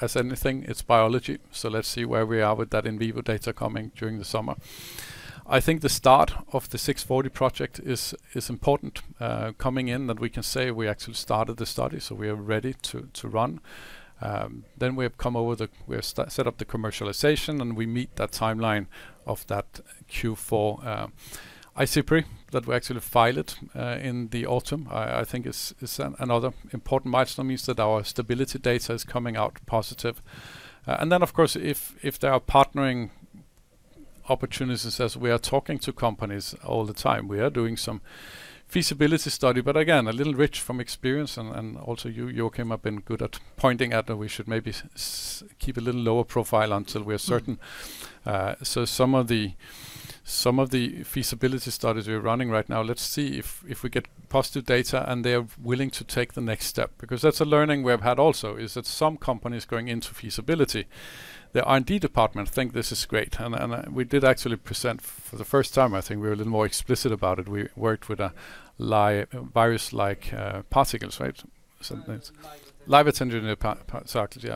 as anything, it's biology. Let's see where we are with that in vivo data coming during the summer. I think the start of the OX640 project is important, coming in, that we can say we actually started the study, we are ready to run. We have set up the commercialization, and we meet that timeline of that Q4 IZIPRY that we actually file it, in the autumn, I think is another important milestone, means that our stability data is coming out positive. Of course, if there are partnering opportunities, as we are talking to companies all the time, we are doing some feasibility study. Again, a little rich from experience and also you, Joachim, have been good at pointing out that we should maybe keep a little lower profile until we're certain. Some of the feasibility studies we are running right now, let's see if we get positive data and they are willing to take the next step. Because that's a learning we have had also, is that some companies going into feasibility, their R&D department think this is great and we did actually present for the first time, I think we were a little more explicit about it. We worked with a virus-like particles, right? Something Live engineered particles. Live engineered parent particles.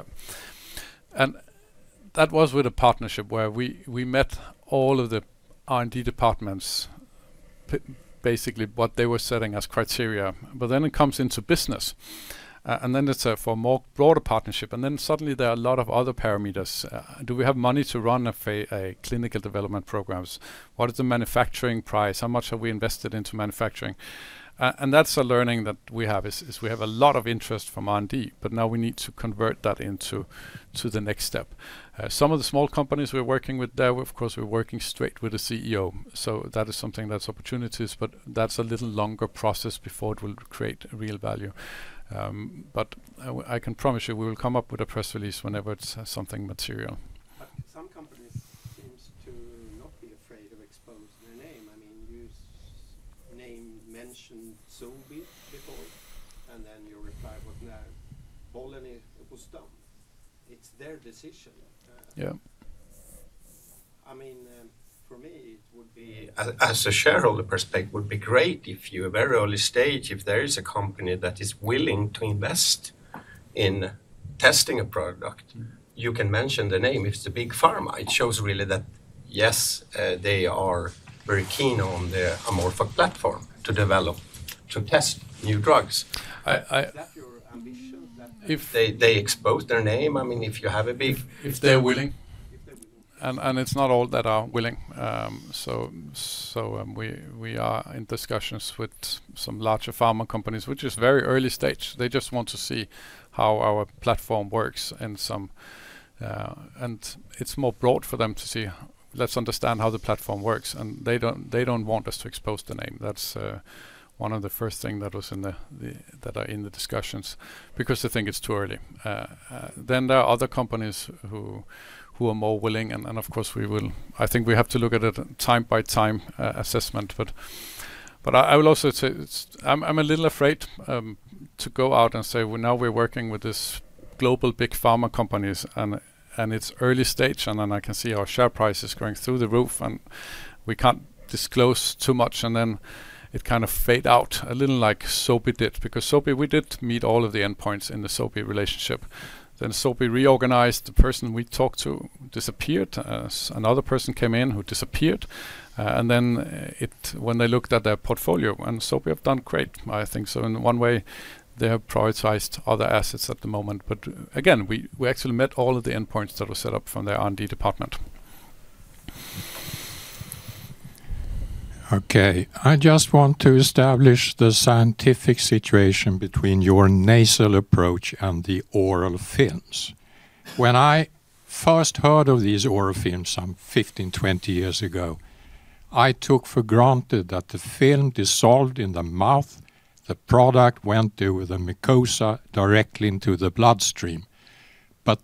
That was with a partnership where we met all of the R&D departments, basically what they were setting as criteria. It comes into business, and then it's for a more broader partnership, and then suddenly there are a lot of other parameters. Do we have money to run a clinical development programs? What is the manufacturing price? How much have we invested into manufacturing? That's a learning that we have, is we have a lot of interest from R&D, but now we need to convert that into the next step. Some of the small companies we're working with there, of course, we're working straight with the CEO, so that is something that's opportunities, but that's a little longer process before it will create real value. I can promise you we will come up with a press release whenever it's something material. Some companies seem to not be afraid of exposing their name. I mean, you just mentioned Sobi before, and then you reply with no. Bohlin, it was done. It's their decision. Yeah. I mean, for me it would be. From a shareholder's perspective, it would be great if, at a very early stage, there is a company that is willing to invest in testing a product. Mm-hmm. You can mention the name. It's the big pharma. It shows really that, yes, they are very keen on the AmorphOX platform to develop, to test new drugs. I Is that your ambition? If they expose their name. I mean, if you have a big- If they're willing. If they're willing. It's not all that are willing. We are in discussions with some larger pharma companies, which is very early stage. They just want to see how our platform works and some. It's more broad for them to see, let's understand how the platform works, and they don't want us to expose the name. That's one of the first thing that was in the discussions because they think it's too early. Then there are other companies who are more willing and of course we will. I think we have to look at it time by time assessment. I will also say it's. I'm a little afraid to go out and say, "Well, now we're working with this global big pharma companies," and it's early stage and then I can see our share price is going through the roof and we can't disclose too much. It kind of fades out a little like Sobi did, because Sobi, we did meet all of the endpoints in the Sobi relationship. Sobi reorganized, the person we talked to disappeared. Another person came in who disappeared. When they looked at their portfolio, and Sobi have done great, I think. In one way they have prioritized other assets at the moment. Again, we actually met all of the endpoints that were set up from their R&D department. Okay. I just want to establish the scientific situation between your nasal approach and the oral films. When I first heard of these oral films some 15, 20 years ago, I took for granted that the film dissolved in the mouth, the product went through the mucosa directly into the bloodstream.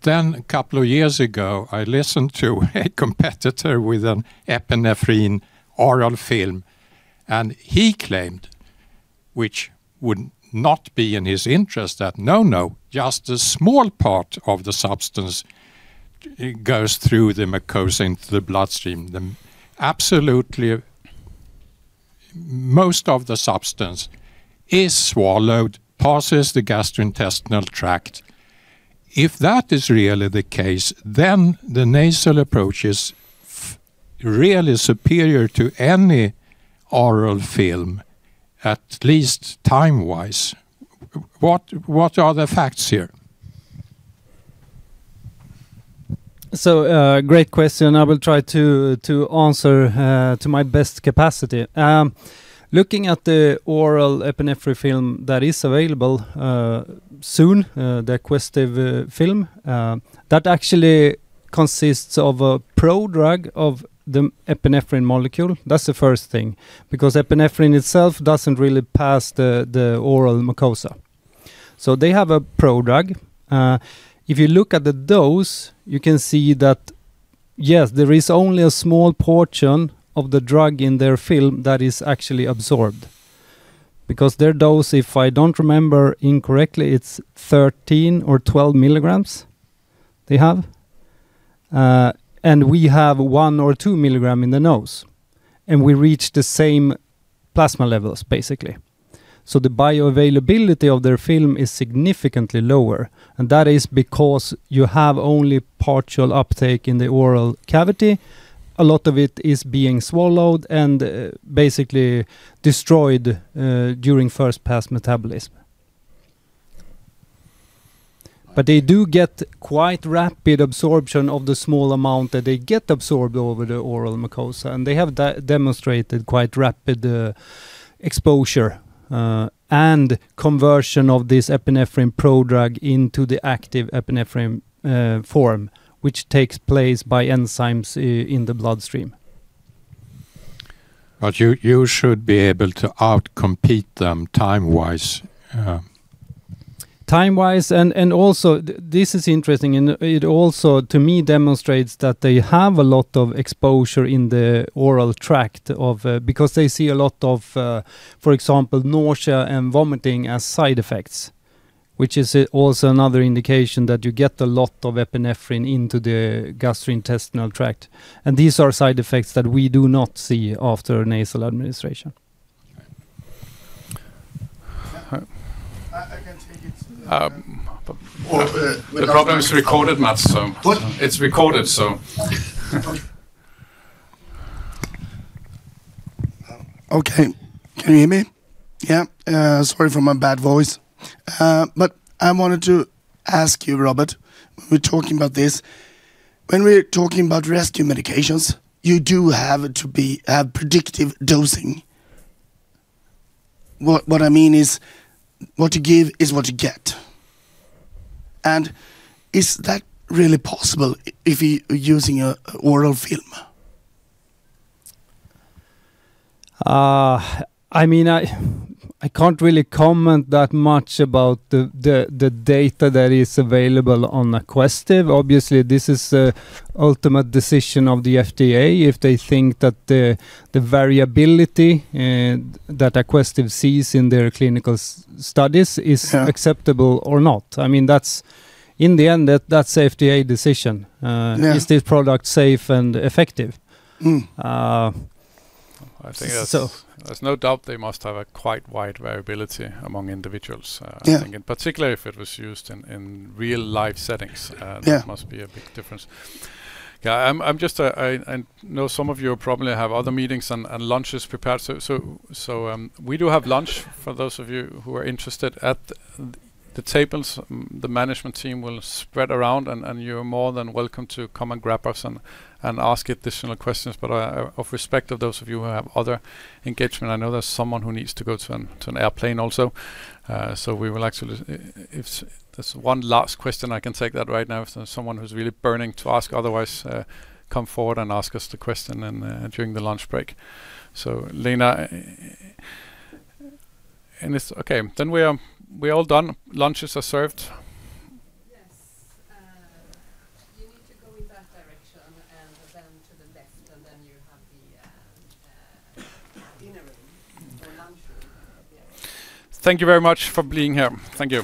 Then a couple of years ago, I listened to a competitor with an epinephrine oral film, and he claimed, which would not be in his interest, that, "No, no, just a small part of the substance goes through the mucosa into the bloodstream. The absolutely most of the substance is swallowed, passes the gastrointestinal tract." If that is really the case, then the nasal approach is really superior to any oral film, at least time-wise. What are the facts here? Great question. I will try to answer to my best capacity. Looking at the oral epinephrine film that is available soon, the Aquestive film that actually consists of a prodrug of the epinephrine molecule. That's the first thing, because epinephrine itself doesn't really pass the oral mucosa. They have a prodrug. If you look at the dose, you can see that. Yes, there is only a small portion of the drug in their film that is actually absorbed. Because their dose, if I don't remember incorrectly, it's 13 mg or 12 mg they have. We have 1 mg or 2 mg in the nose, and we reach the same plasma levels, basically. The bioavailability of their film is significantly lower, and that is because you have only partial uptake in the oral cavity. A lot of it is being swallowed and, basically destroyed, during first-pass metabolism. They do get quite rapid absorption of the small amount that they get absorbed over the oral mucosa, and they have demonstrated quite rapid exposure, and conversion of this epinephrine prodrug into the active epinephrine form, which takes place by enzymes in the bloodstream. You should be able to outcompete them time-wise. Time-wise and also this is interesting, and it also, to me, demonstrates that they have a lot of exposure in the oral tract because they see a lot of, for example, nausea and vomiting as side effects, which is also another indication that you get a lot of epinephrine into the gastrointestinal tract, and these are side effects that we do not see after nasal administration. Right. I can take it. The problem is recorded, Mats, so. What? It's recorded, so. Okay. Can you hear me? Yeah. Sorry for my bad voice. I wanted to ask you, Robert, we're talking about this. When we're talking about rescue medications, you do have to be predictive dosing. What I mean is what you give is what you get. Is that really possible if you're using an oral film? I mean, I can't really comment that much about the data that is available on Aquestive. Obviously, this is an ultimate decision of the FDA if they think that the variability that Aquestive sees in their clinical studies is- Yeah Acceptable or not. I mean, that's in the end, that's FDA decision. Yeah... is this product safe and effective? Mm-hmm. Uh, so. I think there's no doubt they must have a quite wide variability among individuals. Yeah I think in particular if it was used in real-life settings. Yeah There must be a big difference. I know some of you probably have other meetings and lunches prepared, so we do have lunch for those of you who are interested at the tables. The management team will spread around and you're more than welcome to come and grab us and ask additional questions. Out of respect for those of you who have other engagements, I know there's someone who needs to go to an airplane also. If there's one last question, I can take that right now. Someone who's really burning to ask, otherwise come forward and ask us the question during the lunch break. Lena, and it's okay. We're all done. Lunches are served. Yes. You need to go in that direction and then to the left, and then you have the dinner room or lunchroom. Yeah. Thank you very much for being here. Thank you.